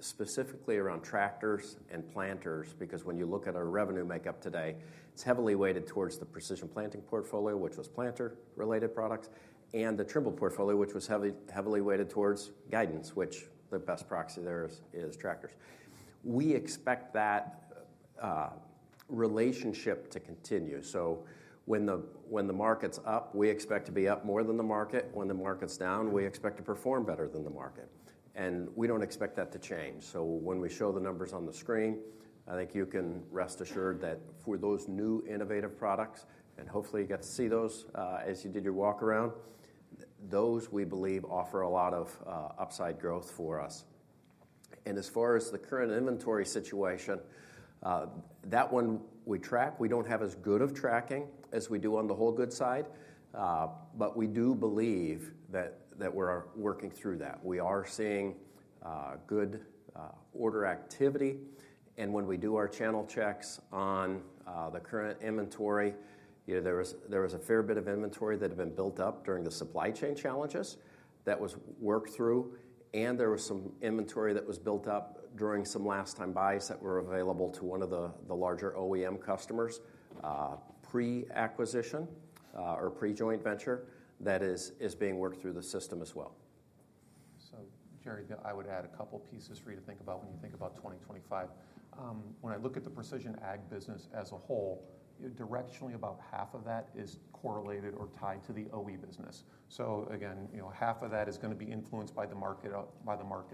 specifically around tractors and planters, because when you look at our revenue makeup today, it's heavily weighted towards the precision planting portfolio, which was planter-related products, and the Trimble portfolio, which was heavily weighted towards guidance, which the best proxy there is tractors. We expect that relationship to continue. So, when the market's up, we expect to be up more than the market. When the market's down, we expect to perform better than the market. And we don't expect that to change. So, when we show the numbers on the screen, I think you can rest assured that for those new innovative products, and hopefully you got to see those as you did your walk around, those we believe offer a lot of upside growth for us. As far as the current inventory situation, that one we track, we don't have as good of tracking as we do on the whole good side. But we do believe that we're working through that. We are seeing good order activity. When we do our channel checks on the current inventory, you know, there was a fair bit of inventory that had been built up during the supply chain challenges that was worked through. There was some inventory that was built up during some last-time buys that were available to one of the larger OEM customers, pre-acquisition or pre-joint venture that is being worked through the system as well. So, Jerry, I would add a couple of pieces for you to think about when you think about 2025. When I look at the precision ag business as a whole, directionally, about half of that is correlated or tied to the OE business. So, again, you know, half of that is going to be influenced by the market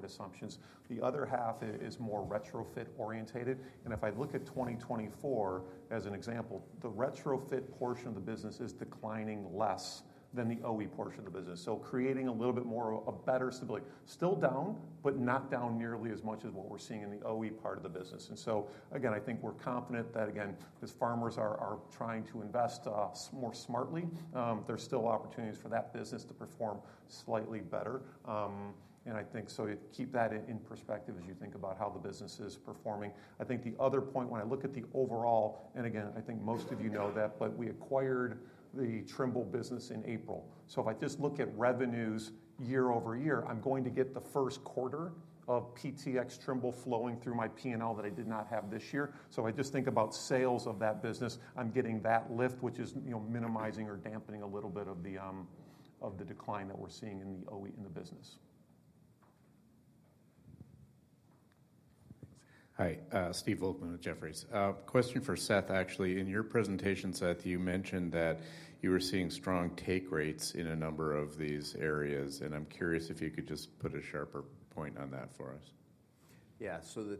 assumptions. The other half is more retrofit oriented. And if I look at 2024, as an example, the retrofit portion of the business is declining less than the OE portion of the business. So, creating a little bit more of a better stability. Still down, but not down nearly as much as what we're seeing in the OE part of the business. And so, again, I think we're confident that, again, as farmers are trying to invest more smartly, there's still opportunities for that business to perform slightly better. And I think, so keep that in perspective as you think about how the business is performing. I think the other point, when I look at the overall, and again, I think most of you know that, but we acquired the Trimble business in April. So, if I just look at revenues year over year, I'm going to get the first quarter of PTx Trimble flowing through my P&L that I did not have this year. So, if I just think about sales of that business, I'm getting that lift, which is, you know, minimizing or dampening a little bit of the decline that we're seeing in the OE in the business. Hi, Steve Volkmann with Jefferies. Question for Seth, actually. In your presentation, Seth, you mentioned that you were seeing strong take rates in a number of these areas. And I'm curious if you could just put a sharper point on that for us. Yeah, so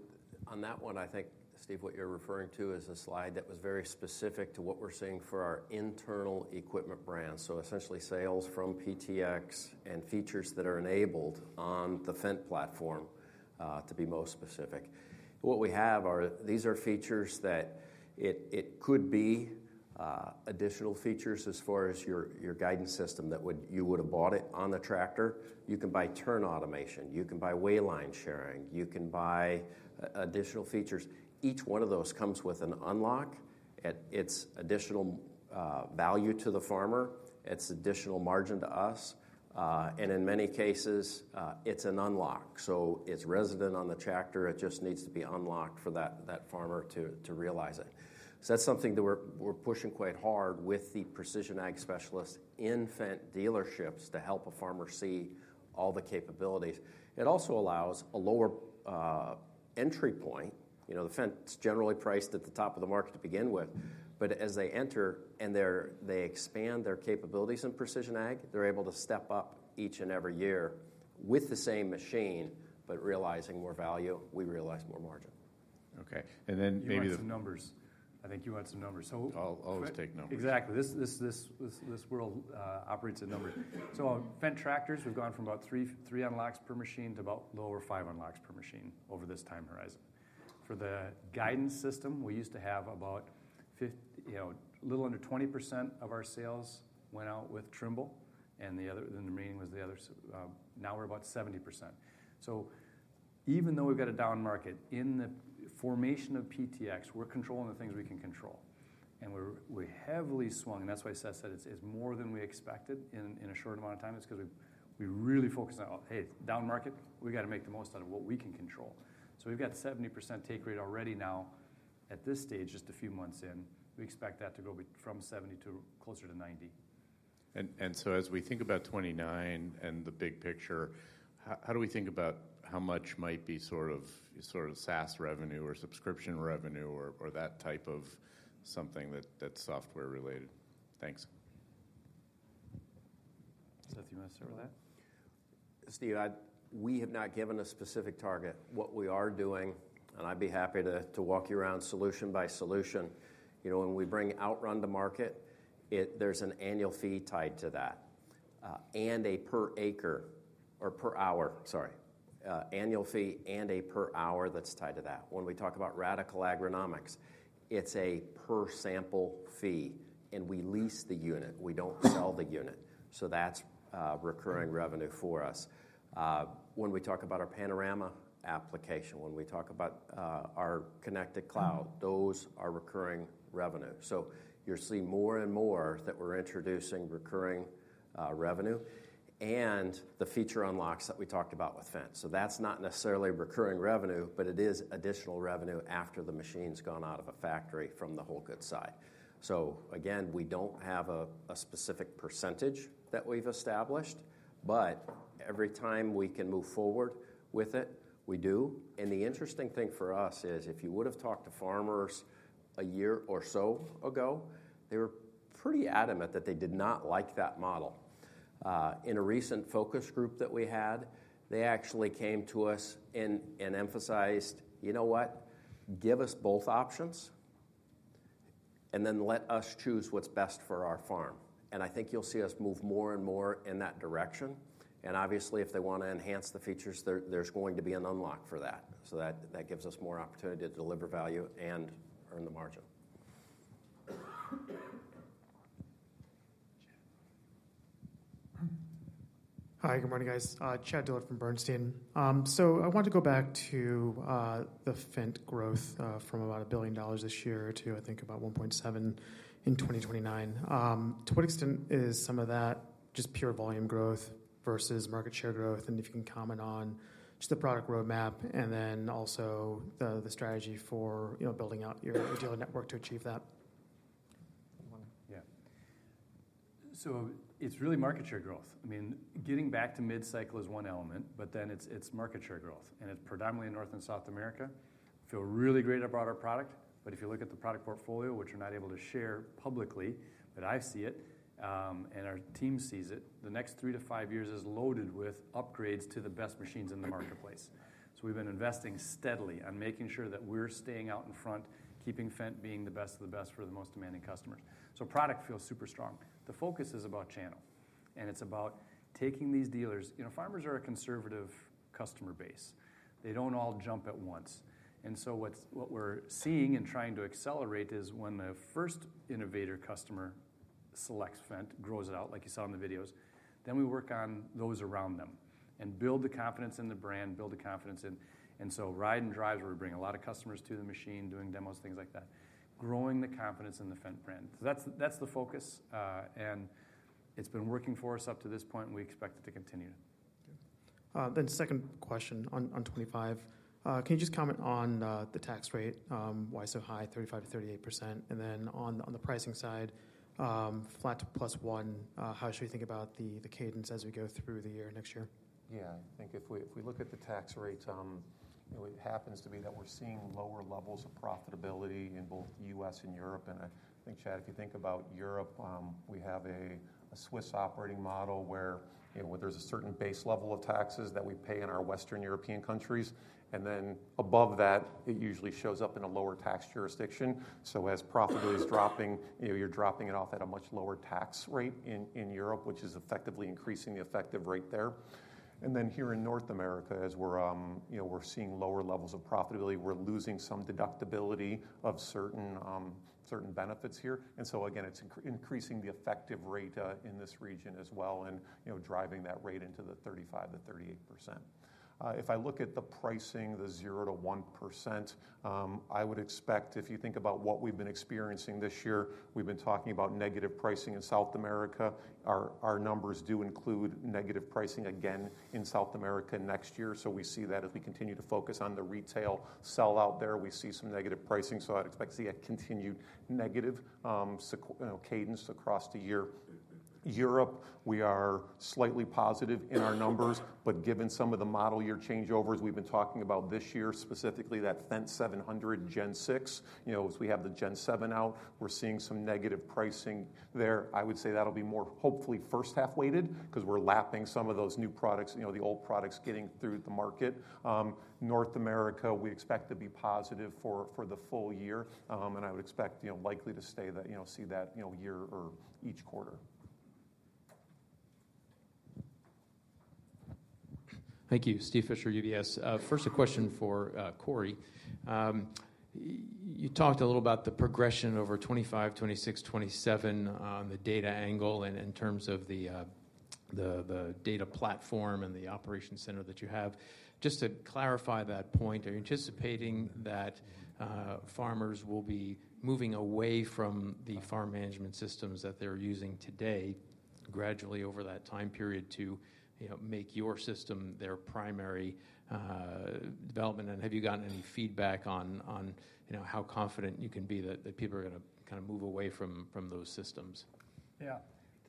on that one, I think, Steve, what you're referring to is a slide that was very specific to what we're seeing for our internal equipment brands. So, essentially, sales from PTx and features that are enabled on the Fendt platform, to be most specific. What we have are, these are features that it could be additional features as far as your guidance system that you would have bought it on the tractor. You can buy turn automation. You can buy wayline sharing. You can buy additional features. Each one of those comes with an unlock. It's additional value to the farmer. It's additional margin to us. And in many cases, it's an unlock. So, it's resident on the tractor. It just needs to be unlocked for that farmer to realize it. That's something that we're pushing quite hard with the precision ag specialists in Fendt dealerships to help a farmer see all the capabilities. It also allows a lower entry point. You know, the Fendt is generally priced at the top of the market to begin with. But as they enter and they expand their capabilities in precision ag, they're able to step up each and every year with the same machine, but realizing more value, we realize more margin. Okay. And then maybe you want some numbers. I think you want some numbers. So, I'll always take numbers. Exactly. This world operates in numbers. So, Fendt tractors, we've gone from about three unlocks per machine to about lower five unlocks per machine over this time horizon. For the guidance system, we used to have about, you know, a little under 20% of our sales went out with Trimble. Now we're about 70%. Even though we've got a down market in the formation of PTx, we're controlling the things we can control. We're heavily swung. That's why Seth said it's more than we expected in a short amount of time. It's because we really focus on, hey, down market, we've got to make the most out of what we can control. We've got 70% take rate already now at this stage, just a few months in. We expect that to go from 70% to closer to 90%. As we think about 2029 and the big picture, how do we think about how much might be sort of SaaS revenue or subscription revenue or that type of something that's software related? Thanks. Seth, you want to start with that? Steve, we have not given a specific target. What we are doing, and I'd be happy to walk you around solution by solution, you know, when we bring Outrun to market, there's an annual fee tied to that and a per acre or per hour, sorry, annual fee and a per hour that's tied to that. When we talk about Radicle Agronomics, it's a per sample fee. And we lease the unit. We don't sell the unit. So, that's recurring revenue for us. When we talk about our Panorama application, when we talk about our connected cloud, those are recurring revenue. So, you're seeing more and more that we're introducing recurring revenue and the feature unlocks that we talked about with Fendt. So, that's not necessarily recurring revenue, but it is additional revenue after the machine's gone out of a factory from the whole good side. So, again, we don't have a specific percentage that we've established, but every time we can move forward with it, we do. And the interesting thing for us is if you would have talked to farmers a year or so ago, they were pretty adamant that they did not like that model. In a recent focus group that we had, they actually came to us and emphasized, you know what, give us both options and then let us choose what's best for our farm. And I think you'll see us move more and more in that direction. And obviously, if they want to enhance the features, there's going to be an unlock for that. So, that gives us more opportunity to deliver value and earn the margin. Hi, good morning, guys. Chad Dillard from Bernstein. I want to go back to the Fendt growth from about $1 billion this year to, I think, about $1.7 billion in 2029. To what extent is some of that just pure volume growth versus market share growth? And if you can comment on just the product roadmap and then also the strategy for, you know, building out your dealer network to achieve that. Yeah. It's really market share growth. I mean, getting back to mid-cycle is one element, but then it's market share growth. And it's predominantly in North and South America. I feel really great about our product. But if you look at the product portfolio, which we're not able to share publicly, but I see it and our team sees it, the next three to five years is loaded with upgrades to the best machines in the marketplace. We've been investing steadily on making sure that we're staying out in front, keeping Fendt being the best of the best for the most demanding customers. So, product feels super strong. The focus is about channel. And it's about taking these dealers, you know, farmers are a conservative customer base. They don't all jump at once. And so, what we're seeing and trying to accelerate is when the first innovator customer selects Fendt, grows it out, like you saw in the videos, then we work on those around them and build the confidence in the brand, build the confidence in. And so, ride and drives, where we bring a lot of customers to the machine, doing demos, things like that, growing the confidence in the Fendt brand. So, that's the focus. And it's been working for us up to this point. We expect it to continue. Then second question on 2025. Can you just comment on the tax rate? Why so high? 35% to 38%. And then on the pricing side, flat to +1 one, how should we think about the cadence as we go through the year next year? Yeah, I think if we look at the tax rates, it happens to be that we're seeing lower levels of profitability in both the U.S. and Europe. And I think, Chad, if you think about Europe, we have a Swiss operating model where, you know, there's a certain base level of taxes that we pay in our Western European countries. And then above that, it usually shows up in a lower tax jurisdiction. So, as profitability is dropping, you're dropping it off at a much lower tax rate in Europe, which is effectively increasing the effective rate there. And then here in North America, as we're seeing lower levels of profitability, we're losing some deductibility of certain benefits here. And so, again, it's increasing the effective rate in this region as well and driving that rate into the 35% to 38%. If I look at the pricing, the 0% to 1%, I would expect, if you think about what we've been experiencing this year, we've been talking about negative pricing in South America. Our numbers do include negative pricing again in South America next year. So, we see that as we continue to focus on the retail sell-out there, we see some negative pricing. So, I'd expect to see a continued negative cadence across the year. Europe, we are slightly positive in our numbers, but given some of the model year changeovers we've been talking about this year, specifically that Fendt 700 Gen 6, you know, as we have the Gen 7 out, we're seeing some negative pricing there. I would say that'll be more hopefully first half weighted because we're lapping some of those new products, you know, the old products getting through the market. North America, we expect to be positive for the full year, and I would expect, you know, likely to stay that, you know, see that, you know, year or each quarter. Thank you. Steve Fisher, UBS. First, a question for Corey. You talked a little about the progression over 2025, 2026, 2027 on the data angle and in terms of the data platform and the operation center that you have. Just to clarify that point, are you anticipating that farmers will be moving away from the farm management systems that they're using today gradually over that time period to, you know, make your system their primary development? And have you gotten any feedback on, you know, how confident you can be that people are going to kind of move away from those systems? Yeah.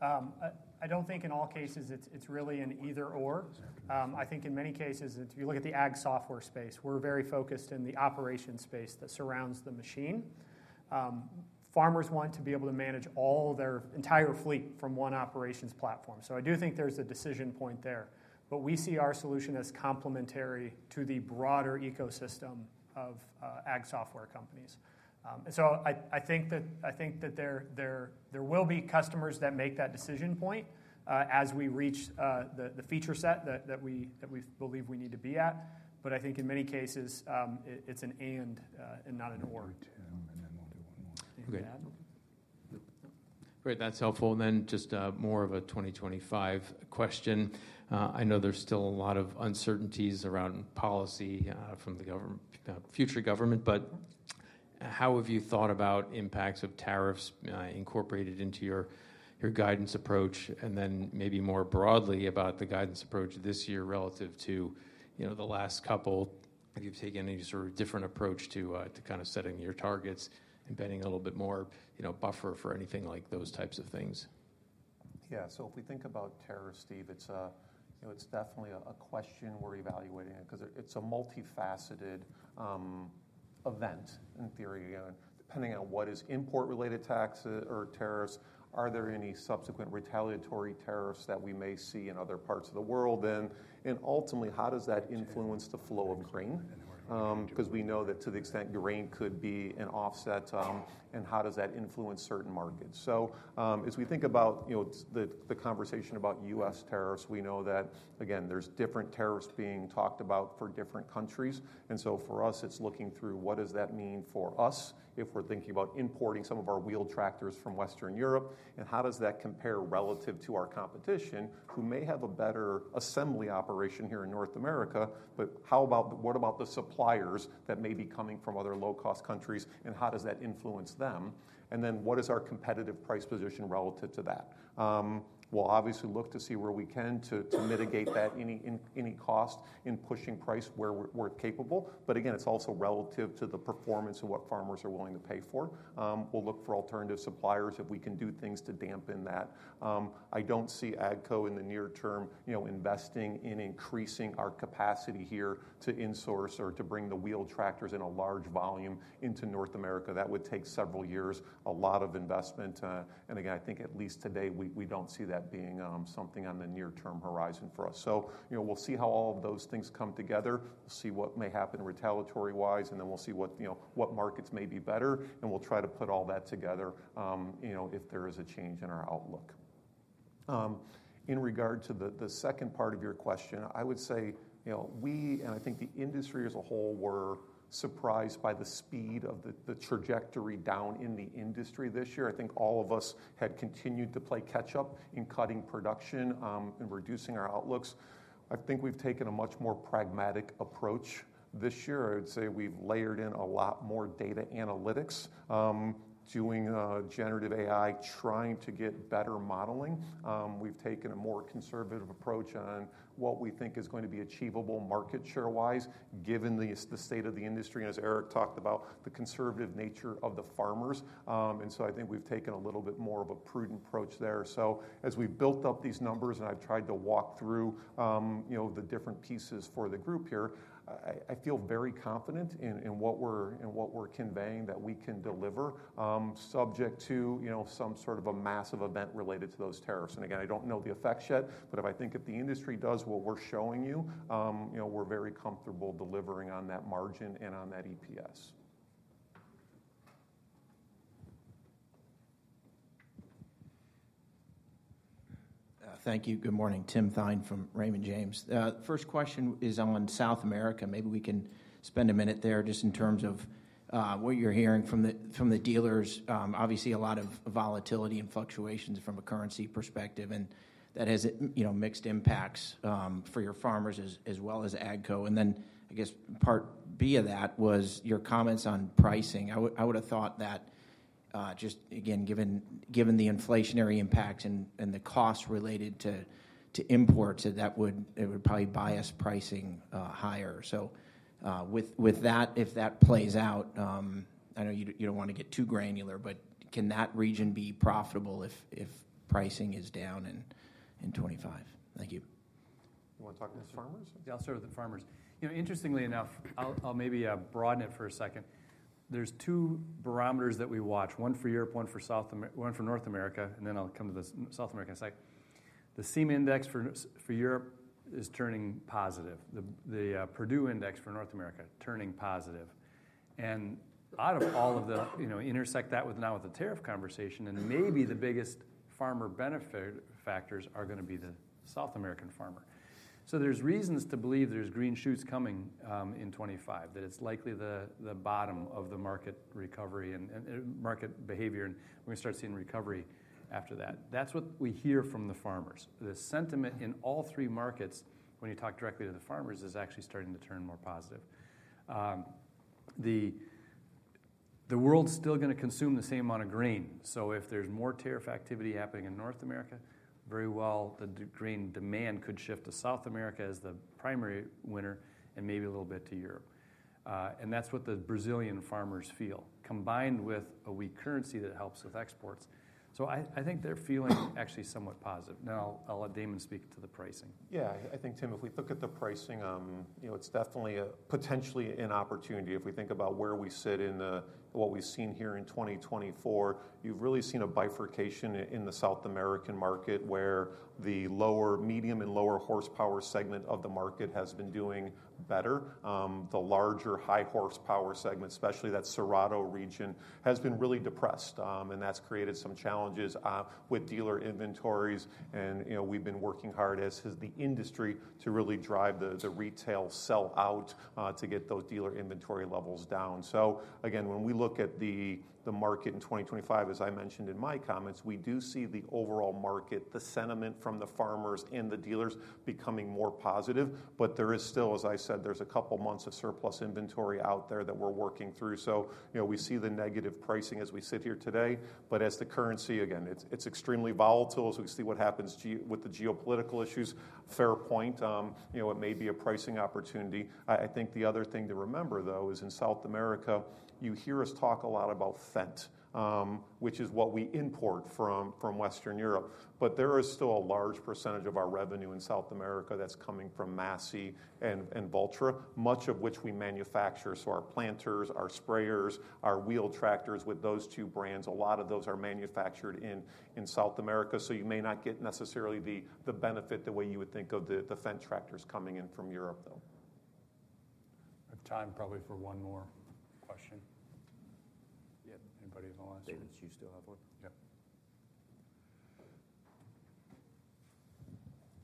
I don't think in all cases it's really an either/or. I think in many cases, if you look at the ag software space, we're very focused in the operation space that surrounds the machine. Farmers want to be able to manage all their entire fleet from one operations platform. So, I do think there's a decision point there. But we see our solution as complementary to the broader ecosystem of ag software companies. And so, I think that there will be customers that make that decision point as we reach the feature set that we believe we need to be at. But I think in many cases, it's an and and not an or. And then we'll do one more. Great. That's helpful. And then just more of a 2025 question. I know there's still a lot of uncertainties around policy from the government, future government, but how have you thought about impacts of tariffs incorporated into your guidance approach? And then maybe more broadly about the guidance approach this year relative to, you know, the last couple, have you taken any sort of different approach to kind of setting your targets and betting a little bit more, you know, buffer for anything like those types of things? Yeah. If we think about tariffs, Steve, it's definitely a question we're evaluating because it's a multifaceted event in theory. Depending on what is import-related tax or tariffs, are there any subsequent retaliatory tariffs that we may see in other parts of the world? And ultimately, how does that influence the flow of grain? Because we know that to the extent grain could be an offset. And how does that influence certain markets? So, as we think about, you know, the conversation about U.S. tariffs, we know that, again, there's different tariffs being talked about for different countries. And so, for us, it's looking through what does that mean for us if we're thinking about importing some of our wheeled tractors from Western Europe? And how does that compare relative to our competition who may have a better assembly operation here in North America? But how about what about the suppliers that may be coming from other low-cost countries? And how does that influence them? And then what is our competitive price position relative to that? We'll obviously look to see where we can to mitigate that any cost in pushing price where we're capable. But again, it's also relative to the performance of what farmers are willing to pay for. We'll look for alternative suppliers if we can do things to dampen that. I don't see AGCO in the near term, you know, investing in increasing our capacity here to insource or to bring the wheeled tractors in a large volume into North America. That would take several years, a lot of investment. And again, I think at least today, we don't see that being something on the near-term horizon for us. You know, we'll see how all of those things come together. We'll see what may happen retaliatory-wise. We'll see what, you know, what markets may be better. We'll try to put all that together, you know, if there is a change in our outlook. In regard to the second part of your question, I would say, you know, we, and I think the industry as a whole, were surprised by the speed of the trajectory down in the industry this year. I think all of us had continued to play catch-up in cutting production and reducing our outlooks. I think we've taken a much more pragmatic approach this year. I would say we've layered in a lot more data analytics, doing generative AI, trying to get better modeling. We've taken a more conservative approach on what we think is going to be achievable market share-wise, given the state of the industry. And as Eric talked about, the conservative nature of the farmers. And so, I think we've taken a little bit more of a prudent approach there. So, as we've built up these numbers, and I've tried to walk through, you know, the different pieces for the group here, I feel very confident in what we're conveying that we can deliver, subject to, you know, some sort of a massive event related to those tariffs. And again, I don't know the effects yet, but if I think the industry does what we're showing you, you know, we're very comfortable delivering on that margin and on that EPS. Thank you. Good morning. Tim Thein from Raymond James. First question is on South America. Maybe we can spend a minute there just in terms of what you're hearing from the dealers. Obviously, a lot of volatility and fluctuations from a currency perspective, and that has, you know, mixed impacts for your farmers as well as AGCO. And then, I guess, part B of that was your comments on pricing. I would have thought that just, again, given the inflationary impacts and the costs related to imports, that that would probably bias pricing higher, so with that, if that plays out, I know you don't want to get too granular, but can that region be profitable if pricing is down in 2025? Thank you. You want to talk to the farmers? Yeah, I'll start with the farmers. You know, interestingly enough, I'll maybe broaden it for a second. There's two barometers that we watch, one for Europe, one for North America, and then I'll come to the South American side. The CEMA index for Europe is turning positive. The Purdue index for North America is turning positive. And out of all of the, you know, intersect that with now with the tariff conversation, and maybe the biggest farmer benefit factors are going to be the South American farmer. So, there's reasons to believe there's green shoots coming in 2025, that it's likely the bottom of the market recovery and market behavior. And we're going to start seeing recovery after that. That's what we hear from the farmers. The sentiment in all three markets, when you talk directly to the farmers, is actually starting to turn more positive. The world's still going to consume the same amount of grain. So, if there's more tariff activity happening in North America, very well, the grain demand could shift to South America as the primary winner and maybe a little bit to Europe. And that's what the Brazilian farmers feel, combined with a weak currency that helps with exports. So, I think they're feeling actually somewhat positive. Now, I'll let Damon speak to the pricing. Yeah, I think, Tim, if we look at the pricing, you know, it's definitely potentially an opportunity. If we think about where we sit in what we've seen here in 2024, you've really seen a bifurcation in the South American market where the lower medium and lower horsepower segment of the market has been doing better. The larger high horsepower segment, especially that Cerrado region, has been really depressed. And that's created some challenges with dealer inventories. You know, we've been working hard as the industry to really drive the retail sell-out to get those dealer inventory levels down. Again, when we look at the market in 2025, as I mentioned in my comments, we do see the overall market, the sentiment from the farmers and the dealers becoming more positive. There is still, as I said, there's a couple of months of surplus inventory out there that we're working through. You know, we see the negative pricing as we sit here today. As the currency, again, it's extremely volatile as we see what happens with the geopolitical issues. Fair point. You know, it may be a pricing opportunity. I think the other thing to remember, though, is in South America, you hear us talk a lot about Fendt, which is what we import from Western Europe. But there is still a large percentage of our revenue in South America that's coming from Massey and Valtra, much of which we manufacture. So, our planters, our sprayers, our wheeled tractors with those two brands, a lot of those are manufactured in South America. So, you may not get necessarily the benefit the way you would think of the Fendt tractors coming in from Europe, though. We have time probably for one more question. Anybody have a last one? David, do you still have one?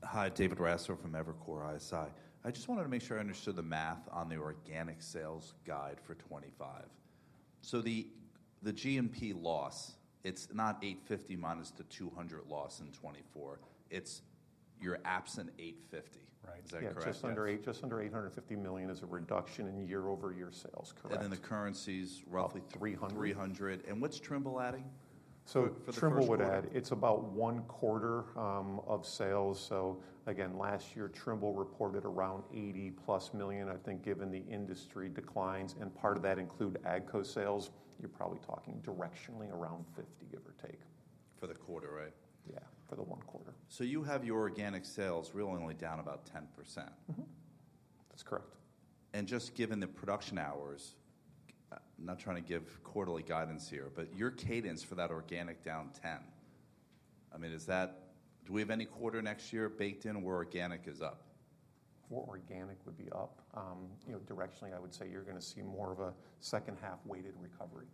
Yep. Hi, David Raso from Evercore ISI. I just wanted to make sure I understood the math on the organic sales guide for 2025. So, the FX loss, it's not $850 million minus the $200 million loss in 2024. It's FX absent 850. Is that correct? Just under $850 million is a reduction in year-over-year sales. Correct. And then the currencies, roughly 300. 300. And what's Trimble adding? So, Trimble would add. It's about one quarter of sales. So, again, last year, Trimble reported around $80-plus million, I think, given the industry declines. And part of that includes AGCO sales. You're probably talking directionally around $50, give or take. For the quarter, right? Yeah, for the quarter. So, you have your organic sales really only down about 10%. That's correct. And just given the production hours, I'm not trying to give quarterly guidance here, but your cadence for that organic down 10, I mean, is that, do we have any quarter next year baked in where organic is up? For organic would be up. You know, directionally, I would say you're going to see more of a second-half weighted recovery.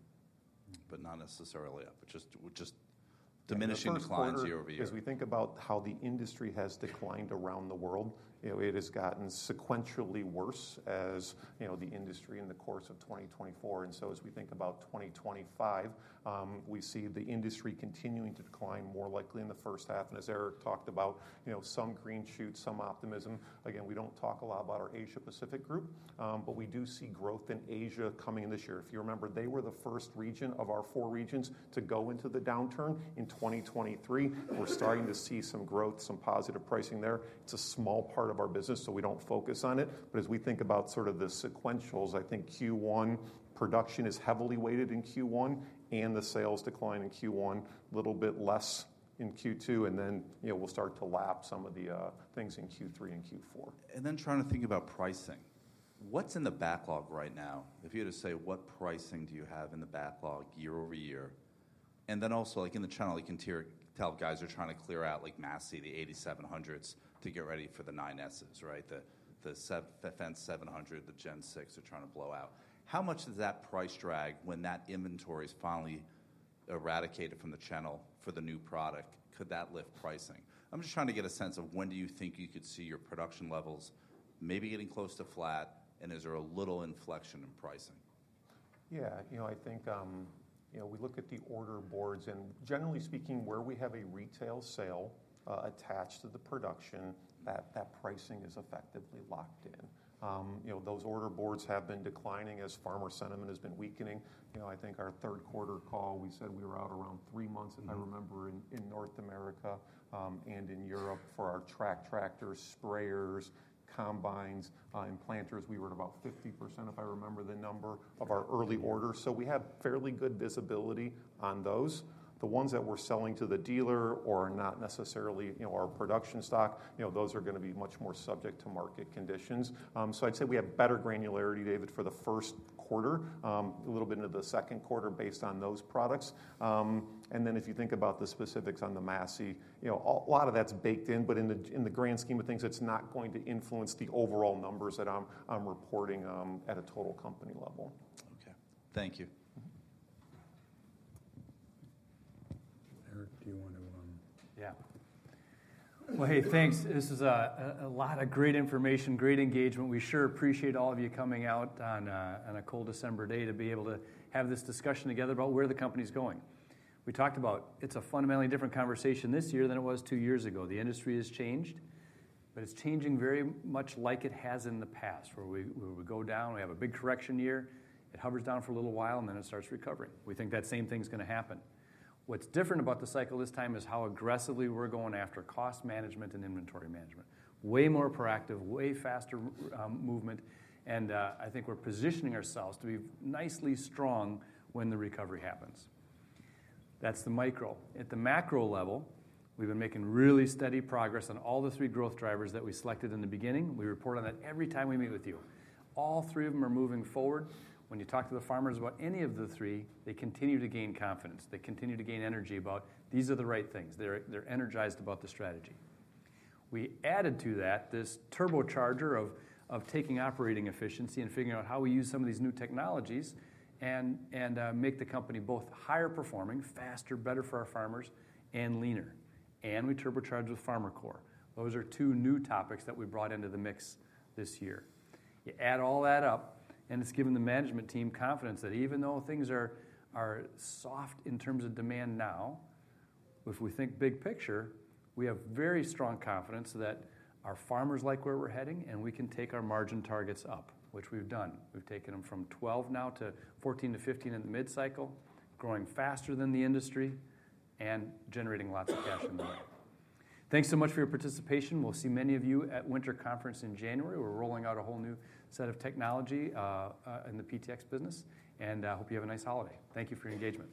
But not necessarily up, but just diminishing declines year over year. As we think about how the industry has declined around the world, you know, it has gotten sequentially worse as, you know, the industry in the course of 2024, and so, as we think about 2025, we see the industry continuing to decline more likely in the first half, and as Eric talked about, you know, some green shoots, some optimism. Again, we don't talk a lot about our Asia-Pacific group, but we do see growth in Asia coming in this year. If you remember, they were the first region of our four regions to go into the downturn in 2023. We're starting to see some growth, some positive pricing there. It's a small part of our business, so we don't focus on it. But as we think about sort of the sequentials, I think Q1 production is heavily weighted in Q1 and the sales decline in Q1, a little bit less in Q2. And then, you know, we'll start to lap some of the things in Q3 and Q4. And then trying to think about pricing. What's in the backlog right now? If you had to say, what pricing do you have in the backlog year over year? And then also, like in the channel, you can tell guys are trying to clear out like Massey, the 8700s, to get ready for the 9Ss, right? The Fendt 700, the Gen6, they're trying to blow out. How much does that price drag when that inventory is finally eradicated from the channel for the new product? Could that lift pricing? I'm just trying to get a sense of when do you think you could see your production levels maybe getting close to flat? And is there a little inflection in pricing? Yeah, you know, I think, you know, we look at the order boards. And generally speaking, where we have a retail sale attached to the production, that pricing is effectively locked in. You know, those order boards have been declining as farmer sentiment has been weakening. You know, I think our third quarter call, we said we were out around three months, if I remember, in North America and in Europe for our tractors, sprayers, combines, and planters. We were at about 50%, if I remember the number, of our early orders. So, we have fairly good visibility on those. The ones that we're selling to the dealer or not necessarily, you know, our production stock, you know, those are going to be much more subject to market conditions. So, I'd say we have better granularity, David, for the first quarter, a little bit into the second quarter based on those products. And then if you think about the specifics on the Massey, you know, a lot of that's baked in. But in the grand scheme of things, it's not going to influence the overall numbers that I'm reporting at a total company level. Okay. Thank you. Eric, do you want to? Yeah. Well, hey, thanks. This is a lot of great information, great engagement. We sure appreciate all of you coming out on a cold December day to be able to have this discussion together about where the company's going. We talked about it. It's a fundamentally different conversation this year than it was two years ago. The industry has changed, but it's changing very much like it has in the past, where we go down, we have a big correction year, it hovers down for a little while, and then it starts recovering. We think that same thing's going to happen. What's different about the cycle this time is how aggressively we're going after cost management and inventory management. Way more proactive, way faster movement. And I think we're positioning ourselves to be nicely strong when the recovery happens. That's the micro. At the macro level, we've been making really steady progress on all the three growth drivers that we selected in the beginning. We report on that every time we meet with you. All three of them are moving forward. When you talk to the farmers about any of the three, they continue to gain confidence. They continue to gain energy about these are the right things. They're energized about the strategy. We added to that this turbocharger of taking operating efficiency and figuring out how we use some of these new technologies and make the company both higher performing, faster, better for our farmers, and leaner. And we turbocharge with FarmerCore. Those are two new topics that we brought into the mix this year. You add all that up, and it's given the management team confidence that even though things are soft in terms of demand now, if we think big picture, we have very strong confidence that our farmers like where we're heading, and we can take our margin targets up, which we've done. We've taken them from 12 now to 14 to 15 in the mid-cycle, growing faster than the industry and generating lots of cash in the way. Thanks so much for your participation. We'll see many of you at winter conference in January. We're rolling out a whole new set of technology in the PTx business, and I hope you have a nice holiday. Thank you for your engagement.